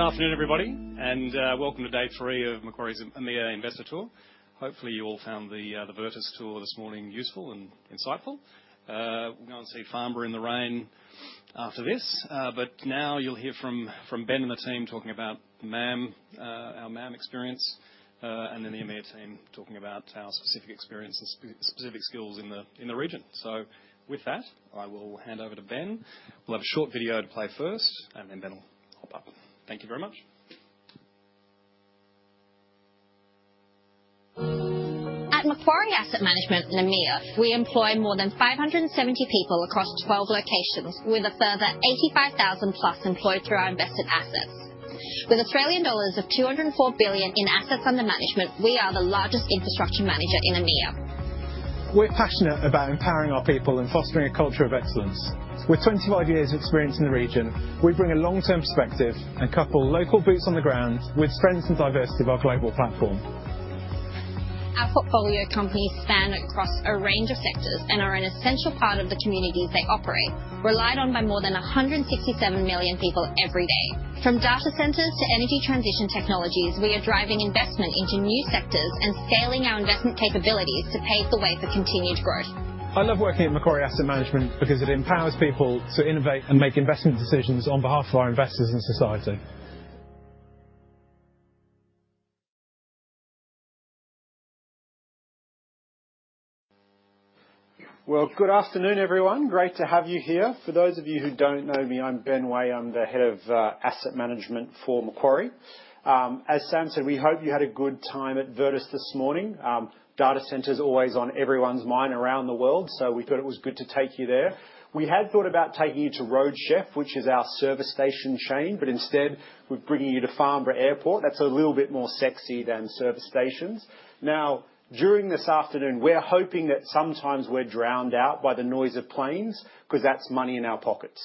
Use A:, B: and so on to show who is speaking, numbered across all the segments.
A: Good afternoon, everybody, and welcome to Day Three of Macquarie's EMEA Investor Tour. Hopefully, you all found the Veritas Tour this morning useful and insightful. We'll go and see Farnborough in the rain after this, but now you'll hear from Ben and the team talking about MAM, our MAM experience, and then the EMEA team talking about our specific experience and specific skills in the region. With that, I will hand over to Ben. We'll have a short video to play first, and then Ben will hop up. Thank you very much.
B: At Macquarie Asset Management in EMEA, we employ more than 570 people across 12 locations, with a further 85,000 plus employed through our invested assets. With 204 billion Australian dollars in assets under management, we are the largest infrastructure manager in EMEA.
C: We're passionate about empowering our people and fostering a culture of excellence. With 25 years of experience in the region, we bring a long-term perspective and couple local boots on the ground with strengths and diversity of our global platform.
B: Our portfolio companies span across a range of sectors and are an essential part of the communities they operate, relied on by more than 167 million people every day. From data centers to energy transition technologies, we are driving investment into new sectors and scaling our investment capabilities to pave the way for continued growth.
C: I love working at Macquarie Asset Management because it empowers people to innovate and make investment decisions on behalf of our investors and society.
D: Good afternoon, everyone. Great to have you here. For those of you who don't know me, I'm Ben Way, I'm the head of asset management for Macquarie. As Sam said, we hope you had a good time at Veritas this morning. Data centers are always on everyone's mind around the world, so we thought it was good to take you there. We had thought about taking you to Roadchef, which is our service station chain, but instead, we're bringing you to Farnborough Airport. That's a little bit more sexy than service stations. Now, during this afternoon, we're hoping that sometimes we're drowned out by the noise of planes because that's money in our pockets.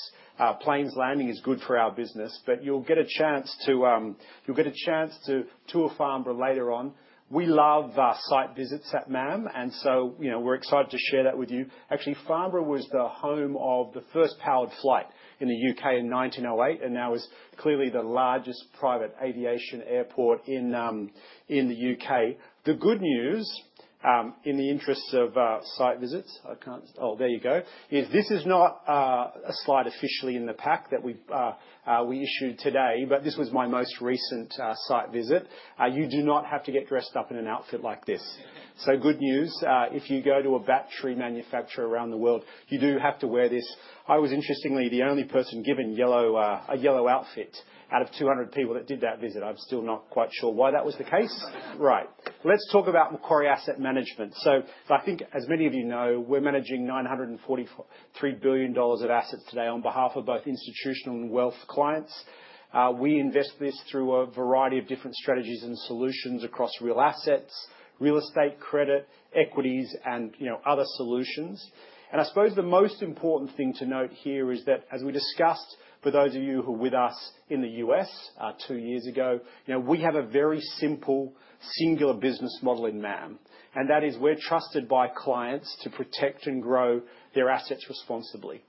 D: Planes landing is good for our business, but you'll get a chance to tour Farnborough later on. We love site visits at MAM, and so we're excited to share that with you. Actually, Farnborough was the home of the first powered flight in the U.K. in 1908 and now is clearly the largest private aviation airport in the U.K. The good news, in the interests of site visits, I can't—oh, there you go—is this is not a slide officially in the pack that we issued today, but this was my most recent site visit. You do not have to get dressed up in an outfit like this. Good news, if you go to a battery manufacturer around the world, you do have to wear this. I was, interestingly, the only person given a yellow outfit out of 200 people that did that visit. I'm still not quite sure why that was the case. Right. Let's talk about Macquarie Asset Management. I think, as many of you know, we're managing $943 billion of assets today on behalf of both institutional and wealth clients. We invest this through a variety of different strategies and solutions across real assets, real estate credit, equities, and other solutions. I suppose the most important thing to note here is that, as we discussed, for those of you who were with us in the US two years ago, we have a very simple, singular business model in MAM, and that is we're trusted by clients to protect and grow their assets responsibly.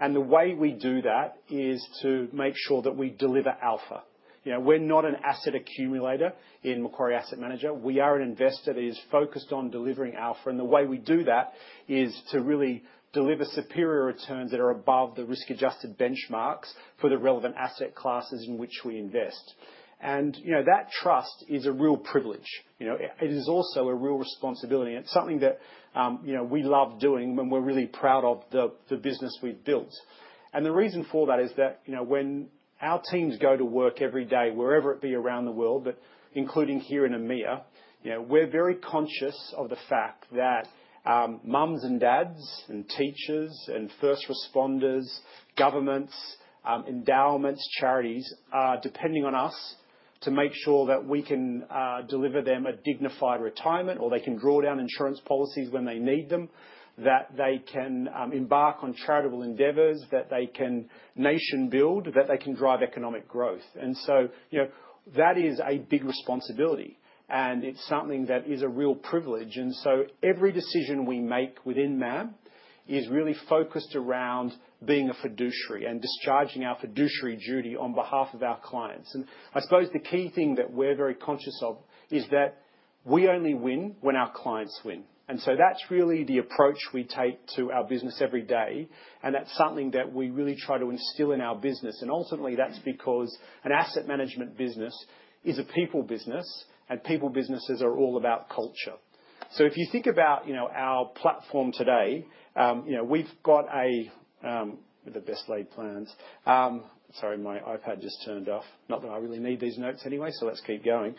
D: The way we do that is to make sure that we deliver alpha. We're not an asset accumulator in Macquarie Asset Management. We are an investor that is focused on delivering alpha, and the way we do that is to really deliver superior returns that are above the risk-adjusted benchmarks for the relevant asset classes in which we invest. That trust is a real privilege. It is also a real responsibility. It's something that we love doing and we're really proud of the business we've built. The reason for that is that when our teams go to work every day, wherever it be around the world, but including here in EMEA, we're very conscious of the fact that moms and dads and teachers and first responders, governments, endowments, charities are depending on us to make sure that we can deliver them a dignified retirement or they can draw down insurance policies when they need them, that they can embark on charitable endeavors, that they can nation-build, that they can drive economic growth. That is a big responsibility, and it's something that is a real privilege. Every decision we make within MAM is really focused around being a fiduciary and discharging our fiduciary duty on behalf of our clients. I suppose the key thing that we're very conscious of is that we only win when our clients win. That is really the approach we take to our business every day, and that is something that we really try to instill in our business. Ultimately, that is because an asset management business is a people business, and people businesses are all about culture. If you think about our platform today, we have got the best laid plans. Sorry, my iPad just turned off. Not that I really need these notes anyway, so let's keep going.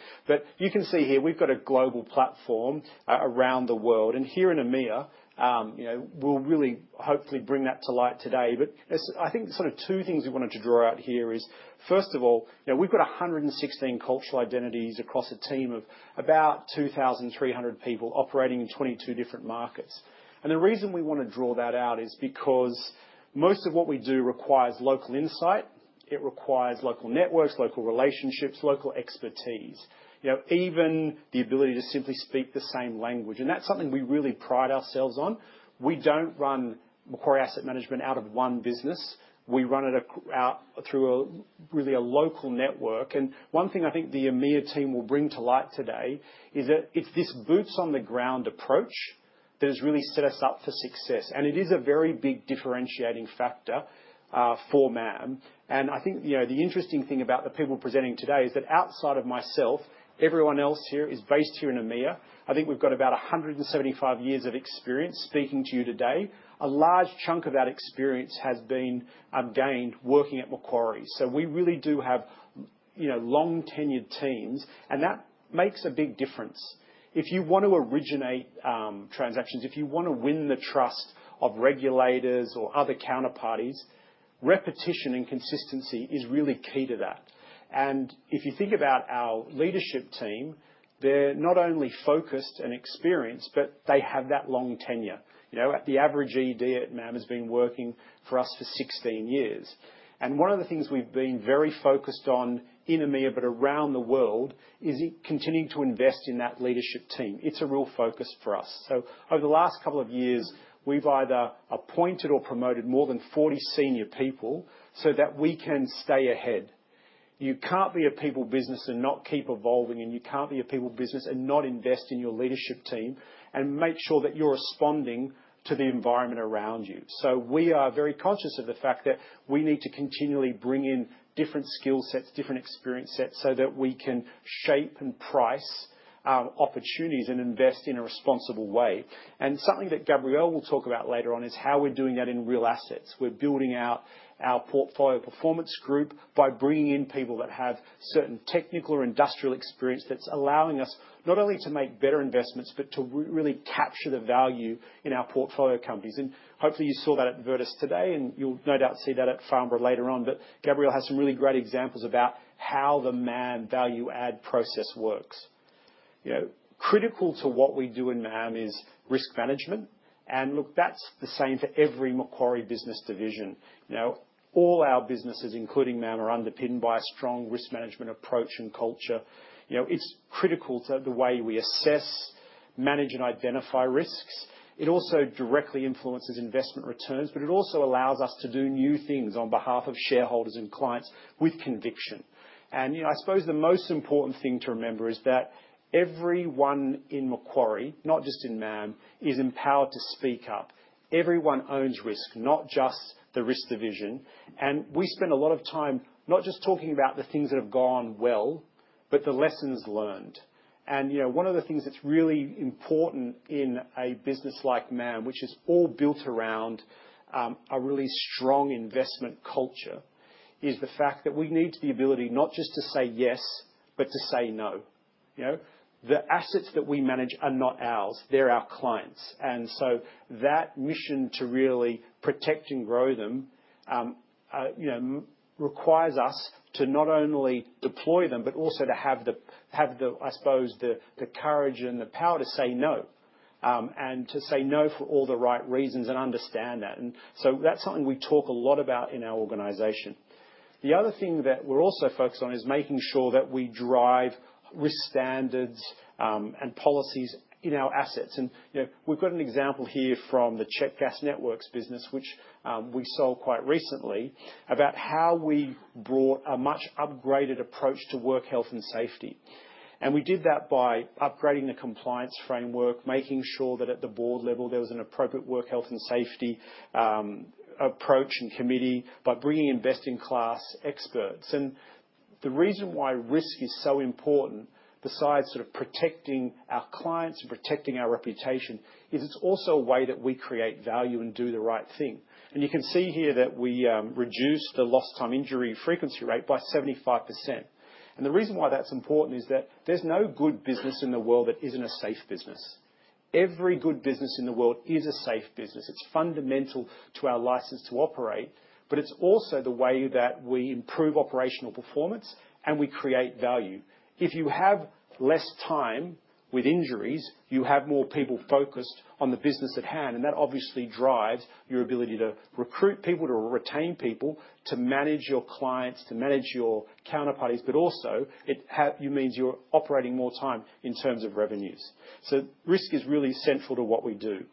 D: You can see here we have got a global platform around the world. Here in EMEA, we will really hopefully bring that to light today. I think sort of two things we wanted to draw out here is, first of all, we have got 116 cultural identities across a team of about 2,300 people operating in 22 different markets. The reason we want to draw that out is because most of what we do requires local insight. It requires local networks, local relationships, local expertise, even the ability to simply speak the same language. That is something we really pride ourselves on. We do not run Macquarie Asset Management out of one business. We run it through really a local network. One thing I think the EMEA team will bring to light today is that it is this boots-on-the-ground approach that has really set us up for success. It is a very big differentiating factor for MAM. I think the interesting thing about the people presenting today is that outside of myself, everyone else here is based here in EMEA. I think we have got about 175 years of experience speaking to you today. A large chunk of that experience has been gained working at Macquarie. We really do have long-tenured teams, and that makes a big difference. If you want to originate transactions, if you want to win the trust of regulators or other counterparties, repetition and consistency is really key to that. If you think about our leadership team, they're not only focused and experienced, but they have that long tenure. The average ED at MAM has been working for us for 16 years. One of the things we've been very focused on in EMEA, but around the world, is continuing to invest in that leadership team. It's a real focus for us. Over the last couple of years, we've either appointed or promoted more than 40 senior people so that we can stay ahead. You can't be a people business and not keep evolving, and you can't be a people business and not invest in your leadership team and make sure that you're responding to the environment around you. We are very conscious of the fact that we need to continually bring in different skill sets, different experience sets so that we can shape and price opportunities and invest in a responsible way. Something that Gabriele will talk about later on is how we're doing that in real assets. We're building out our portfolio performance group by bringing in people that have certain technical or industrial experience that's allowing us not only to make better investments, but to really capture the value in our portfolio companies. Hopefully, you saw that at Veritas today, and you'll no doubt see that at Farnborough later on. Gabriele has some really great examples about how the MAM value-add process works. Critical to what we do in MAM is risk management. Look, that's the same for every Macquarie business division. All our businesses, including MAM, are underpinned by a strong risk management approach and culture. It's critical to the way we assess, manage, and identify risks. It also directly influences investment returns, but it also allows us to do new things on behalf of shareholders and clients with conviction. I suppose the most important thing to remember is that everyone in Macquarie, not just in MAM, is empowered to speak up. Everyone owns risk, not just the risk division. We spend a lot of time not just talking about the things that have gone well, but the lessons learned. One of the things that's really important in a business like MAM, which is all built around a really strong investment culture, is the fact that we need the ability not just to say yes, but to say no. The assets that we manage are not ours. They're our clients. That mission to really protect and grow them requires us to not only deploy them, but also to have, I suppose, the courage and the power to say no, and to say no for all the right reasons and understand that. That's something we talk a lot about in our organization. The other thing that we're also focused on is making sure that we drive risk standards and policies in our assets. We have got an example here from the Czech Gas Networks business, which we sold quite recently, about how we brought a much upgraded approach to work health and safety. We did that by upgrading the compliance framework, making sure that at the board level there was an appropriate work health and safety approach and committee by bringing investing class experts. The reason why risk is so important, besides sort of protecting our clients and protecting our reputation, is it is also a way that we create value and do the right thing. You can see here that we reduced the lost time injury frequency rate by 75%. The reason why that is important is that there is no good business in the world that is not a safe business. Every good business in the world is a safe business. It's fundamental to our license to operate, but it's also the way that we improve operational performance and we create value. If you have less time with injuries, you have more people focused on the business at hand, and that obviously drives your ability to recruit people, to retain people, to manage your clients, to manage your counterparties, but also it means you're operating more time in terms of revenues. Risk is really central to what we do.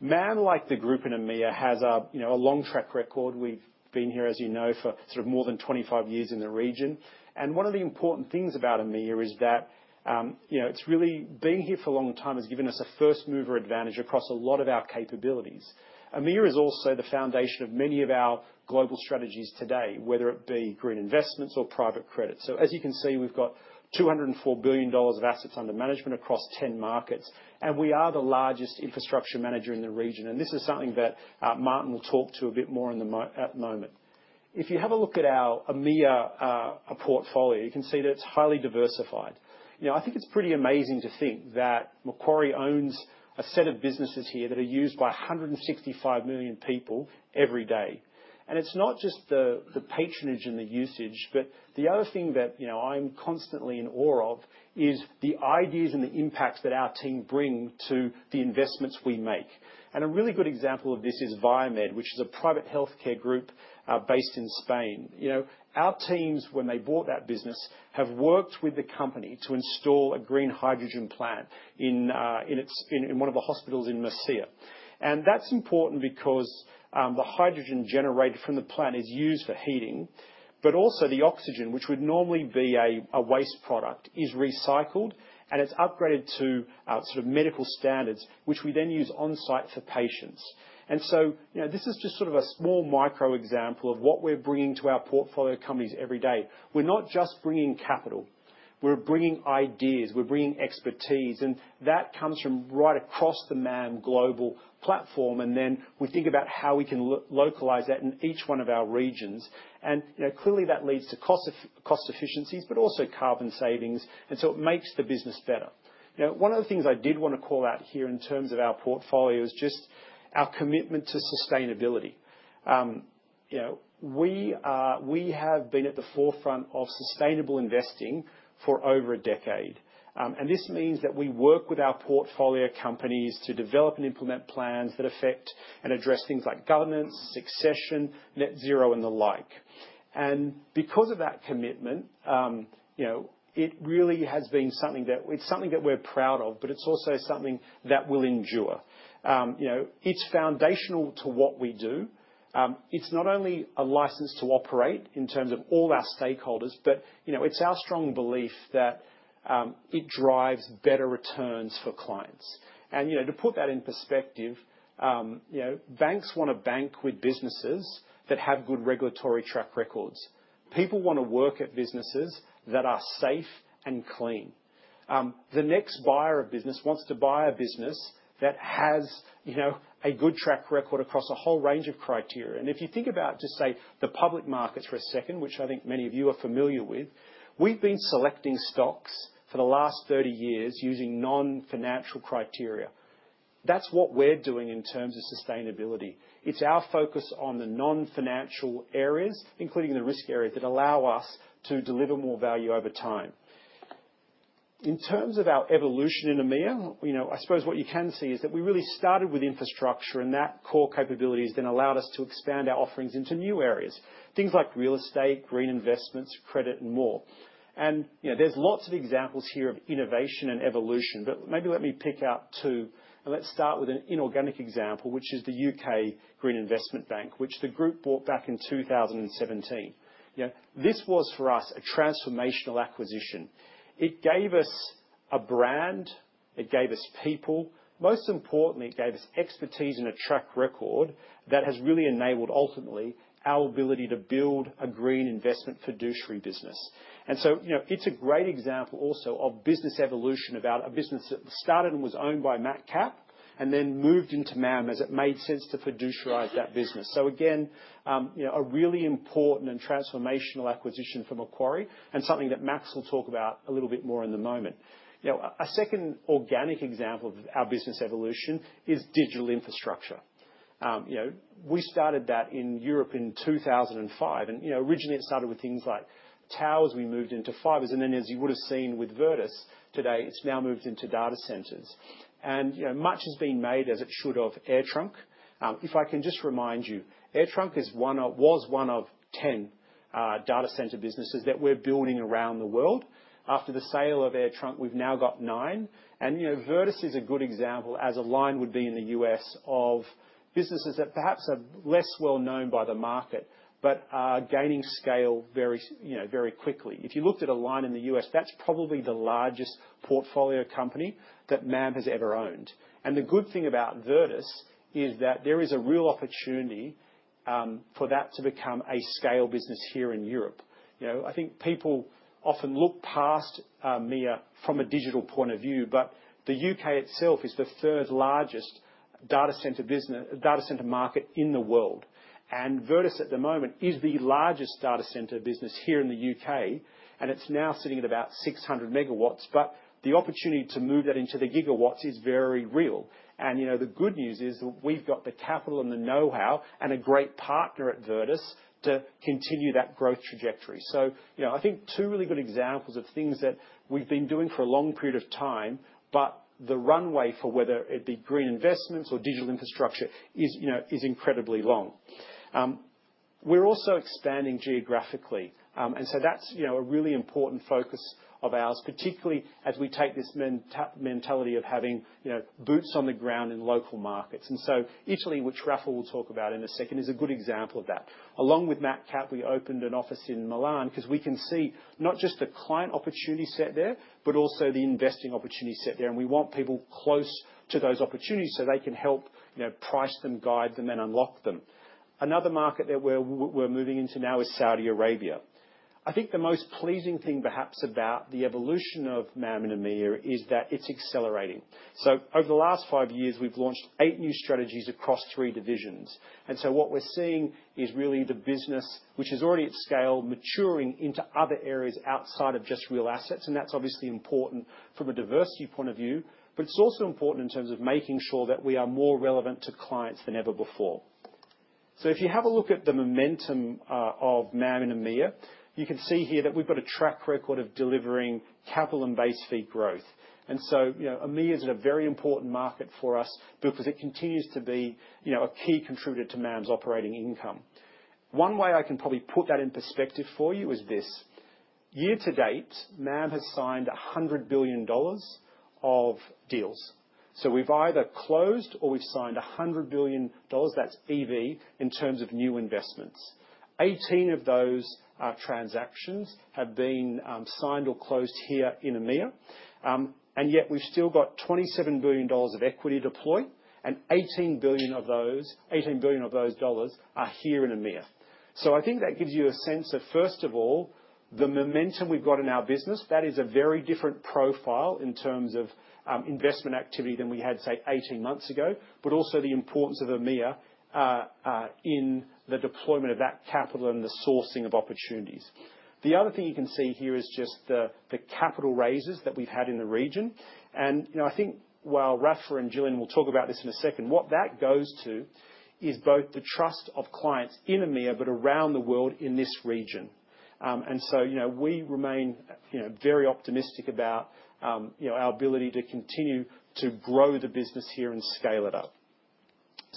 D: MAM, like the group in EMEA, has a long track record. We've been here, as you know, for sort of more than 25 years in the region. One of the important things about EMEA is that it's really been here for a long time, has given us a first mover advantage across a lot of our capabilities. EMEA is also the foundation of many of our global strategies today, whether it be green investments or private credit. As you can see, we've got $204 billion of assets under management across 10 markets, and we are the largest infrastructure manager in the region. This is something that Martin will talk to a bit more in the moment. If you have a look at our EMEA portfolio, you can see that it's highly diversified. I think it's pretty amazing to think that Macquarie owns a set of businesses here that are used by 165 million people every day. It's not just the patronage and the usage, but the other thing that I'm constantly in awe of is the ideas and the impacts that our team bring to the investments we make. A really good example of this is Viomed, which is a private healthcare group based in Spain. Our teams, when they bought that business, have worked with the company to install a green hydrogen plant in one of the hospitals in Murcia. That is important because the hydrogen generated from the plant is used for heating, but also the oxygen, which would normally be a waste product, is recycled and it's upgraded to sort of medical standards, which we then use onsite for patients. This is just sort of a small micro example of what we're bringing to our portfolio companies every day. We're not just bringing capital. We're bringing ideas. We're bringing expertise. That comes from right across the MAM global platform. We think about how we can localize that in each one of our regions. Clearly, that leads to cost efficiencies, but also carbon savings. It makes the business better. One of the things I did want to call out here in terms of our portfolio is just our commitment to sustainability. We have been at the forefront of sustainable investing for over a decade. This means that we work with our portfolio companies to develop and implement plans that affect and address things like governance, succession, net zero, and the like. Because of that commitment, it really has been something that we're proud of, but it's also something that will endure. It's foundational to what we do. It's not only a license to operate in terms of all our stakeholders, but it's our strong belief that it drives better returns for clients. To put that in perspective, banks want to bank with businesses that have good regulatory track records. People want to work at businesses that are safe and clean. The next buyer of business wants to buy a business that has a good track record across a whole range of criteria. If you think about, just say, the public markets for a second, which I think many of you are familiar with, we've been selecting stocks for the last 30 years using non-financial criteria. That's what we're doing in terms of sustainability. It's our focus on the non-financial areas, including the risk areas that allow us to deliver more value over time. In terms of our evolution in EMEA, I suppose what you can see is that we really started with infrastructure and that core capabilities then allowed us to expand our offerings into new areas, things like real estate, green investments, credit, and more. There are lots of examples here of innovation and evolution, but maybe let me pick out two. Let me start with an inorganic example, which is the UK Green Investment Bank, which the group bought back in 2017. This was, for us, a transformational acquisition. It gave us a brand. It gave us people. Most importantly, it gave us expertise and a track record that has really enabled, ultimately, our ability to build a green investment fiduciary business. It is a great example also of business evolution, about a business that started and was owned by Macquarie Capital and then moved into Macquarie Asset Management as it made sense to fiduciarize that business. Again, a really important and transformational acquisition for Macquarie and something that Maks will talk about a little bit more in the moment. A second organic example of our business evolution is digital infrastructure. We started that in Europe in 2005. Originally, it started with things like towers. We moved into fibers. Then, as you would have seen with Veritas today, it has now moved into data centers. Much has been made, as it should have, of AirTrunk. If I can just remind you, AirTrunk was one of 10 data center businesses that we are building around the world. After the sale of AirTrunk, we have now got 9. Veritas is a good example, as a line would be in the US, of businesses that perhaps are less well known by the market, but are gaining scale very quickly. If you looked at a line in the US, that's probably the largest portfolio company that MAM has ever owned. The good thing about Veritas is that there is a real opportunity for that to become a scale business here in Europe. I think people often look past EMEA from a digital point of view, but the U.K. itself is the third largest data center market in the world. Veritas, at the moment, is the largest data center business here in the U.K., and it's now sitting at about 600 megawatts. The opportunity to move that into the gigawatts is very real. The good news is that we've got the capital and the know-how and a great partner at Veritas to continue that growth trajectory. I think two really good examples of things that we've been doing for a long period of time, but the runway for whether it be green investments or digital infrastructure is incredibly long. We're also expanding geographically, and that's a really important focus of ours, particularly as we take this mentality of having boots on the ground in local markets. Italy, which Raffaella will talk about in a second, is a good example of that. Along with Macquarie Capital, we opened an office in Milan because we can see not just the client opportunity set there, but also the investing opportunity set there. We want people close to those opportunities so they can help price them, guide them, and unlock them. Another market that we're moving into now is Saudi Arabia. I think the most pleasing thing, perhaps, about the evolution of MAM and EMEA is that it's accelerating. Over the last five years, we've launched eight new strategies across three divisions. What we're seeing is really the business, which is already at scale, maturing into other areas outside of just real assets. That's obviously important from a diversity point of view, but it's also important in terms of making sure that we are more relevant to clients than ever before. If you have a look at the momentum of MAM and EMEA, you can see here that we've got a track record of delivering capital and base fee growth. EMEA is a very important market for us because it continues to be a key contributor to MAM's operating income. One way I can probably put that in perspective for you is this: year to date, MAM has signed $100 billion of deals. We have either closed or we have signed $100 billion—that is EV—in terms of new investments. 18 of those transactions have been signed or closed here in EMEA. Yet we have still got $27 billion of equity deployed, and $18 billion of those dollars are here in EMEA. I think that gives you a sense of, first of all, the momentum we have got in our business. That is a very different profile in terms of investment activity than we had, say, 18 months ago, but also the importance of EMEA in the deployment of that capital and the sourcing of opportunities. The other thing you can see here is just the capital raises that we have had in the region. I think, while Rafa and Gillian will talk about this in a second, what that goes to is both the trust of clients in EMEA, but around the world in this region. We remain very optimistic about our ability to continue to grow the business here and scale it up.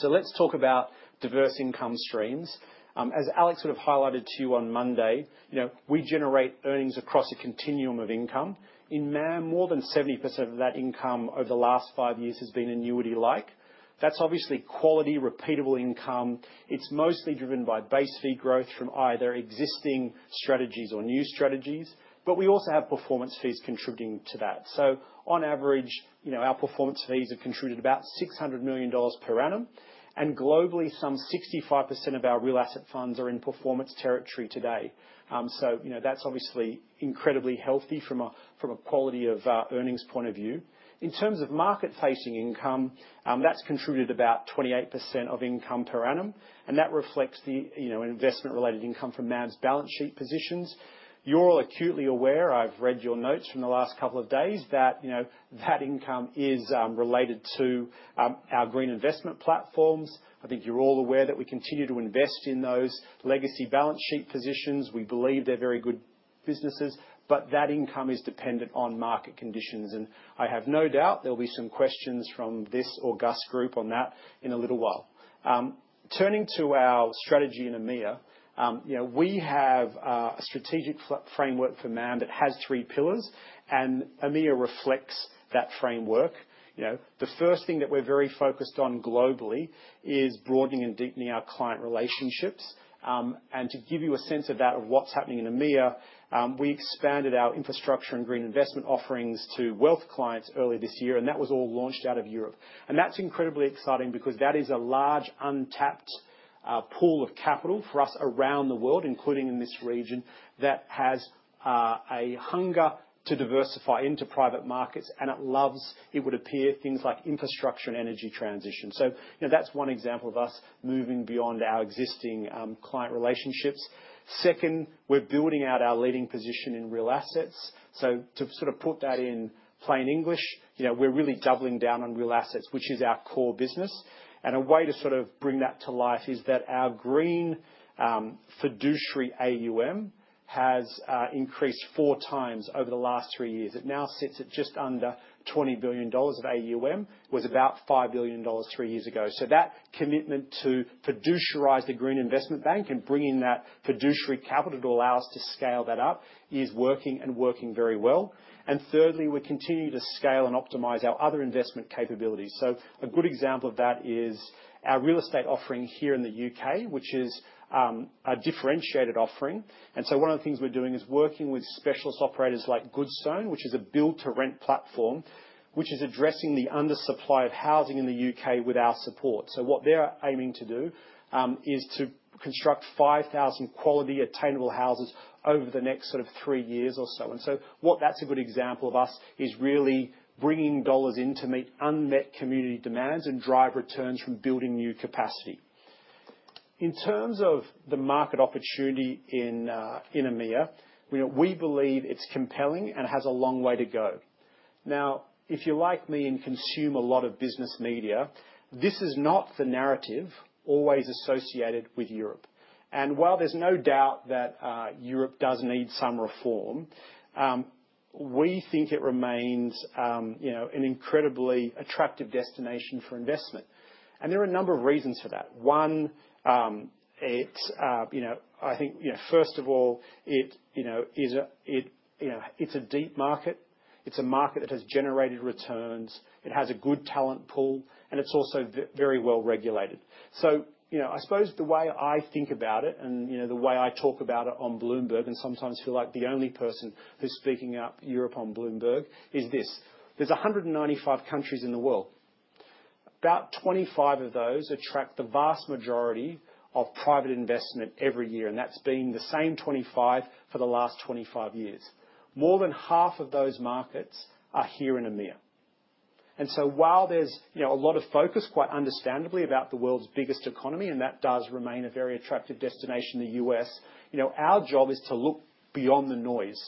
D: Let's talk about diverse income streams. As Alex sort of highlighted to you on Monday, we generate earnings across a continuum of income. In MAM, more than 70% of that income over the last five years has been annuity-like. That's obviously quality, repeatable income. It's mostly driven by base fee growth from either existing strategies or new strategies, but we also have performance fees contributing to that. On average, our performance fees have contributed about $600 million per annum. Globally, some 65% of our real asset funds are in performance territory today. That's obviously incredibly healthy from a quality of earnings point of view. In terms of market-facing income, that's contributed about 28% of income per annum, and that reflects the investment-related income from MAM's balance sheet positions. You're all acutely aware—I have read your notes from the last couple of days—that that income is related to our green investment platforms. I think you're all aware that we continue to invest in those legacy balance sheet positions. We believe they're very good businesses, but that income is dependent on market conditions. I have no doubt there'll be some questions from this or Gus' group on that in a little while. Turning to our strategy in EMEA, we have a strategic framework for MAM that has three pillars, and EMEA reflects that framework. The first thing that we're very focused on globally is broadening and deepening our client relationships. To give you a sense of that, of what's happening in EMEA, we expanded our infrastructure and green investment offerings to wealth clients early this year, and that was all launched out of Europe. That is incredibly exciting because that is a large untapped pool of capital for us around the world, including in this region, that has a hunger to diversify into private markets, and it loves, it would appear, things like infrastructure and energy transition. That is one example of us moving beyond our existing client relationships. Second, we're building out our leading position in real assets. To sort of put that in plain English, we're really doubling down on real assets, which is our core business. A way to sort of bring that to life is that our green fiduciary AUM has increased four times over the last three years. It now sits at just under $20 billion of AUM, was about $5 billion three years ago. That commitment to fiduciarize the Green Investment Bank and bring in that fiduciary capital to allow us to scale that up is working and working very well. Thirdly, we continue to scale and optimize our other investment capabilities. A good example of that is our real estate offering here in the U.K., which is a differentiated offering. One of the things we're doing is working with specialist operators like Goodstone, which is a build-to-rent platform, which is addressing the undersupply of housing in the U.K. with our support. What they're aiming to do is to construct 5,000 quality attainable houses over the next sort of three years or so. That is a good example of us really bringing dollars in to meet unmet community demands and drive returns from building new capacity. In terms of the market opportunity in EMEA, we believe it is compelling and has a long way to go. If you are like me and consume a lot of business media, this is not the narrative always associated with Europe. While there is no doubt that Europe does need some reform, we think it remains an incredibly attractive destination for investment. There are a number of reasons for that. One, I think, first of all, it is a deep market. It is a market that has generated returns. It has a good talent pool, and it is also very well regulated. I suppose the way I think about it and the way I talk about it on Bloomberg, and sometimes feel like the only person who's speaking up Europe on Bloomberg, is this: there are 195 countries in the world. About 25 of those attract the vast majority of private investment every year, and that's been the same 25 for the last 25 years. More than half of those markets are here in EMEA. While there's a lot of focus, quite understandably, about the world's biggest economy, and that does remain a very attractive destination, the US, our job is to look beyond the noise.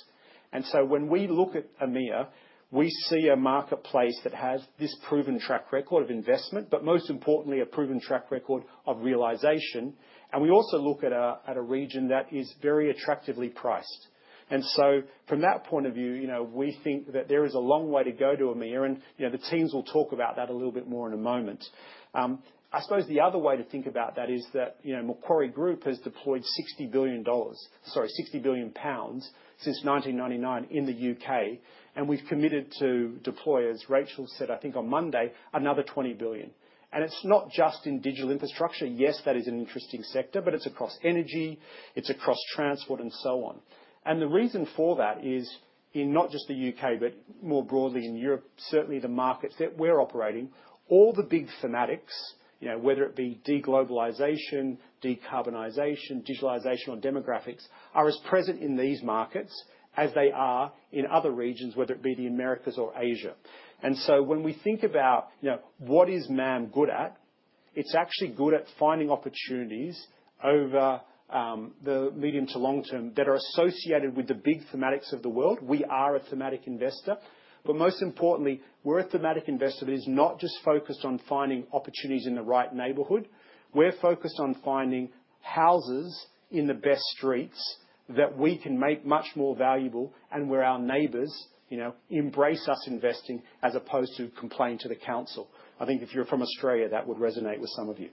D: When we look at EMEA, we see a marketplace that has this proven track record of investment, but most importantly, a proven track record of realization. We also look at a region that is very attractively priced. From that point of view, we think that there is a long way to go to EMEA, and the teams will talk about that a little bit more in a moment. I suppose the other way to think about that is that Macquarie Group has deployed GBP 60 billion—sorry, 60 billion pounds—since 1999 in the U.K., and we've committed to deploy, as Rachael said, I think, on Monday, another $20 billion. It is not just in digital infrastructure. Yes, that is an interesting sector, but it is across energy, it is across transport, and so on. The reason for that is in not just the U.K., but more broadly in Europe, certainly the markets that we are operating, all the big thematics, whether it be deglobalization, decarbonization, digitalization, or demographics, are as present in these markets as they are in other regions, whether it be the Americas or Asia. When we think about what is MAM good at, it's actually good at finding opportunities over the medium to long term that are associated with the big thematics of the world. We are a thematic investor, but most importantly, we're a thematic investor that is not just focused on finding opportunities in the right neighborhood. We're focused on finding houses in the best streets that we can make much more valuable, and where our neighbors embrace us investing as opposed to complain to the council. I think if you're from Australia, that would resonate with some of you.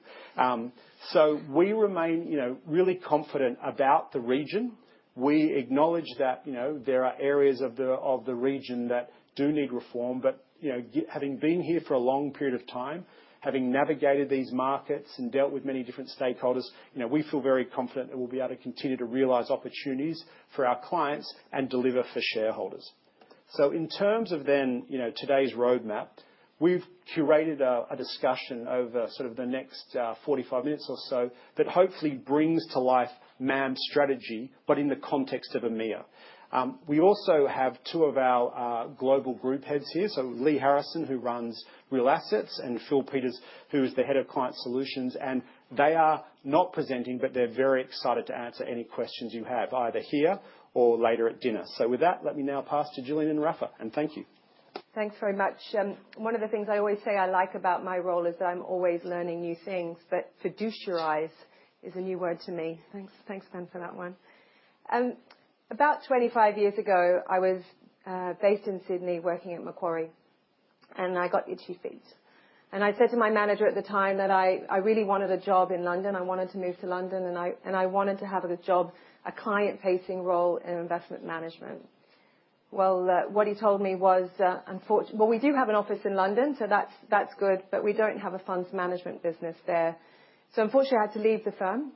D: We remain really confident about the region. We acknowledge that there are areas of the region that do need reform, but having been here for a long period of time, having navigated these markets and dealt with many different stakeholders, we feel very confident that we'll be able to continue to realize opportunities for our clients and deliver for shareholders. In terms of then today's roadmap, we've curated a discussion over sort of the next 45 minutes or so that hopefully brings to life MAM's strategy, but in the context of EMEA. We also have two of our global group heads here, Lee Harrison, who runs real assets, and Phil Peters, who is the head of client solutions. They are not presenting, but they're very excited to answer any questions you have, either here or later at dinner. With that, let me now pass to Gillian and Rafa, and thank you.
E: Thanks very much. One of the things I always say I like about my role is that I'm always learning new things, but fiduciarize is a new word to me. Thanks, Ben, for that one. About 25 years ago, I was based in Sydney working at Macquarie, and I got itchy feet. I said to my manager at the time that I really wanted a job in London. I wanted to move to London, and I wanted to have a job, a client-facing role in investment management. What he told me was, unfortunately, we do have an office in London, so that's good, but we don't have a funds management business there. Unfortunately, I had to leave the firm.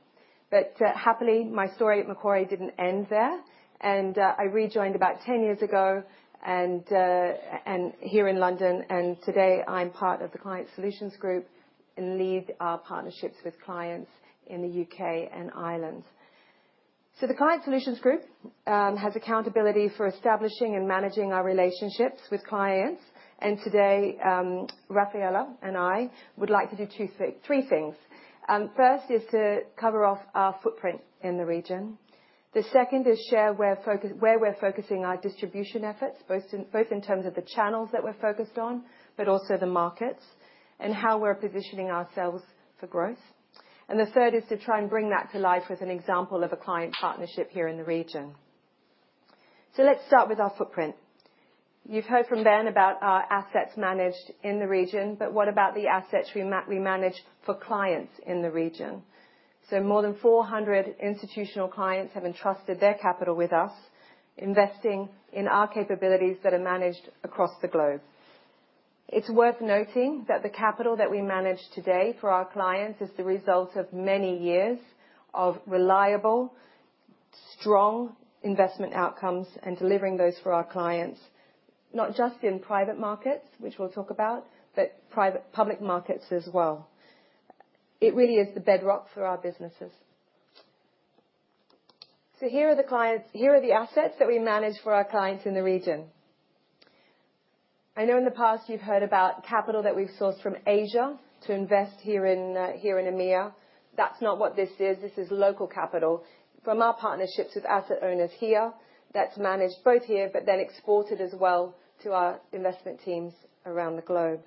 E: Happily, my story at Macquarie didn't end there, and I rejoined about 10 years ago here in London. Today, I'm part of the Client Solutions Group and lead our partnerships with clients in the U.K. and Ireland. The Client Solutions Group has accountability for establishing and managing our relationships with clients. Today, Raffaella and I would like to do three things. First is to cover off our footprint in the region. The second is share where we're focusing our distribution efforts, both in terms of the channels that we're focused on, but also the markets and how we're positioning ourselves for growth. The third is to try and bring that to life with an example of a client partnership here in the region. Let's start with our footprint. You've heard from Ben about our assets managed in the region, but what about the assets we manage for clients in the region? More than 400 institutional clients have entrusted their capital with us, investing in our capabilities that are managed across the globe. It's worth noting that the capital that we manage today for our clients is the result of many years of reliable, strong investment outcomes and delivering those for our clients, not just in private markets, which we'll talk about, but public markets as well. It really is the bedrock for our businesses. Here are the assets that we manage for our clients in the region. I know in the past you've heard about capital that we've sourced from Asia to invest here in EMEA. That's not what this is. This is local capital. From our partnerships with asset owners here, that's managed both here, but then exported as well to our investment teams around the globe.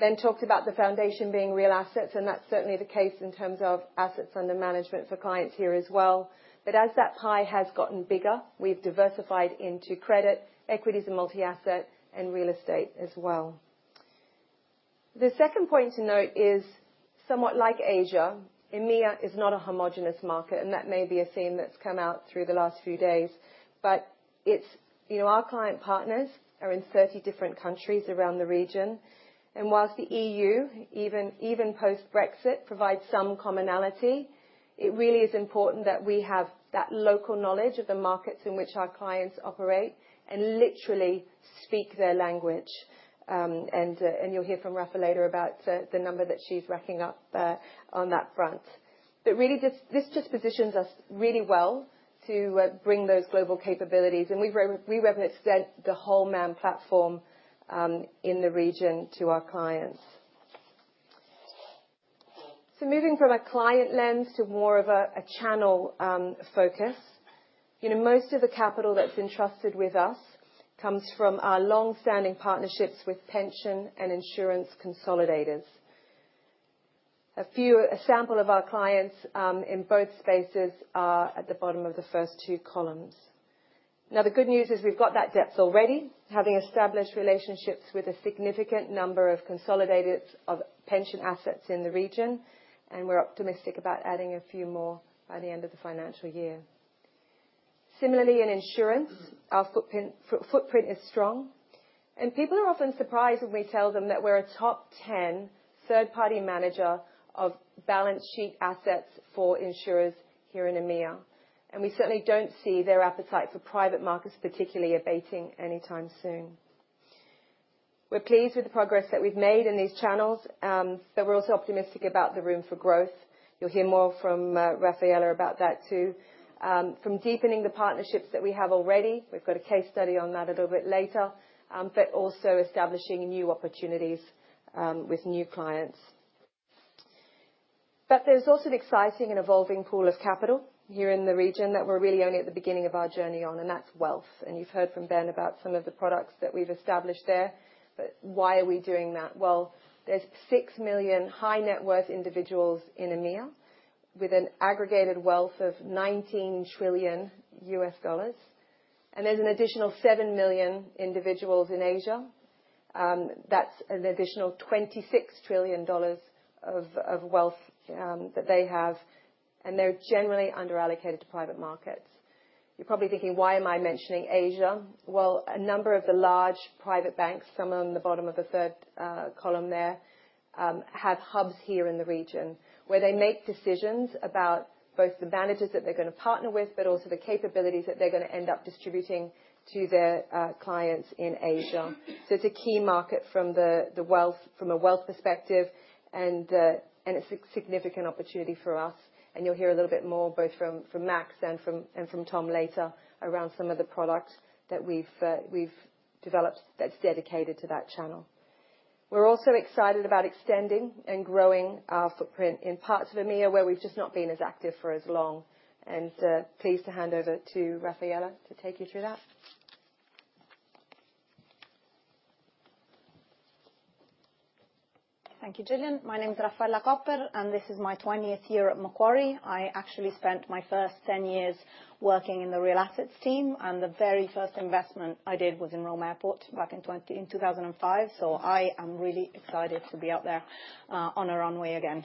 E: Ben talked about the foundation being real assets, and that's certainly the case in terms of assets under management for clients here as well. As that pie has gotten bigger, we've diversified into credit, equities, and multi-asset and real estate as well. The second point to note is, somewhat like Asia, EMEA is not a homogenous market, and that may be a theme that's come out through the last few days. Our client partners are in 30 different countries around the region. Whilst the EU, even post-Brexit, provides some commonality, it really is important that we have that local knowledge of the markets in which our clients operate and literally speak their language. You'll hear from Rafa later about the number that she's racking up on that front. This just positions us really well to bring those global capabilities. We represent the whole MAM platform in the region to our clients. Moving from a client lens to more of a channel focus, most of the capital that's entrusted with us comes from our long-standing partnerships with pension and insurance consolidators. A sample of our clients in both spaces are at the bottom of the first two columns. The good news is we've got that depth already, having established relationships with a significant number of consolidators of pension assets in the region, and we're optimistic about adding a few more by the end of the financial year. Similarly, in insurance, our footprint is strong. People are often surprised when we tell them that we're a top 10 third-party manager of balance sheet assets for insurers here in EMEA. We certainly don't see their appetite for private markets particularly abating anytime soon. We're pleased with the progress that we've made in these channels, but we're also optimistic about the room for growth. You'll hear more from Raffaella about that too, from deepening the partnerships that we have already. We've got a case study on that a little bit later, but also establishing new opportunities with new clients. There's also an exciting and evolving pool of capital here in the region that we're really only at the beginning of our journey on, and that's wealth. You've heard from Ben about some of the products that we've established there. Why are we doing that? There's 6 million high-net-worth individuals in EMEA with an aggregated wealth of $19 trillion. There's an additional 7 million individuals in Asia. That's an additional $26 trillion of wealth that they have, and they're generally underallocated to private markets. You're probably thinking, "Why am I mentioning Asia?" A number of the large private banks, some on the bottom of the third column there, have hubs here in the region where they make decisions about both the managers that they're going to partner with, but also the capabilities that they're going to end up distributing to their clients in Asia. It is a key market from a wealth perspective, and it is a significant opportunity for us. You'll hear a little bit more both from Maks and from Tom later around some of the product that we've developed that's dedicated to that channel. We're also excited about extending and growing our footprint in parts of EMEA where we've just not been as active for as long. Pleased to hand over to Raffaella to take you through that.
F: Thank you, Gillian. My name is Raffaella Copper, and this is my 20th year at Macquarie. I actually spent my first 10 years working in the real assets team, and the very first investment I did was in Rome Airport back in 2005. I am really excited to be out there on a runway again,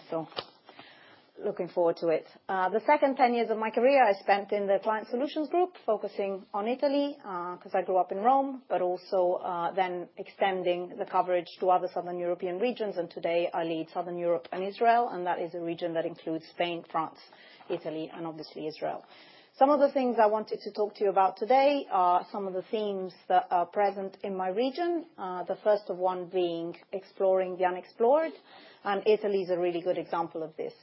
F: so looking forward to it. The second 10 years of my career, I spent in the Client Solutions Group, focusing on Italy because I grew up in Rome, but also then extending the coverage to other southern European regions. Today, I lead Southern Europe and Israel, and that is a region that includes Spain, France, Italy, and obviously Israel. Some of the things I wanted to talk to you about today are some of the themes that are present in my region, the first of one being exploring the unexplored, and Italy is a really good example of this.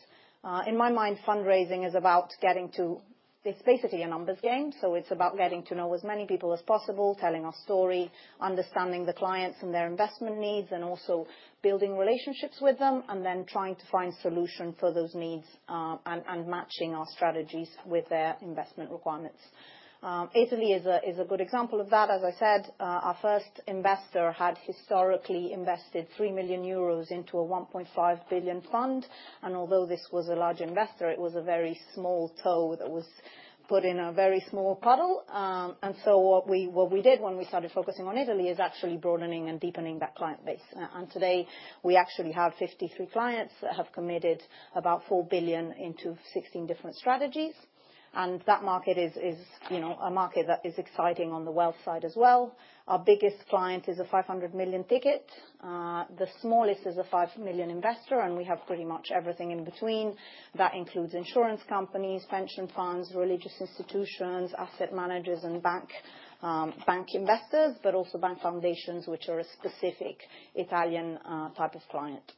F: In my mind, fundraising is about getting to—it's basically a numbers game. It is about getting to know as many people as possible, telling our story, understanding the clients and their investment needs, and also building relationships with them, and then trying to find solutions for those needs and matching our strategies with their investment requirements. Italy is a good example of that. As I said, our first investor had historically invested 3 million euros into a 1.5 billion fund. Although this was a large investor, it was a very small toe that was put in a very small puddle. What we did when we started focusing on Italy is actually broadening and deepening that client base. Today, we actually have 53 clients that have committed about 4 billion into 16 different strategies. That market is a market that is exciting on the wealth side as well. Our biggest client is a 500 million ticket. The smallest is a 5 million investor, and we have pretty much everything in between. That includes insurance companies, pension funds, religious institutions, asset managers, and bank investors, but also bank foundations, which are a specific Italian type of client.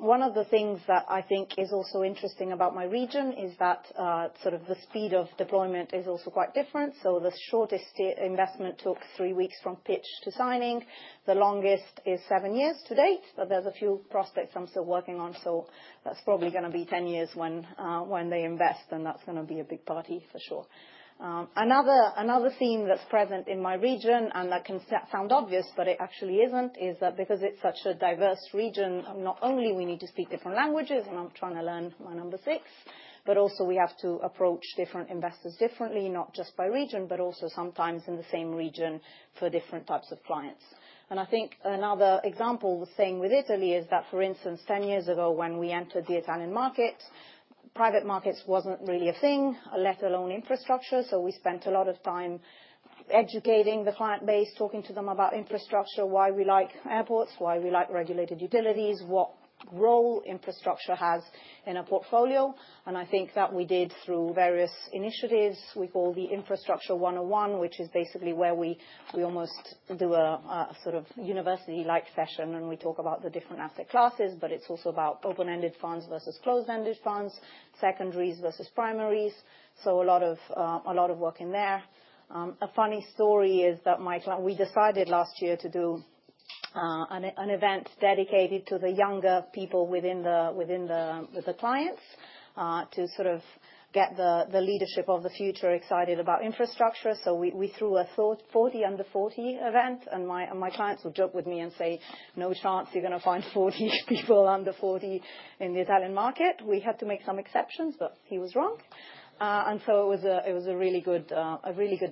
F: One of the things that I think is also interesting about my region is that sort of the speed of deployment is also quite different. The shortest investment took three weeks from pitch to signing. The longest is seven years to date, but there's a few prospects I'm still working on. That's probably going to be 10 years when they invest, and that's going to be a big party for sure. Another theme that's present in my region, and that can sound obvious, but it actually isn't, is that because it's such a diverse region, not only do we need to speak different languages, and I'm trying to learn my number six, but also we have to approach different investors differently, not just by region, but also sometimes in the same region for different types of clients. I think another example of the same with Italy is that, for instance, 10 years ago when we entered the Italian market, private markets wasn't really a thing, let alone infrastructure. We spent a lot of time educating the client base, talking to them about infrastructure, why we like airports, why we like regulated utilities, what role infrastructure has in a portfolio. I think that we did through various initiatives we call the Infrastructure 101, which is basically where we almost do a sort of university-like session, and we talk about the different asset classes, but it's also about open-ended funds versus closed-ended funds, secondaries versus primaries. A lot of work in there. A funny story is that we decided last year to do an event dedicated to the younger people with the clients to sort of get the leadership of the future excited about infrastructure. We threw a 40 under 40 event, and my clients would joke with me and say, "No chance you're going to find 40 people under 40 in the Italian market." We had to make some exceptions, but he was wrong. It was a really good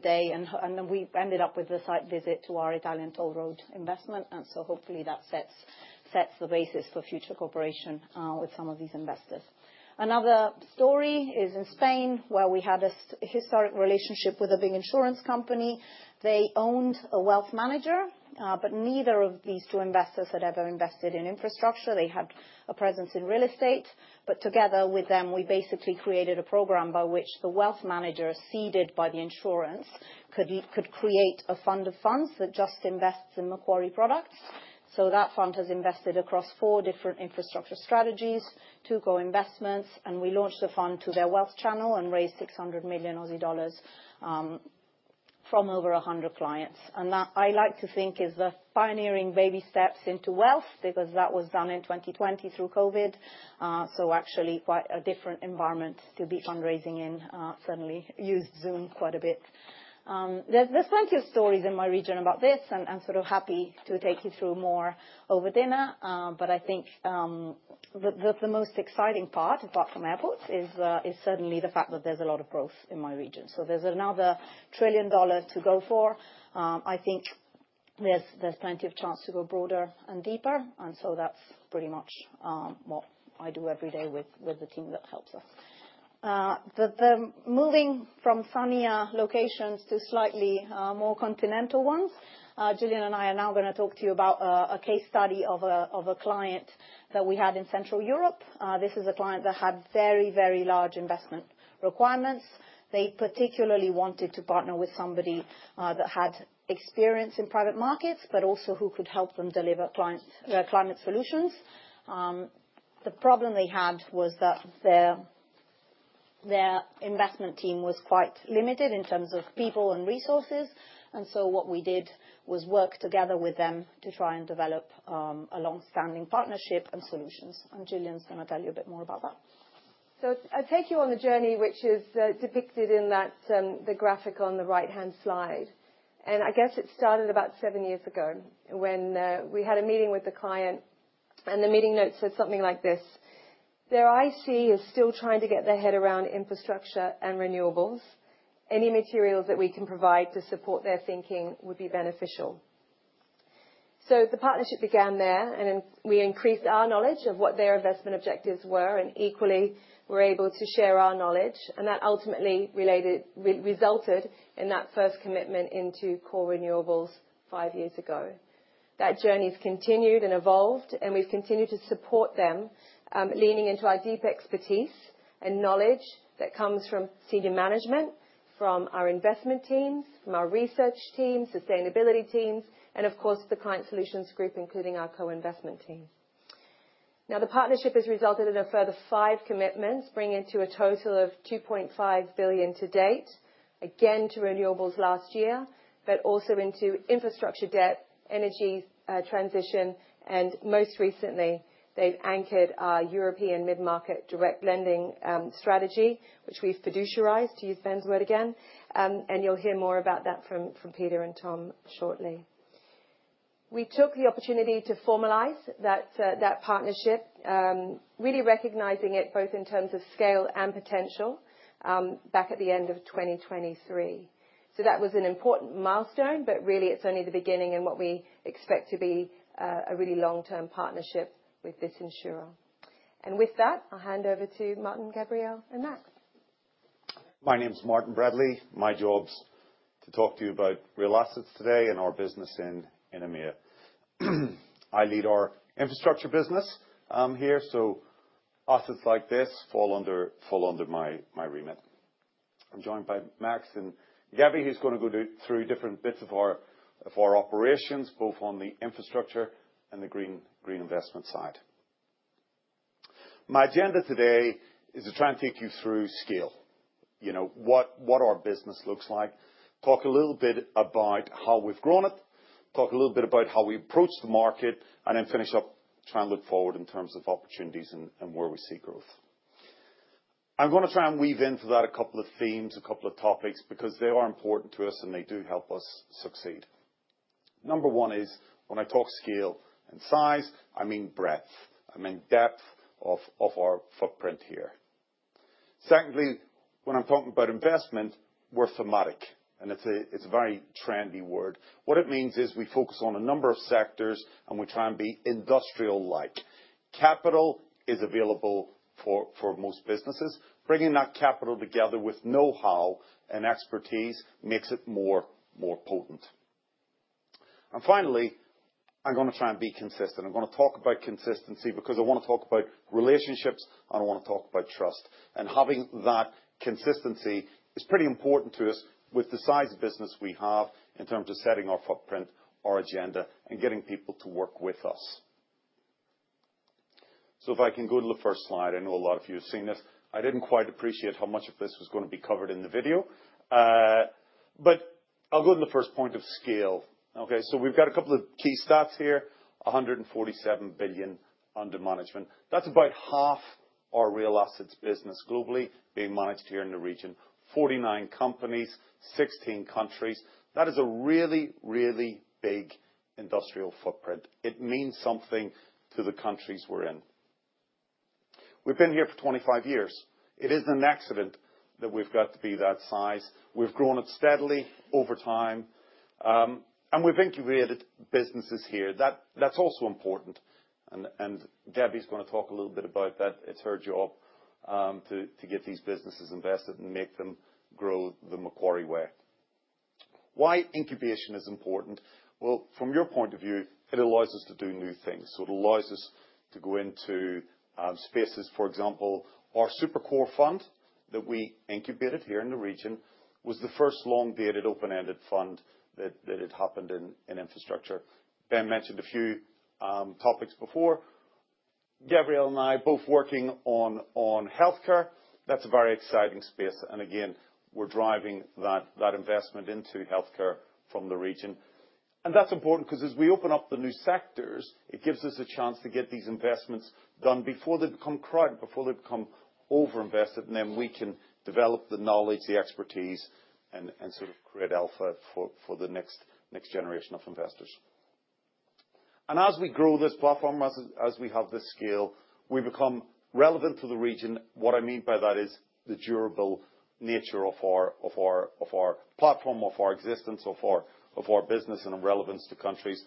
F: day, and we ended up with a site visit to our Italian Toll Road investment. Hopefully that sets the basis for future cooperation with some of these investors. Another story is in Spain, where we had a historic relationship with a big insurance company. They owned a wealth manager, but neither of these two investors had ever invested in infrastructure. They had a presence in real estate. Together with them, we basically created a program by which the wealth manager ceded by the insurance could create a fund of funds that just invests in Macquarie products. That fund has invested across four different infrastructure strategies, two co-investments, and we launched a fund to their wealth channel and raised EUR 600 million from over 100 clients. That I like to think is the pioneering baby steps into wealth because that was done in 2020 through COVID. Actually quite a different environment to be fundraising in. Suddenly used Zoom quite a bit. There are plenty of stories in my region about this, and I'm sort of happy to take you through more over dinner. I think the most exciting part, apart from airports, is certainly the fact that there is a lot of growth in my region. There is another trillion dollars to go for. I think there is plenty of chance to go broader and deeper. That is pretty much what I do every day with the team that helps us. Moving from sunnier locations to slightly more continental ones, Gillian and I are now going to talk to you about a case study of a client that we had in Central Europe. This is a client that had very, very large investment requirements. They particularly wanted to partner with somebody that had experience in private markets, but also who could help them deliver climate solutions. The problem they had was that their investment team was quite limited in terms of people and resources. What we did was work together with them to try and develop a long-standing partnership and solutions. Gillian's going to tell you a bit more about that. I will take you on the journey which is depicted in the graphic on the right-hand side. I guess it started about seven years ago when we had a meeting with the client, and the meeting notes said something like this: "Their IC is still trying to get their head around infrastructure and renewables. Any materials that we can provide to support their thinking would be beneficial." The partnership began there, and we increased our knowledge of what their investment objectives were, and equally we're able to share our knowledge. That ultimately resulted in that first commitment into core renewables five years ago. That journey has continued and evolved, and we've continued to support them leaning into our deep expertise and knowledge that comes from senior management, from our investment teams, from our research teams, sustainability teams, and of course the Client Solutions Group, including our co-investment team. Now, the partnership has resulted in a further five commitments, bringing it to a total of 2.5 billion to date, again to renewables last year, but also into infrastructure debt, energy transition, and most recently, they've anchored our European mid-market direct lending strategy, which we've fiduciarized, to use Ben's word again. You'll hear more about that from Peter and Tom shortly. We took the opportunity to formalize that partnership, really recognizing it both in terms of scale and potential back at the end of 2023. That was an important milestone, but really it's only the beginning and what we expect to be a really long-term partnership with this insurer. With that, I'll hand over to Martin, Gabriele, and Maks.
G: My name's Martin Bradley. My job's to talk to you about real assets today and our business in EMEA. I lead our infrastructure business here, so assets like this fall under my remit. I'm joined by Maks and Gabby, who's going to go through different bits of our operations, both on the infrastructure and the green investment side. My agenda today is to try and take you through scale, what our business looks like, talk a little bit about how we've grown it, talk a little bit about how we approach the market, and then finish up, try and look forward in terms of opportunities and where we see growth. I'm going to try and weave in for that a couple of themes, a couple of topics, because they are important to us and they do help us succeed. Number one is when I talk scale and size, I mean breadth. I mean depth of our footprint here. Secondly, when I'm talking about investment, we're thematic, and it's a very trendy word. What it means is we focus on a number of sectors, and we try and be industrial-like. Capital is available for most businesses. Bringing that capital together with know-how and expertise makes it more potent. Finally, I'm going to try and be consistent. I'm going to talk about consistency because I want to talk about relationships. I don't want to talk about trust. Having that consistency is pretty important to us with the size of business we have in terms of setting our footprint, our agenda, and getting people to work with us. If I can go to the first slide, I know a lot of you have seen this. I didn't quite appreciate how much of this was going to be covered in the video, but I'll go to the first point of scale. We've got a couple of key stats here: 147 billion under management. That's about half our real assets business globally being managed here in the region, 49 companies, 16 countries. That is a really, really big industrial footprint. It means something to the countries we're in. We've been here for 25 years. It isn't an accident that we've got to be that size. We've grown it steadily over time, and we've incubated businesses here. That's also important. Gabby's going to talk a little bit about that. It's her job to get these businesses invested and make them grow the Macquarie way. Why incubation is important? From your point of view, it allows us to do new things. It allows us to go into spaces. For example, our Super Core Fund that we incubated here in the region was the first long-dated open-ended fund that had happened in infrastructure. Ben mentioned a few topics before. Gabriele and I are both working on healthcare. That's a very exciting space. Again, we're driving that investment into healthcare from the region. That's important because as we open up the new sectors, it gives us a chance to get these investments done before they become crowded, before they become over-invested, and then we can develop the knowledge, the expertise, and sort of create alpha for the next generation of investors. As we grow this platform, as we have this scale, we become relevant to the region. What I mean by that is the durable nature of our platform, of our existence, of our business, and our relevance to countries.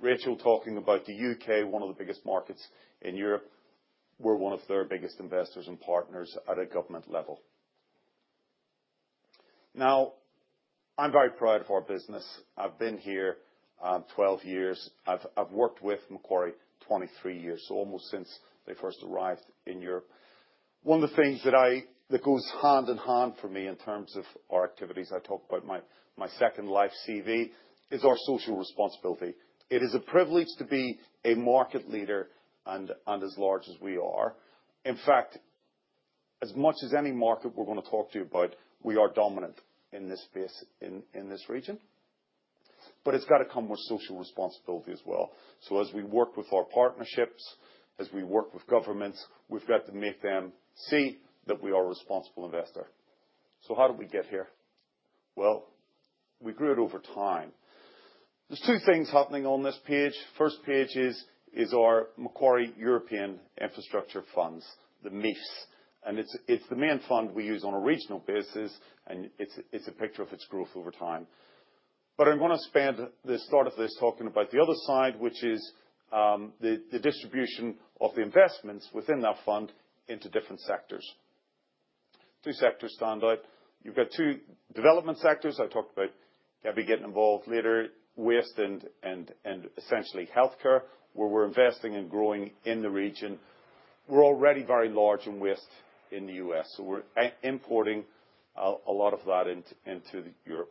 G: Rachel talking about the U.K., one of the biggest markets in Europe. We're one of their biggest investors and partners at a government level. Now, I'm very proud of our business. I've been here 12 years. I've worked with Macquarie 23 years, so almost since they first arrived in Europe. One of the things that goes hand in hand for me in terms of our activities, I talk about my second life CV, is our social responsibility. It is a privilege to be a market leader and as large as we are. In fact, as much as any market we're going to talk to you about, we are dominant in this space in this region. It's got to come with social responsibility as well. As we work with our partnerships, as we work with governments, we have to make them see that we are a responsible investor. How did we get here? We grew it over time. There are two things happening on this page. First page is our Macquarie European Infrastructure Funds, the MIFs. It is the main fund we use on a regional basis, and it is a picture of its growth over time. I am going to spend the start of this talking about the other side, which is the distribution of the investments within that fund into different sectors. Two sectors stand out. You have two development sectors. I talked about Gabby getting involved later, waste and essentially healthcare, where we are investing and growing in the region. We are already very large in waste in the U.S., so we are importing a lot of that into Europe.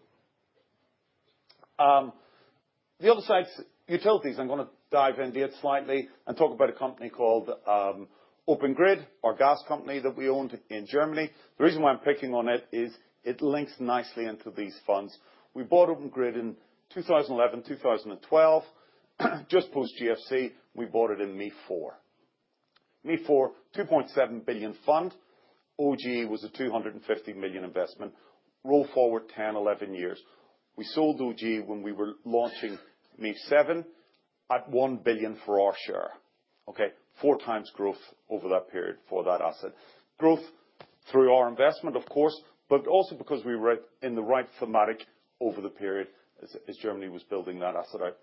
G: The other side is utilities. I'm going to dive in there slightly and talk about a company called Open Grid, our gas company that we owned in Germany. The reason why I'm picking on it is it links nicely into these funds. We bought Open Grid in 2011, 2012. Just post GFC, we bought it in MIF4. MIF4, 2.7 billion fund. OGE was a 250 million investment. Roll forward 10, 11 years. We sold OGE when we were launching MIF7 at 1 billion for our share. Four times growth over that period for that asset. Growth through our investment, of course, but also because we were in the right thematic over the period as Germany was building that asset out.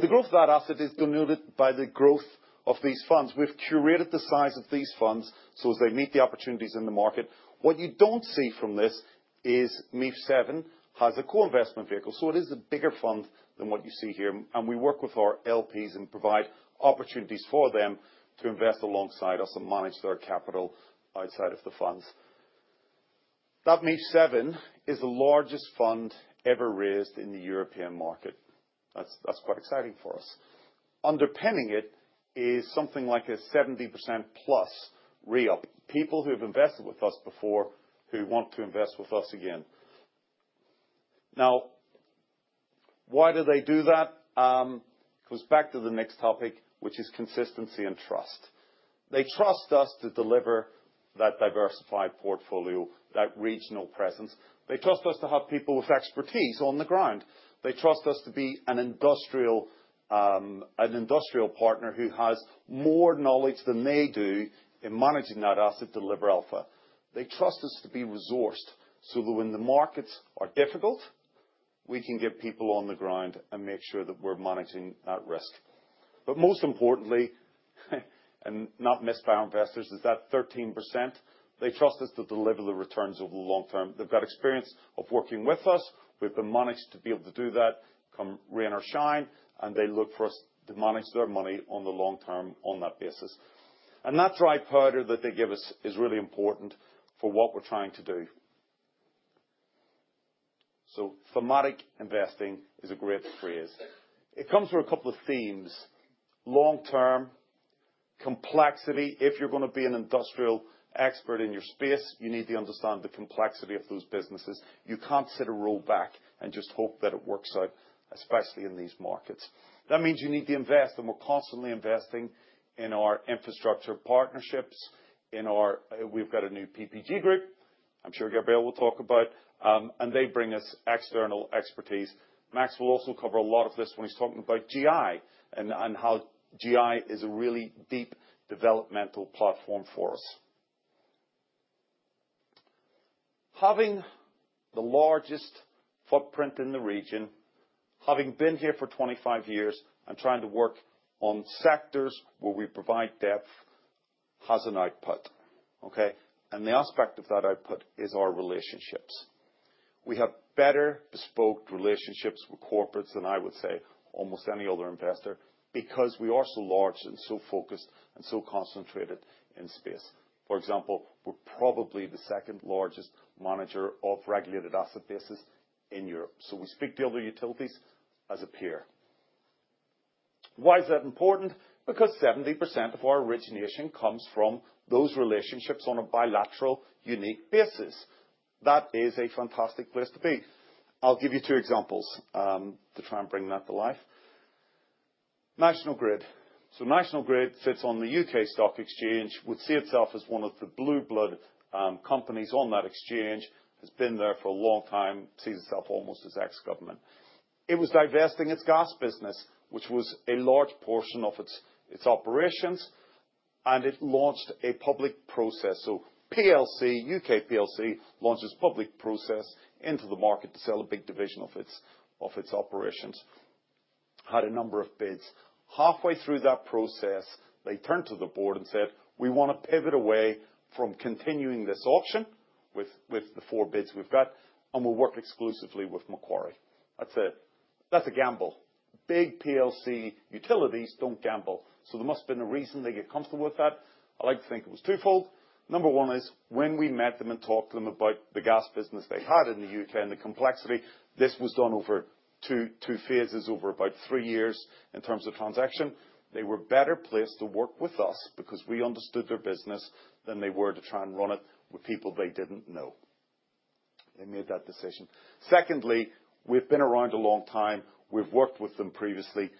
G: The growth of that asset is denoted by the growth of these funds. We've curated the size of these funds so as they meet the opportunities in the market. What you do not see from this is MIF7 has a co-investment vehicle, so it is a bigger fund than what you see here. We work with our LPs and provide opportunities for them to invest alongside us and manage their capital outside of the funds. That MIF7 is the largest fund ever raised in the European market. That is quite exciting for us. Underpinning it is something like a 70%+ re-up. People who have invested with us before who want to invest with us again. Now, why do they do that? It goes back to the next topic, which is consistency and trust. They trust us to deliver that diversified portfolio, that regional presence. They trust us to have people with expertise on the ground. They trust us to be an industrial partner who has more knowledge than they do in managing that asset deliver alpha. They trust us to be resourced so that when the markets are difficult, we can get people on the ground and make sure that we're managing that risk. Most importantly, and not missed by our investors, is that 13%. They trust us to deliver the returns over the long term. They've got experience of working with us. We've been managed to be able to do that, come rain or shine, and they look for us to manage their money on the long term on that basis. That dry powder that they give us is really important for what we're trying to do. Thematic investing is a great phrase. It comes through a couple of themes. Long term, complexity. If you're going to be an industrial expert in your space, you need to understand the complexity of those businesses. You can't sit and roll back and just hope that it works out, especially in these markets. That means you need to invest, and we're constantly investing in our infrastructure partnerships. We've got a new PPG group, I'm sure Gabriele will talk about, and they bring us external expertise. Maks will also cover a lot of this when he's talking about GI and how GI is a really deep developmental platform for us. Having the largest footprint in the region, having been here for 25 years and trying to work on sectors where we provide depth, has an output. The aspect of that output is our relationships. We have better bespoke relationships with corporates than I would say almost any other investor because we are so large and so focused and so concentrated in space. For example, we're probably the second largest manager of regulated asset bases in Europe. We speak to other utilities as a peer. Why is that important? Because 70% of our origination comes from those relationships on a bilateral unique basis. That is a fantastic place to be. I'll give you two examples to try and bring that to life. National Grid. National Grid sits on the U.K. Stock Exchange, would see itself as one of the blue blood companies on that exchange, has been there for a long time, sees itself almost as ex-government. It was divesting its gas business, which was a large portion of its operations, and it launched a public process. U.K. launches public process into the market to sell a big division of its operations. Had a number of bids. Halfway through that process, they turned to the board and said, "We want to pivot away from continuing this auction with the four bids we've got, and we'll work exclusively with Macquarie." That's a gamble. Big PLC utilities don't gamble, so there must have been a reason they get comfortable with that. I like to think it was twofold. Number one is when we met them and talked to them about the gas business they had in the U.K. and the complexity, this was done over two phases over about three years in terms of transaction. They were better placed to work with us because we understood their business than they were to try and run it with people they didn't know. They made that decision. Secondly, we've been around a long time. We've worked with them previously.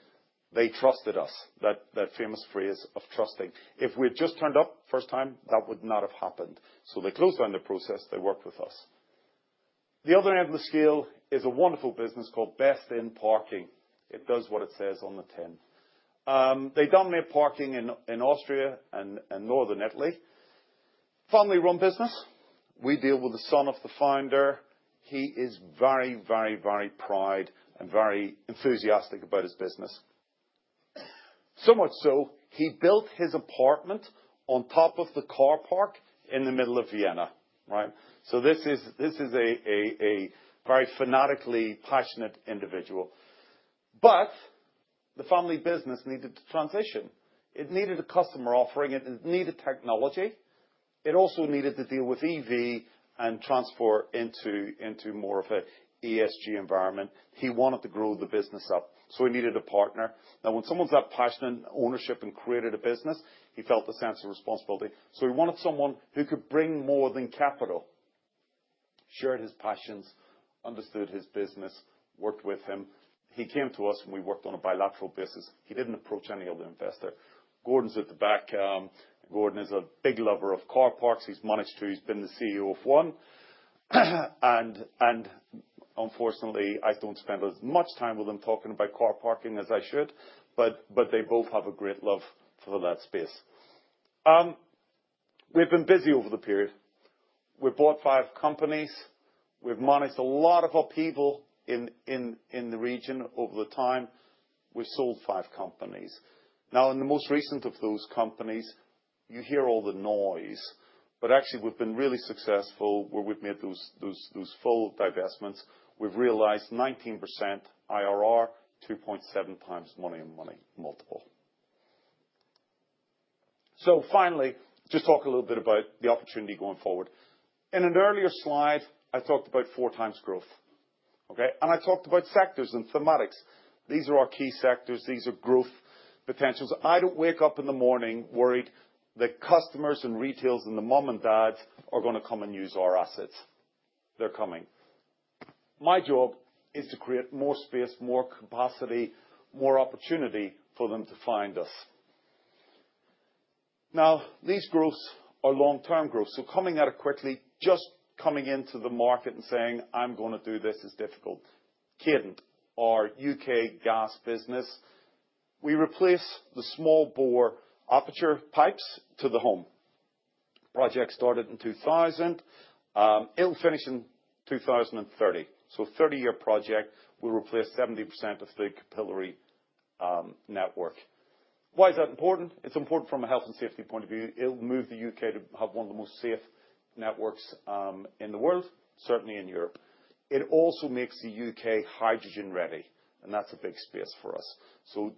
G: They trusted us. That famous phrase of trusting. If we had just turned up first time, that would not have happened. They closed down the process. They worked with us. The other end of the scale is a wonderful business called Best In Parking. It does what it says on the tin. They dominate parking in Austria and northern Italy. Family-run business. We deal with the son of the founder. He is very, very, very proud and very enthusiastic about his business. So much so, he built his apartment on top of the car park in the middle of Vienna. This is a very fanatically passionate individual. The family business needed to transition. It needed a customer offering. It needed technology. It also needed to deal with EV and transport into more of an ESG environment. He wanted to grow the business up, so he needed a partner. Now, when someone's that passionate and ownership and created a business, he felt a sense of responsibility. He wanted someone who could bring more than capital. Shared his passions, understood his business, worked with him. He came to us and we worked on a bilateral basis. He didn't approach any other investor. Gordon's at the back. Gordon is a big lover of car parks. He's managed to. He's been the CEO of one. Unfortunately, I don't spend as much time with them talking about car parking as I should, but they both have a great love for that space. We've been busy over the period. We've bought five companies. We've managed a lot of upheaval in the region over the time. We've sold five companies. Now, in the most recent of those companies, you hear all the noise, but actually, we've been really successful where we've made those full divestments. We've realized 19% IRR, 2.7 times money-to-money multiple. Finally, just talk a little bit about the opportunity going forward. In an earlier slide, I talked about four times growth. I talked about sectors and thematics. These are our key sectors. These are growth potentials. I don't wake up in the morning worried that customers and retailers and the mom and dads are going to come and use our assets. They're coming. My job is to create more space, more capacity, more opportunity for them to find us. These growths are long-term growth. Coming at it quickly, just coming into the market and saying, "I'm going to do this," is difficult. Cadent, our UK gas business. We replace the small bore aperture pipes to the home. Project started in 2000. It will finish in 2030. A 30-year project. We will replace 70% of the capillary network. Why is that important? It is important from a health and safety point of view. It will move the U.K. to have one of the most safe networks in the world, certainly in Europe. It also makes the U.K. hydrogen-ready, and that is a big space for us.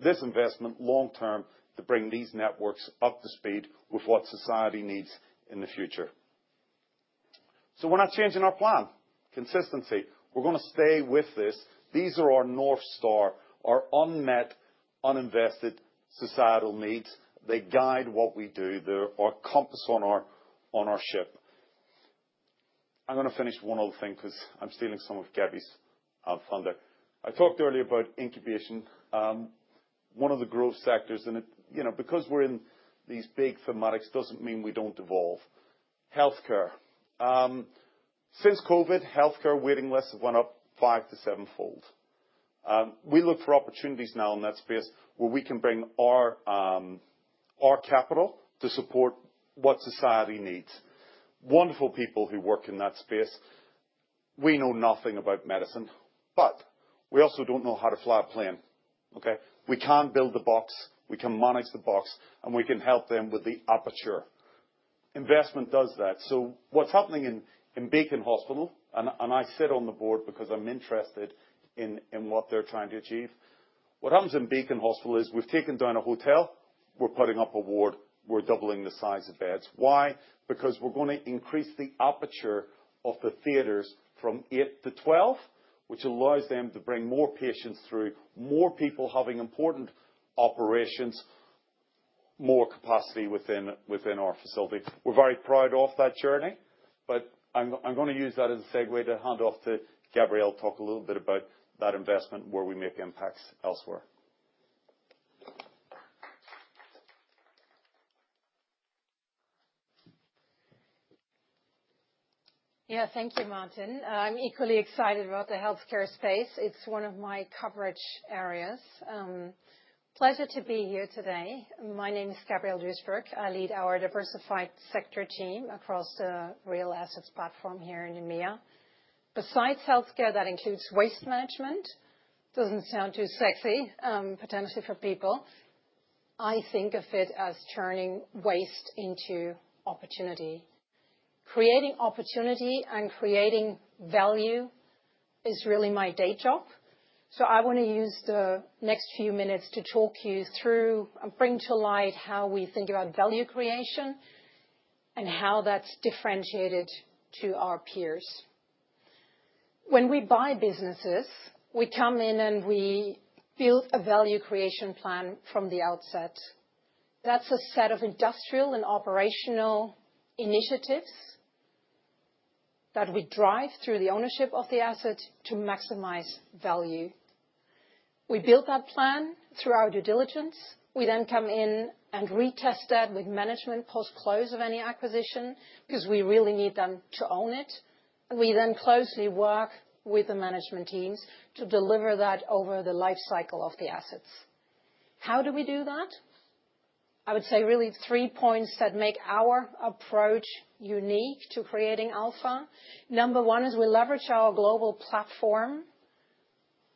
G: This investment, long term, to bring these networks up to speed with what society needs in the future. We are not changing our plan. Consistency. We are going to stay with this. These are our North Star, our unmet, uninvested societal needs. They guide what we do. They are our compass on our ship. I am going to finish one other thing because I am stealing some of Gabby's thunder. I talked earlier about incubation. One of the growth sectors, and because we're in these big thematics, doesn't mean we don't evolve. Healthcare. Since COVID, healthcare waiting lists have gone up five- to seven-fold. We look for opportunities now in that space where we can bring our capital to support what society needs. Wonderful people who work in that space. We know nothing about medicine, but we also don't know how to fly a plane. We can build the box. We can manage the box, and we can help them with the aperture. Investment does that. What's happening in Beacon Hospital, and I sit on the board because I'm interested in what they're trying to achieve. What happens in Beacon Hospital is we've taken down a hotel. We're putting up a ward. We're doubling the size of beds. Why? Because we're going to increase the aperture of the theaters from 8 to 12, which allows them to bring more patients through, more people having important operations, more capacity within our facility. We're very proud of that journey, but I'm going to use that as a segue to hand off to, talk a little bit about that investment where we make impacts elsewhere.
H: Yeah, thank you, Martin. I'm equally excited about the healthcare space. It's one of my coverage areas. Pleasure to be here today. My name is Gabriele Duesberg. I lead our diversified sector team across the real assets platform here in EMEA. Besides healthcare, that includes waste management. Doesn't sound too sexy, potentially, for people. I think of it as turning waste into opportunity. Creating opportunity and creating value is really my day job. I want to use the next few minutes to talk you through and bring to light how we think about value creation and how that's differentiated to our peers. When we buy businesses, we come in and we build a value creation plan from the outset. That's a set of industrial and operational initiatives that we drive through the ownership of the asset to maximize value. We build that plan through our due diligence. We then come in and retest that with management post-close of any acquisition because we really need them to own it. We then closely work with the management teams to deliver that over the life cycle of the assets. How do we do that? I would say really three points that make our approach unique to creating Alpha. Number one is we leverage our global platform.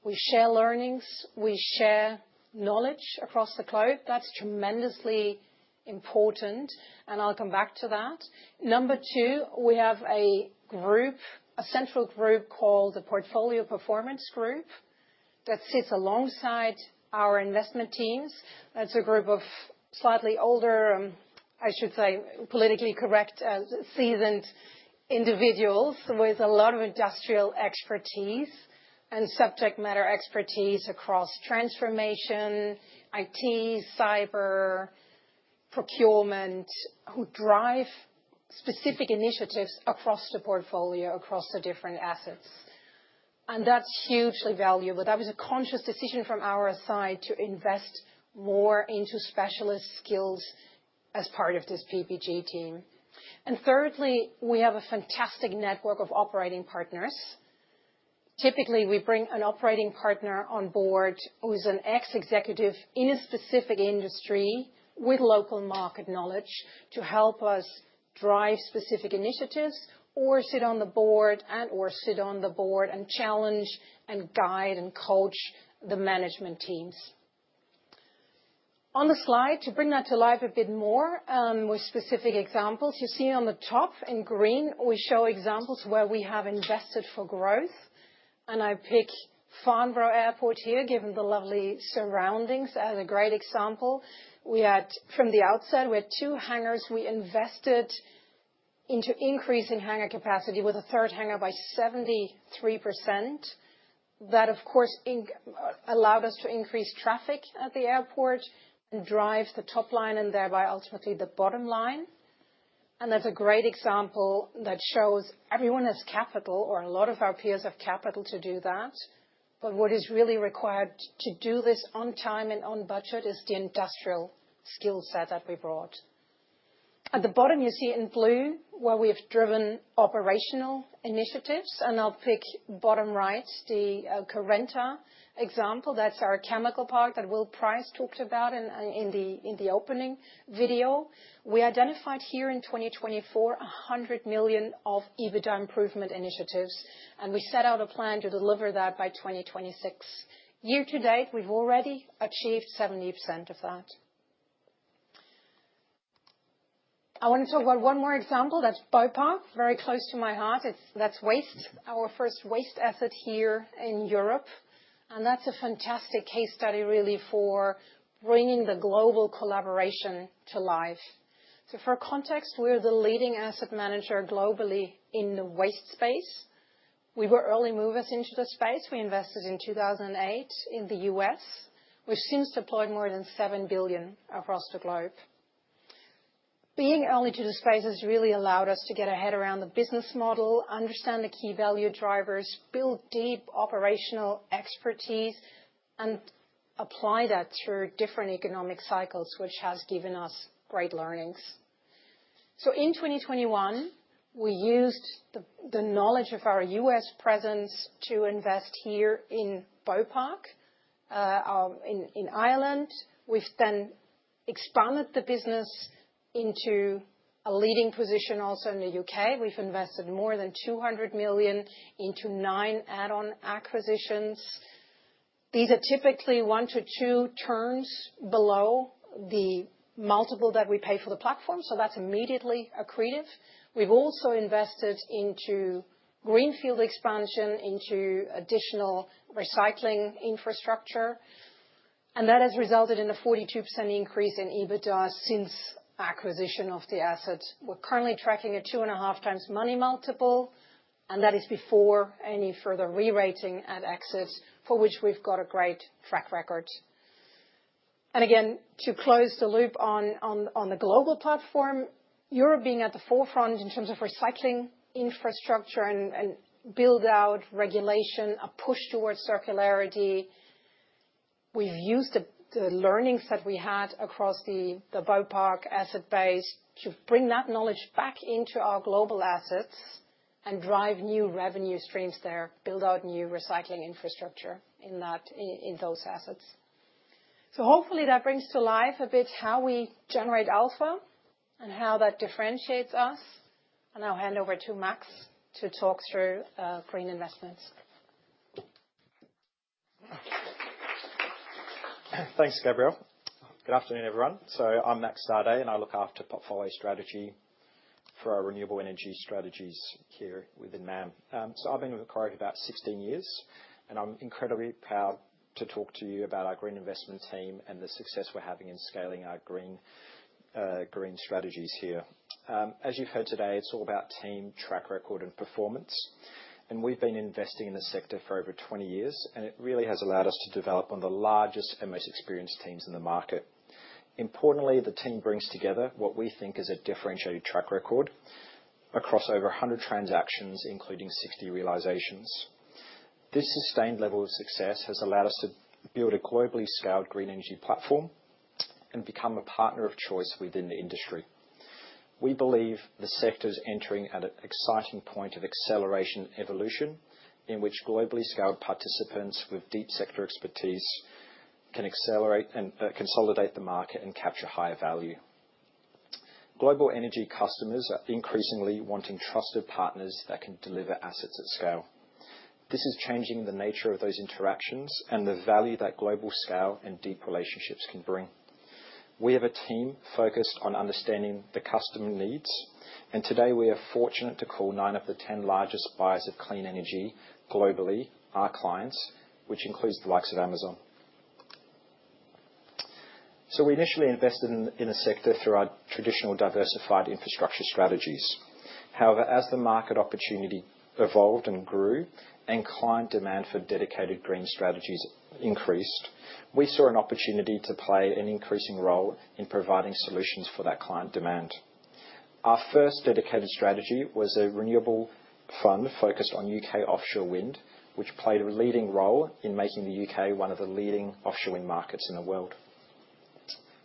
H: We share learnings. We share knowledge across the cloud. That's tremendously important, and I'll come back to that. Number two, we have a central group called the Portfolio Performance Group that sits alongside our investment teams. That's a group of slightly older, I should say, politically correct, seasoned individuals with a lot of industrial expertise and subject matter expertise across transformation, IT, cyber, procurement, who drive specific initiatives across the portfolio, across the different assets. That's hugely valuable. That was a conscious decision from our side to invest more into specialist skills as part of this PPG team. Thirdly, we have a fantastic network of operating partners. Typically, we bring an operating partner on board who's an ex-executive in a specific industry with local market knowledge to help us drive specific initiatives or sit on the board and challenge and guide and coach the management teams. On the slide, to bring that to life a bit more with specific examples, you see on the top in green, we show examples where we have invested for growth. I pick Farnborough Airport here, given the lovely surroundings, as a great example. From the outside, we had two hangars. We invested into increasing hangar capacity with a third hangar by 73%. That, of course, allowed us to increase traffic at the airport and drive the top line and thereby ultimately the bottom line. That is a great example that shows everyone has capital or a lot of our peers have capital to do that. What is really required to do this on time and on budget is the industrial skill set that we brought. At the bottom, you see in blue where we have driven operational initiatives. I will pick bottom right, the Currenta example. That is our chemical park that Will Price talked about in the opening video. We identified here in 2024, $100 million of EBITDA improvement initiatives. We set out a plan to deliver that by 2026. Year to date, we have already achieved 70% of that. I want to talk about one more example. That is Beauparc, very close to my heart. That is waste, our first waste asset here in Europe. That is a fantastic case study, really, for bringing the global collaboration to life. For context, we're the leading asset manager globally in the waste space. We were early movers into the space. We invested in 2008 in the US, which since deployed more than $7 billion across the globe. Being early to the space has really allowed us to get ahead around the business model, understand the key value drivers, build deep operational expertise, and apply that through different economic cycles, which has given us great learnings. In 2021, we used the knowledge of our US presence to invest here in Beauparc in Ireland. We've then expanded the business into a leading position also in the U.K. We've invested more than 200 million into nine add-on acquisitions. These are typically one to two turns below the multiple that we pay for the platform, so that's immediately accretive. We've also invested into greenfield expansion, into additional recycling infrastructure. That has resulted in a 42% increase in EBITDA since acquisition of the asset. We are currently tracking a two and a half times money multiple, and that is before any further re-rating at exit, for which we have a great track record. To close the loop on the global platform, Europe is at the forefront in terms of recycling infrastructure and build-out regulation, a push towards circularity. We have used the learnings that we had across the Beauparc asset base to bring that knowledge back into our global assets and drive new revenue streams there, build out new recycling infrastructure in those assets. Hopefully, that brings to life a bit how we generate Alpha and how that differentiates us. I will hand over to Maks to talk through green investments.
I: Thanks, Gabriele. Good afternoon, everyone. I'm Maks Dadej, and I look after portfolio strategy for our renewable energy strategies here within MAM. I've been with Macquarie for about 16 years, and I'm incredibly proud to talk to you about our green investment team and the success we're having in scaling our green strategies here. As you've heard today, it's all about team, track record, and performance. We've been investing in the sector for over 20 years, and it really has allowed us to develop one of the largest and most experienced teams in the market. Importantly, the team brings together what we think is a differentiated track record across over 100 transactions, including 60 realizations. This sustained level of success has allowed us to build a globally scaled green energy platform and become a partner of choice within the industry. We believe the sector is entering at an exciting point of acceleration and evolution in which globally scaled participants with deep sector expertise can consolidate the market and capture higher value. Global energy customers are increasingly wanting trusted partners that can deliver assets at scale. This is changing the nature of those interactions and the value that global scale and deep relationships can bring. We have a team focused on understanding the customer needs, and today we are fortunate to call nine of the 10 largest buyers of clean energy globally our clients, which includes the likes of Amazon. We initially invested in the sector through our traditional diversified infrastructure strategies. However, as the market opportunity evolved and grew and client demand for dedicated green strategies increased, we saw an opportunity to play an increasing role in providing solutions for that client demand. Our first dedicated strategy was a renewable fund focused on U.K. offshore wind, which played a leading role in making the U.K. one of the leading offshore wind markets in the world.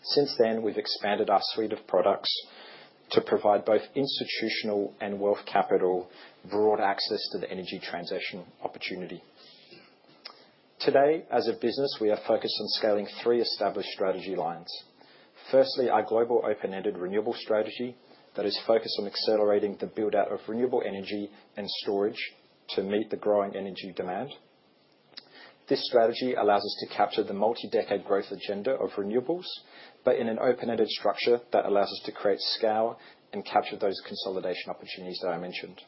I: Since then, we've expanded our suite of products to provide both institutional and wealth capital broad access to the energy transition opportunity. Today, as a business, we are focused on scaling three established strategy lines. Firstly, our global open-ended renewable strategy that is focused on accelerating the build-out of renewable energy and storage to meet the growing energy demand. This strategy allows us to capture the multi-decade growth agenda of renewables, but in an open-ended structure that allows us to create scale and capture those consolidation opportunities that I mentioned.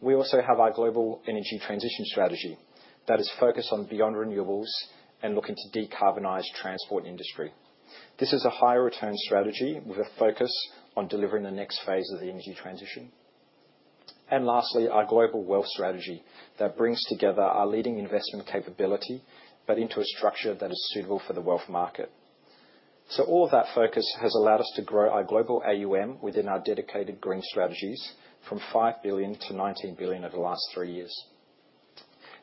I: We also have our global energy transition strategy that is focused on beyond renewables and looking to decarbonize transport industry. This is a higher return strategy with a focus on delivering the next phase of the energy transition. Lastly, our global wealth strategy brings together our leading investment capability, but into a structure that is suitable for the wealth market. All of that focus has allowed us to grow our global AUM within our dedicated green strategies from $5 billion to $19 billion over the last three years.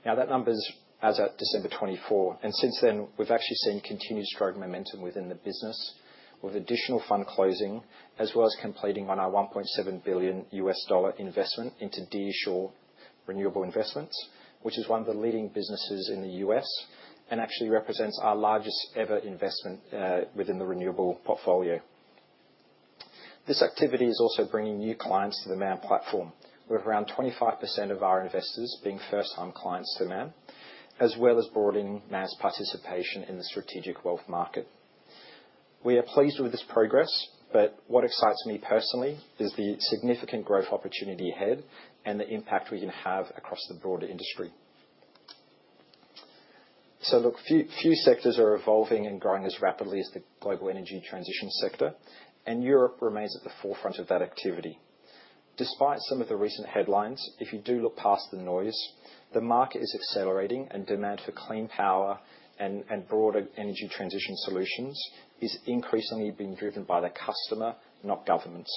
I: That number is as of December 2024. Since then, we have actually seen continued strong momentum within the business with additional fund closing, as well as completing on our $1.7 billion investment into D.E. Shaw Renewable Investments, which is one of the leading businesses in the US and actually represents our largest ever investment within the renewable portfolio. This activity is also bringing new clients to the MAM platform, with around 25% of our investors being first-time clients to MAM, as well as broadening MAM's participation in the strategic wealth market. We are pleased with this progress. What excites me personally is the significant growth opportunity ahead and the impact we can have across the broader industry. Few sectors are evolving and growing as rapidly as the global energy transition sector, and Europe remains at the forefront of that activity. Despite some of the recent headlines, if you do look past the noise, the market is accelerating and demand for clean power and broader energy transition solutions is increasingly being driven by the customer, not governments.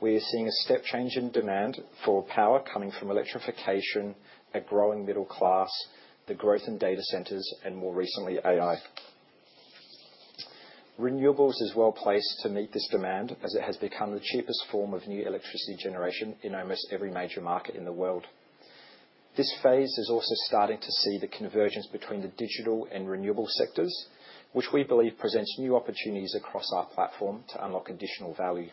I: We are seeing a step change in demand for power coming from electrification, a growing middle class, the growth in data centers, and more recently, AI. Renewables is well placed to meet this demand as it has become the cheapest form of new electricity generation in almost every major market in the world. This phase is also starting to see the convergence between the digital and renewable sectors, which we believe presents new opportunities across our platform to unlock additional value.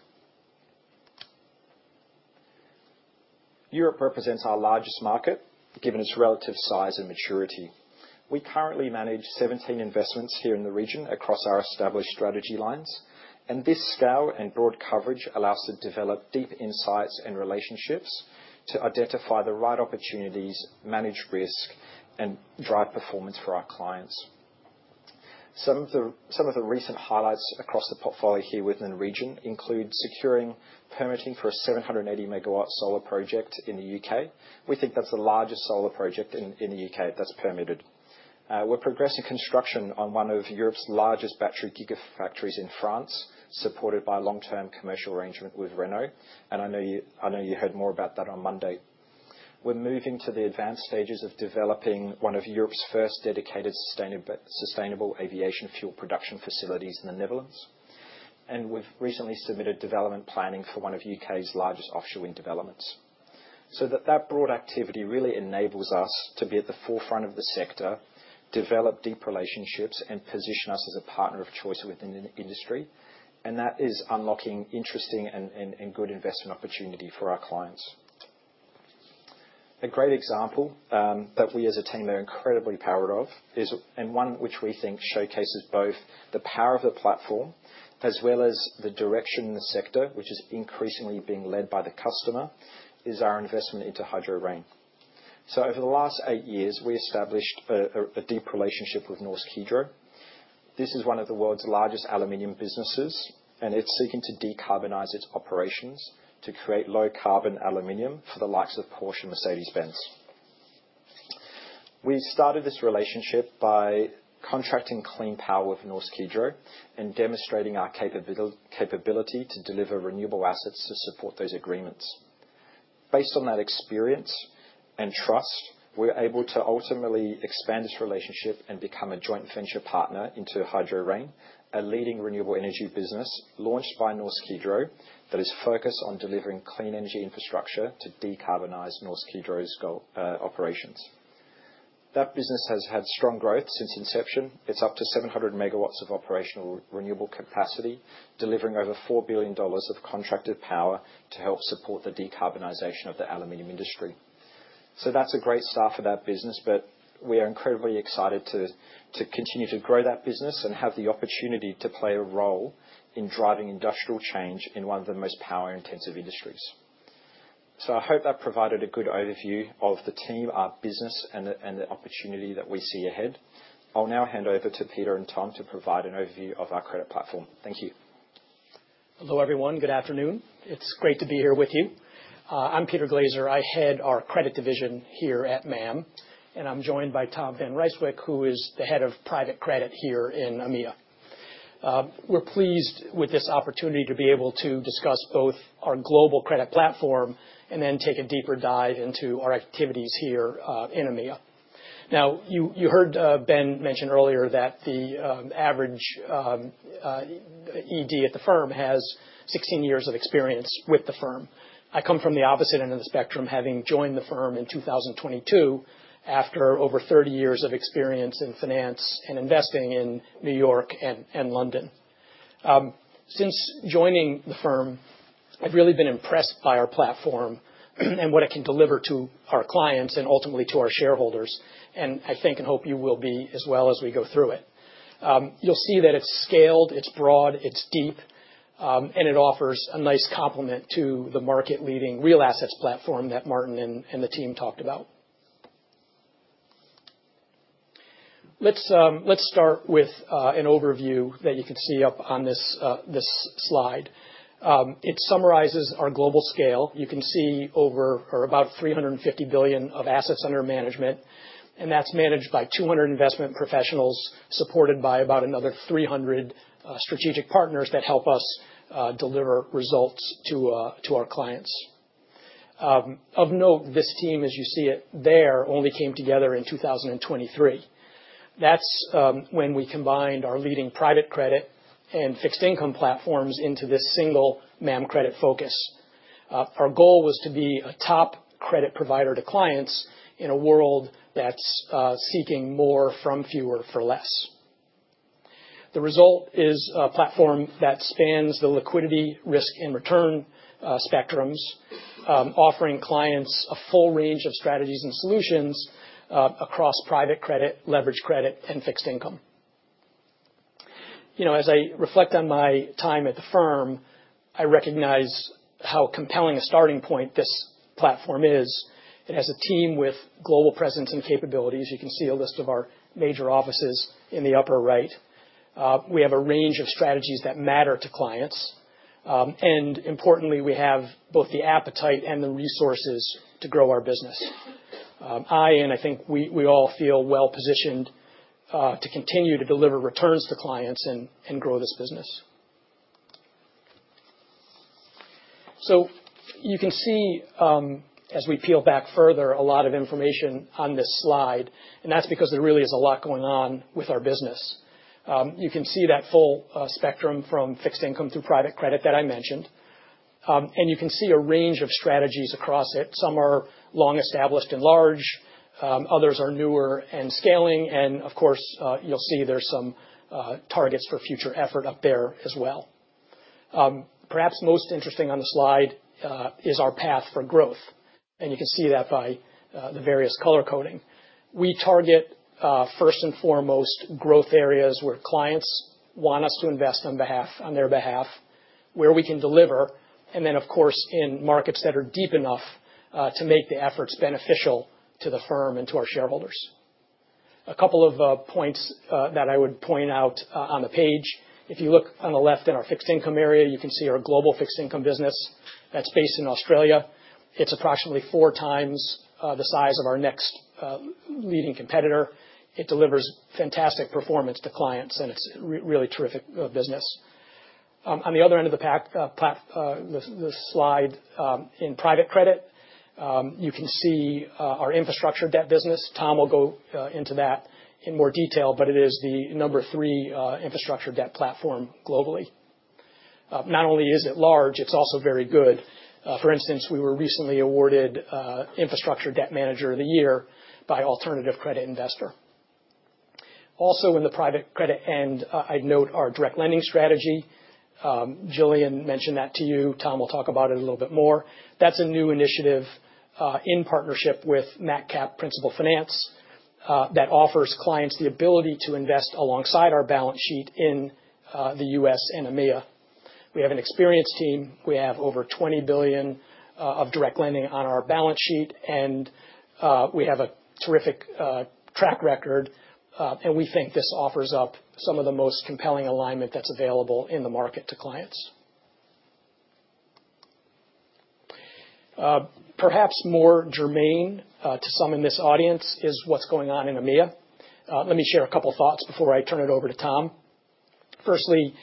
I: Europe represents our largest market given its relative size and maturity. We currently manage 17 investments here in the region across our established strategy lines. This scale and broad coverage allows us to develop deep insights and relationships to identify the right opportunities, manage risk, and drive performance for our clients. Some of the recent highlights across the portfolio here within the region include securing permitting for a 780 megawatt solar project in the U.K. We think that's the largest solar project in the U.K. that's permitted. We're progressing construction on one of Europe's largest battery gigafactories in France, supported by a long-term commercial arrangement with Renault. I know you heard more about that on Monday. We're moving to the advanced stages of developing one of Europe's first dedicated sustainable aviation fuel production facilities in the Netherlands. We've recently submitted development planning for one of the U.K.'s largest offshore wind developments. That broad activity really enables us to be at the forefront of the sector, develop deep relationships, and position us as a partner of choice within the industry. That is unlocking interesting and good investment opportunity for our clients. A great example that we as a team are incredibly proud of, and one which we think showcases both the power of the platform as well as the direction in the sector, which is increasingly being led by the customer, is our investment into Hydroplane. Over the last eight years, we established a deep relationship with Norsk Hydro. This is one of the world's largest aluminium businesses, and it's seeking to decarbonize its operations to create low-carbon aluminium for the likes of Porsche and Mercedes-Benz. We started this relationship by contracting clean power with Norsk Hydro and demonstrating our capability to deliver renewable assets to support those agreements. Based on that experience and trust, we're able to ultimately expand this relationship and become a joint venture partner into Hydroplane, a leading renewable energy business launched by Norsk Hydro that is focused on delivering clean energy infrastructure to decarbonize Norsk Hydro's operations. That business has had strong growth since inception. It's up to 700 megawatts of operational renewable capacity, delivering over $4 billion of contracted power to help support the decarbonization of the aluminium industry. That is a great start for that business, but we are incredibly excited to continue to grow that business and have the opportunity to play a role in driving industrial change in one of the most power-intensive industries. I hope that provided a good overview of the team, our business, and the opportunity that we see ahead. I'll now hand over to Peter and Tom to provide an overview of our credit platform. Thank you.
J: Hello, everyone. Good afternoon. It's great to be here with you. I'm Peter Glaser. I head our credit division here at MAM, and I'm joined by Tom van Rijsewijk, who is the head of private credit here in EMEA. We're pleased with this opportunity to be able to discuss both our global credit platform and then take a deeper dive into our activities here in EMEA. Now, you heard Ben mention earlier that the average ED at the firm has 16 years of experience with the firm. I come from the opposite end of the spectrum, having joined the firm in 2022 after over 30 years of experience in finance and investing in New York and London. Since joining the firm, I've really been impressed by our platform and what it can deliver to our clients and ultimately to our shareholders. I think and hope you will be as well as we go through it. You'll see that it's scaled, it's broad, it's deep, and it offers a nice complement to the market-leading real assets platform that Martin and the team talked about. Let's start with an overview that you can see up on this slide. It summarizes our global scale. You can see over or about $350 billion of assets under management, and that's managed by 200 investment professionals supported by about another 300 strategic partners that help us deliver results to our clients. Of note, this team, as you see it there, only came together in 2023. That's when we combined our leading private credit and fixed income platforms into this single MAM credit focus. Our goal was to be a top credit provider to clients in a world that's seeking more from fewer for less. The result is a platform that spans the liquidity, risk, and return spectrums, offering clients a full range of strategies and solutions across private credit, leveraged credit, and fixed income. As I reflect on my time at the firm, I recognize how compelling a starting point this platform is. It has a team with global presence and capabilities. You can see a list of our major offices in the upper right. We have a range of strategies that matter to clients. Importantly, we have both the appetite and the resources to grow our business. I, and I think we all, feel well positioned to continue to deliver returns to clients and grow this business. You can see, as we peel back further, a lot of information on this slide, and that is because there really is a lot going on with our business. You can see that full spectrum from fixed income through private credit that I mentioned. You can see a range of strategies across it. Some are long established and large. Others are newer and scaling. Of course, you'll see there's some targets for future effort up there as well. Perhaps most interesting on the slide is our path for growth. You can see that by the various color coding. We target, first and foremost, growth areas where clients want us to invest on their behalf, where we can deliver, and then, of course, in markets that are deep enough to make the efforts beneficial to the firm and to our shareholders. A couple of points that I would point out on the page. If you look on the left in our fixed income area, you can see our global fixed income business that's based in Australia. It's approximately four times the size of our next leading competitor. It delivers fantastic performance to clients, and it's really terrific business. On the other end of the slide in private credit, you can see our infrastructure debt business. Tom will go into that in more detail, but it is the number three infrastructure debt platform globally. Not only is it large, it's also very good. For instance, we were recently awarded Infrastructure Debt Manager of the Year by Alternative Credit Investor. Also in the private credit, and I'd note our direct lending strategy. Jillian mentioned that to you. Tom will talk about it a little bit more. That's a new initiative in partnership with Macquarie Capital Principal Finance that offers clients the ability to invest alongside our balance sheet in the US and EMEA. We have an experienced team. We have over $20 billion of direct lending on our balance sheet, and we have a terrific track record. We think this offers up some of the most compelling alignment that's available in the market to clients. Perhaps more germane to some in this audience is what's going on in EMEA. Let me share a couple of thoughts before I turn it over to Tom. Firstly,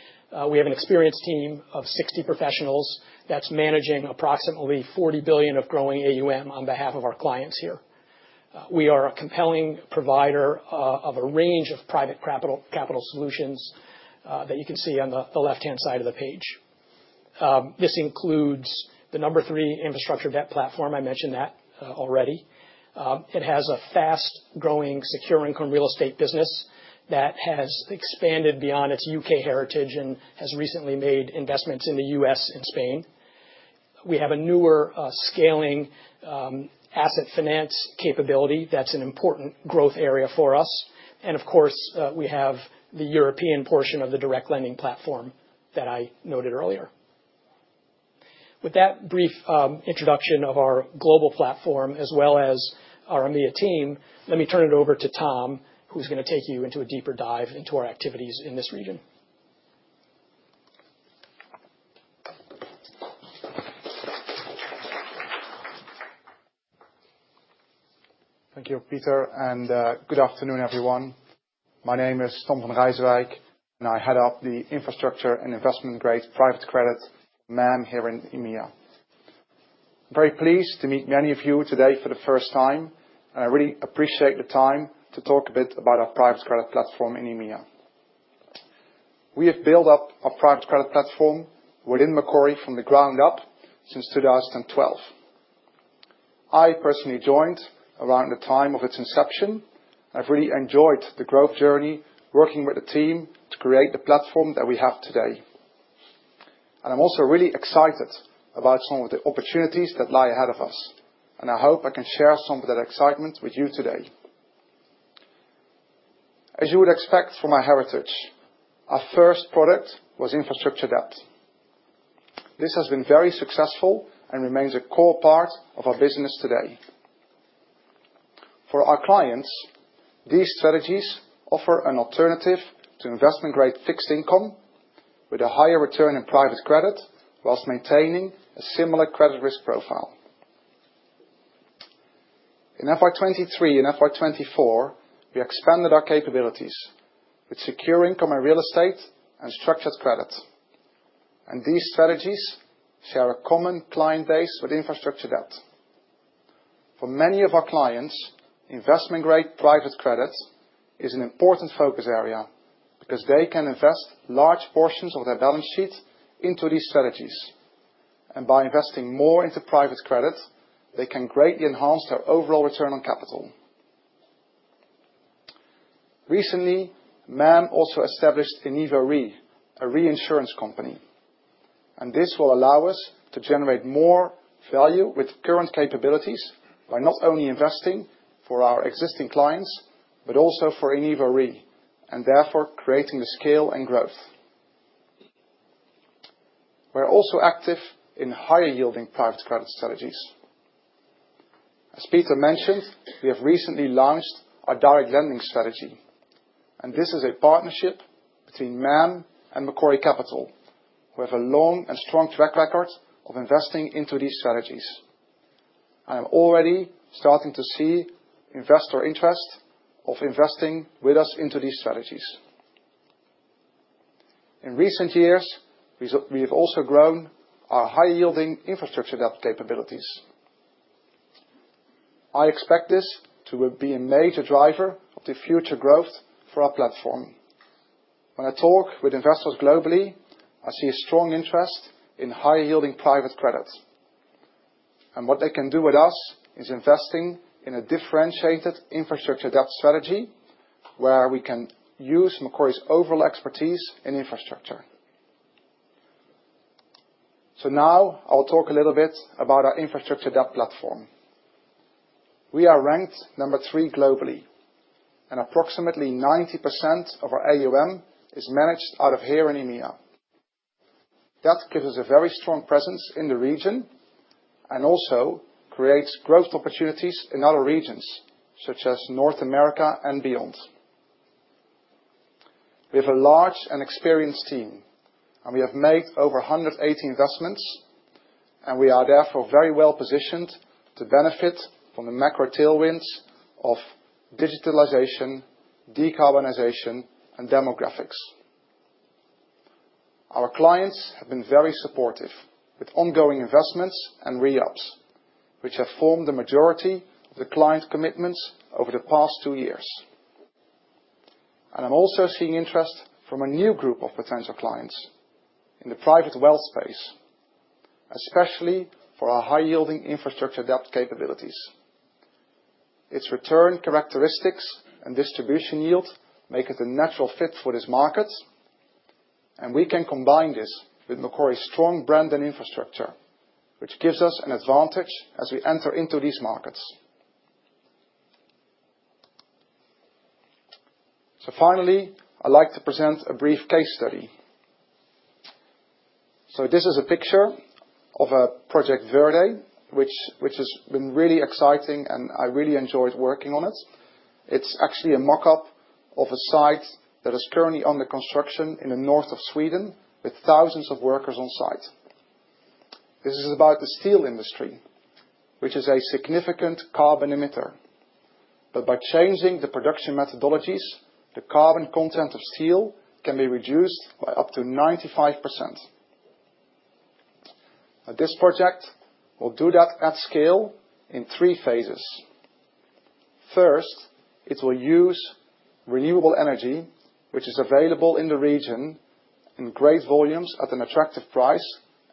J: we have an experienced team of 60 professionals that's managing approximately $40 billion of growing AUM on behalf of our clients here. We are a compelling provider of a range of private capital solutions that you can see on the left-hand side of the page. This includes the number three infrastructure debt platform. I mentioned that already. It has a fast-growing secure income real estate business that has expanded beyond its U.K. heritage and has recently made investments in the U.S. and Spain. We have a newer scaling asset finance capability that's an important growth area for us. Of course, we have the European portion of the direct lending platform that I noted earlier. With that brief introduction of our global platform as well as our EMEA team, let me turn it over to Tom, who's going to take you into a deeper dive into our activities in this region.
K: Thank you, Peter, and good afternoon, everyone. My name is Tom van Rijsewijk, and I head up the infrastructure and investment-grade private credit MAM here in EMEA. I'm very pleased to meet many of you today for the first time, and I really appreciate the time to talk a bit about our private credit platform in EMEA. We have built up our private credit platform within Macquarie from the ground up since 2012. I personally joined around the time of its inception. I've really enjoyed the growth journey working with the team to create the platform that we have today. I'm also really excited about some of the opportunities that lie ahead of us, and I hope I can share some of that excitement with you today. As you would expect from our heritage, our first product was infrastructure debt. This has been very successful and remains a core part of our business today. For our clients, these strategies offer an alternative to investment-grade fixed income with a higher return in private credit whilst maintaining a similar credit risk profile. In FY 2023 and FY 2024, we expanded our capabilities with secure income and real estate and structured credit. These strategies share a common client base with infrastructure debt. For many of our clients, investment-grade private credit is an important focus area because they can invest large portions of their balance sheet into these strategies. By investing more into private credit, they can greatly enhance their overall return on capital. Recently, MAM also established InEvo RE, a reinsurance company. This will allow us to generate more value with current capabilities by not only investing for our existing clients, but also for InEvo Re, and therefore creating the scale and growth. We are also active in higher-yielding private credit strategies. As Peter mentioned, we have recently launched our direct lending strategy. This is a partnership between MAM and Macquarie Capital, who have a long and strong track record of investing into these strategies. I am already starting to see investor interest in investing with us into these strategies. In recent years, we have also grown our high-yielding infrastructure debt capabilities. I expect this to be a major driver of the future growth for our platform. When I talk with investors globally, I see a strong interest in high-yielding private credit. What they can do with us is investing in a differentiated infrastructure debt strategy where we can use Macquarie's overall expertise in infrastructure. Now I'll talk a little bit about our infrastructure debt platform. We are ranked number three globally, and approximately 90% of our AUM is managed out of here in EMEA. That gives us a very strong presence in the region and also creates growth opportunities in other regions, such as North America and beyond. We have a large and experienced team, and we have made over 180 investments, and we are therefore very well positioned to benefit from the macro tailwinds of digitalization, decarbonization, and demographics. Our clients have been very supportive with ongoing investments and re-ups, which have formed the majority of the client commitments over the past two years. I am also seeing interest from a new group of potential clients in the private wealth space, especially for our high-yielding infrastructure debt capabilities. Its return characteristics and distribution yield make it a natural fit for this market, and we can combine this with Macquarie's strong brand and infrastructure, which gives us an advantage as we enter into these markets. Finally, I would like to present a brief case study. This is a picture of a project Verday, which has been really exciting, and I really enjoyed working on it. It is actually a mock-up of a site that is currently under construction in the north of Sweden with thousands of workers on site. This is about the steel industry, which is a significant carbon emitter. By changing the production methodologies, the carbon content of steel can be reduced by up to 95%. This project will do that at scale in three phases. First, it will use renewable energy, which is available in the region in great volumes at an attractive price,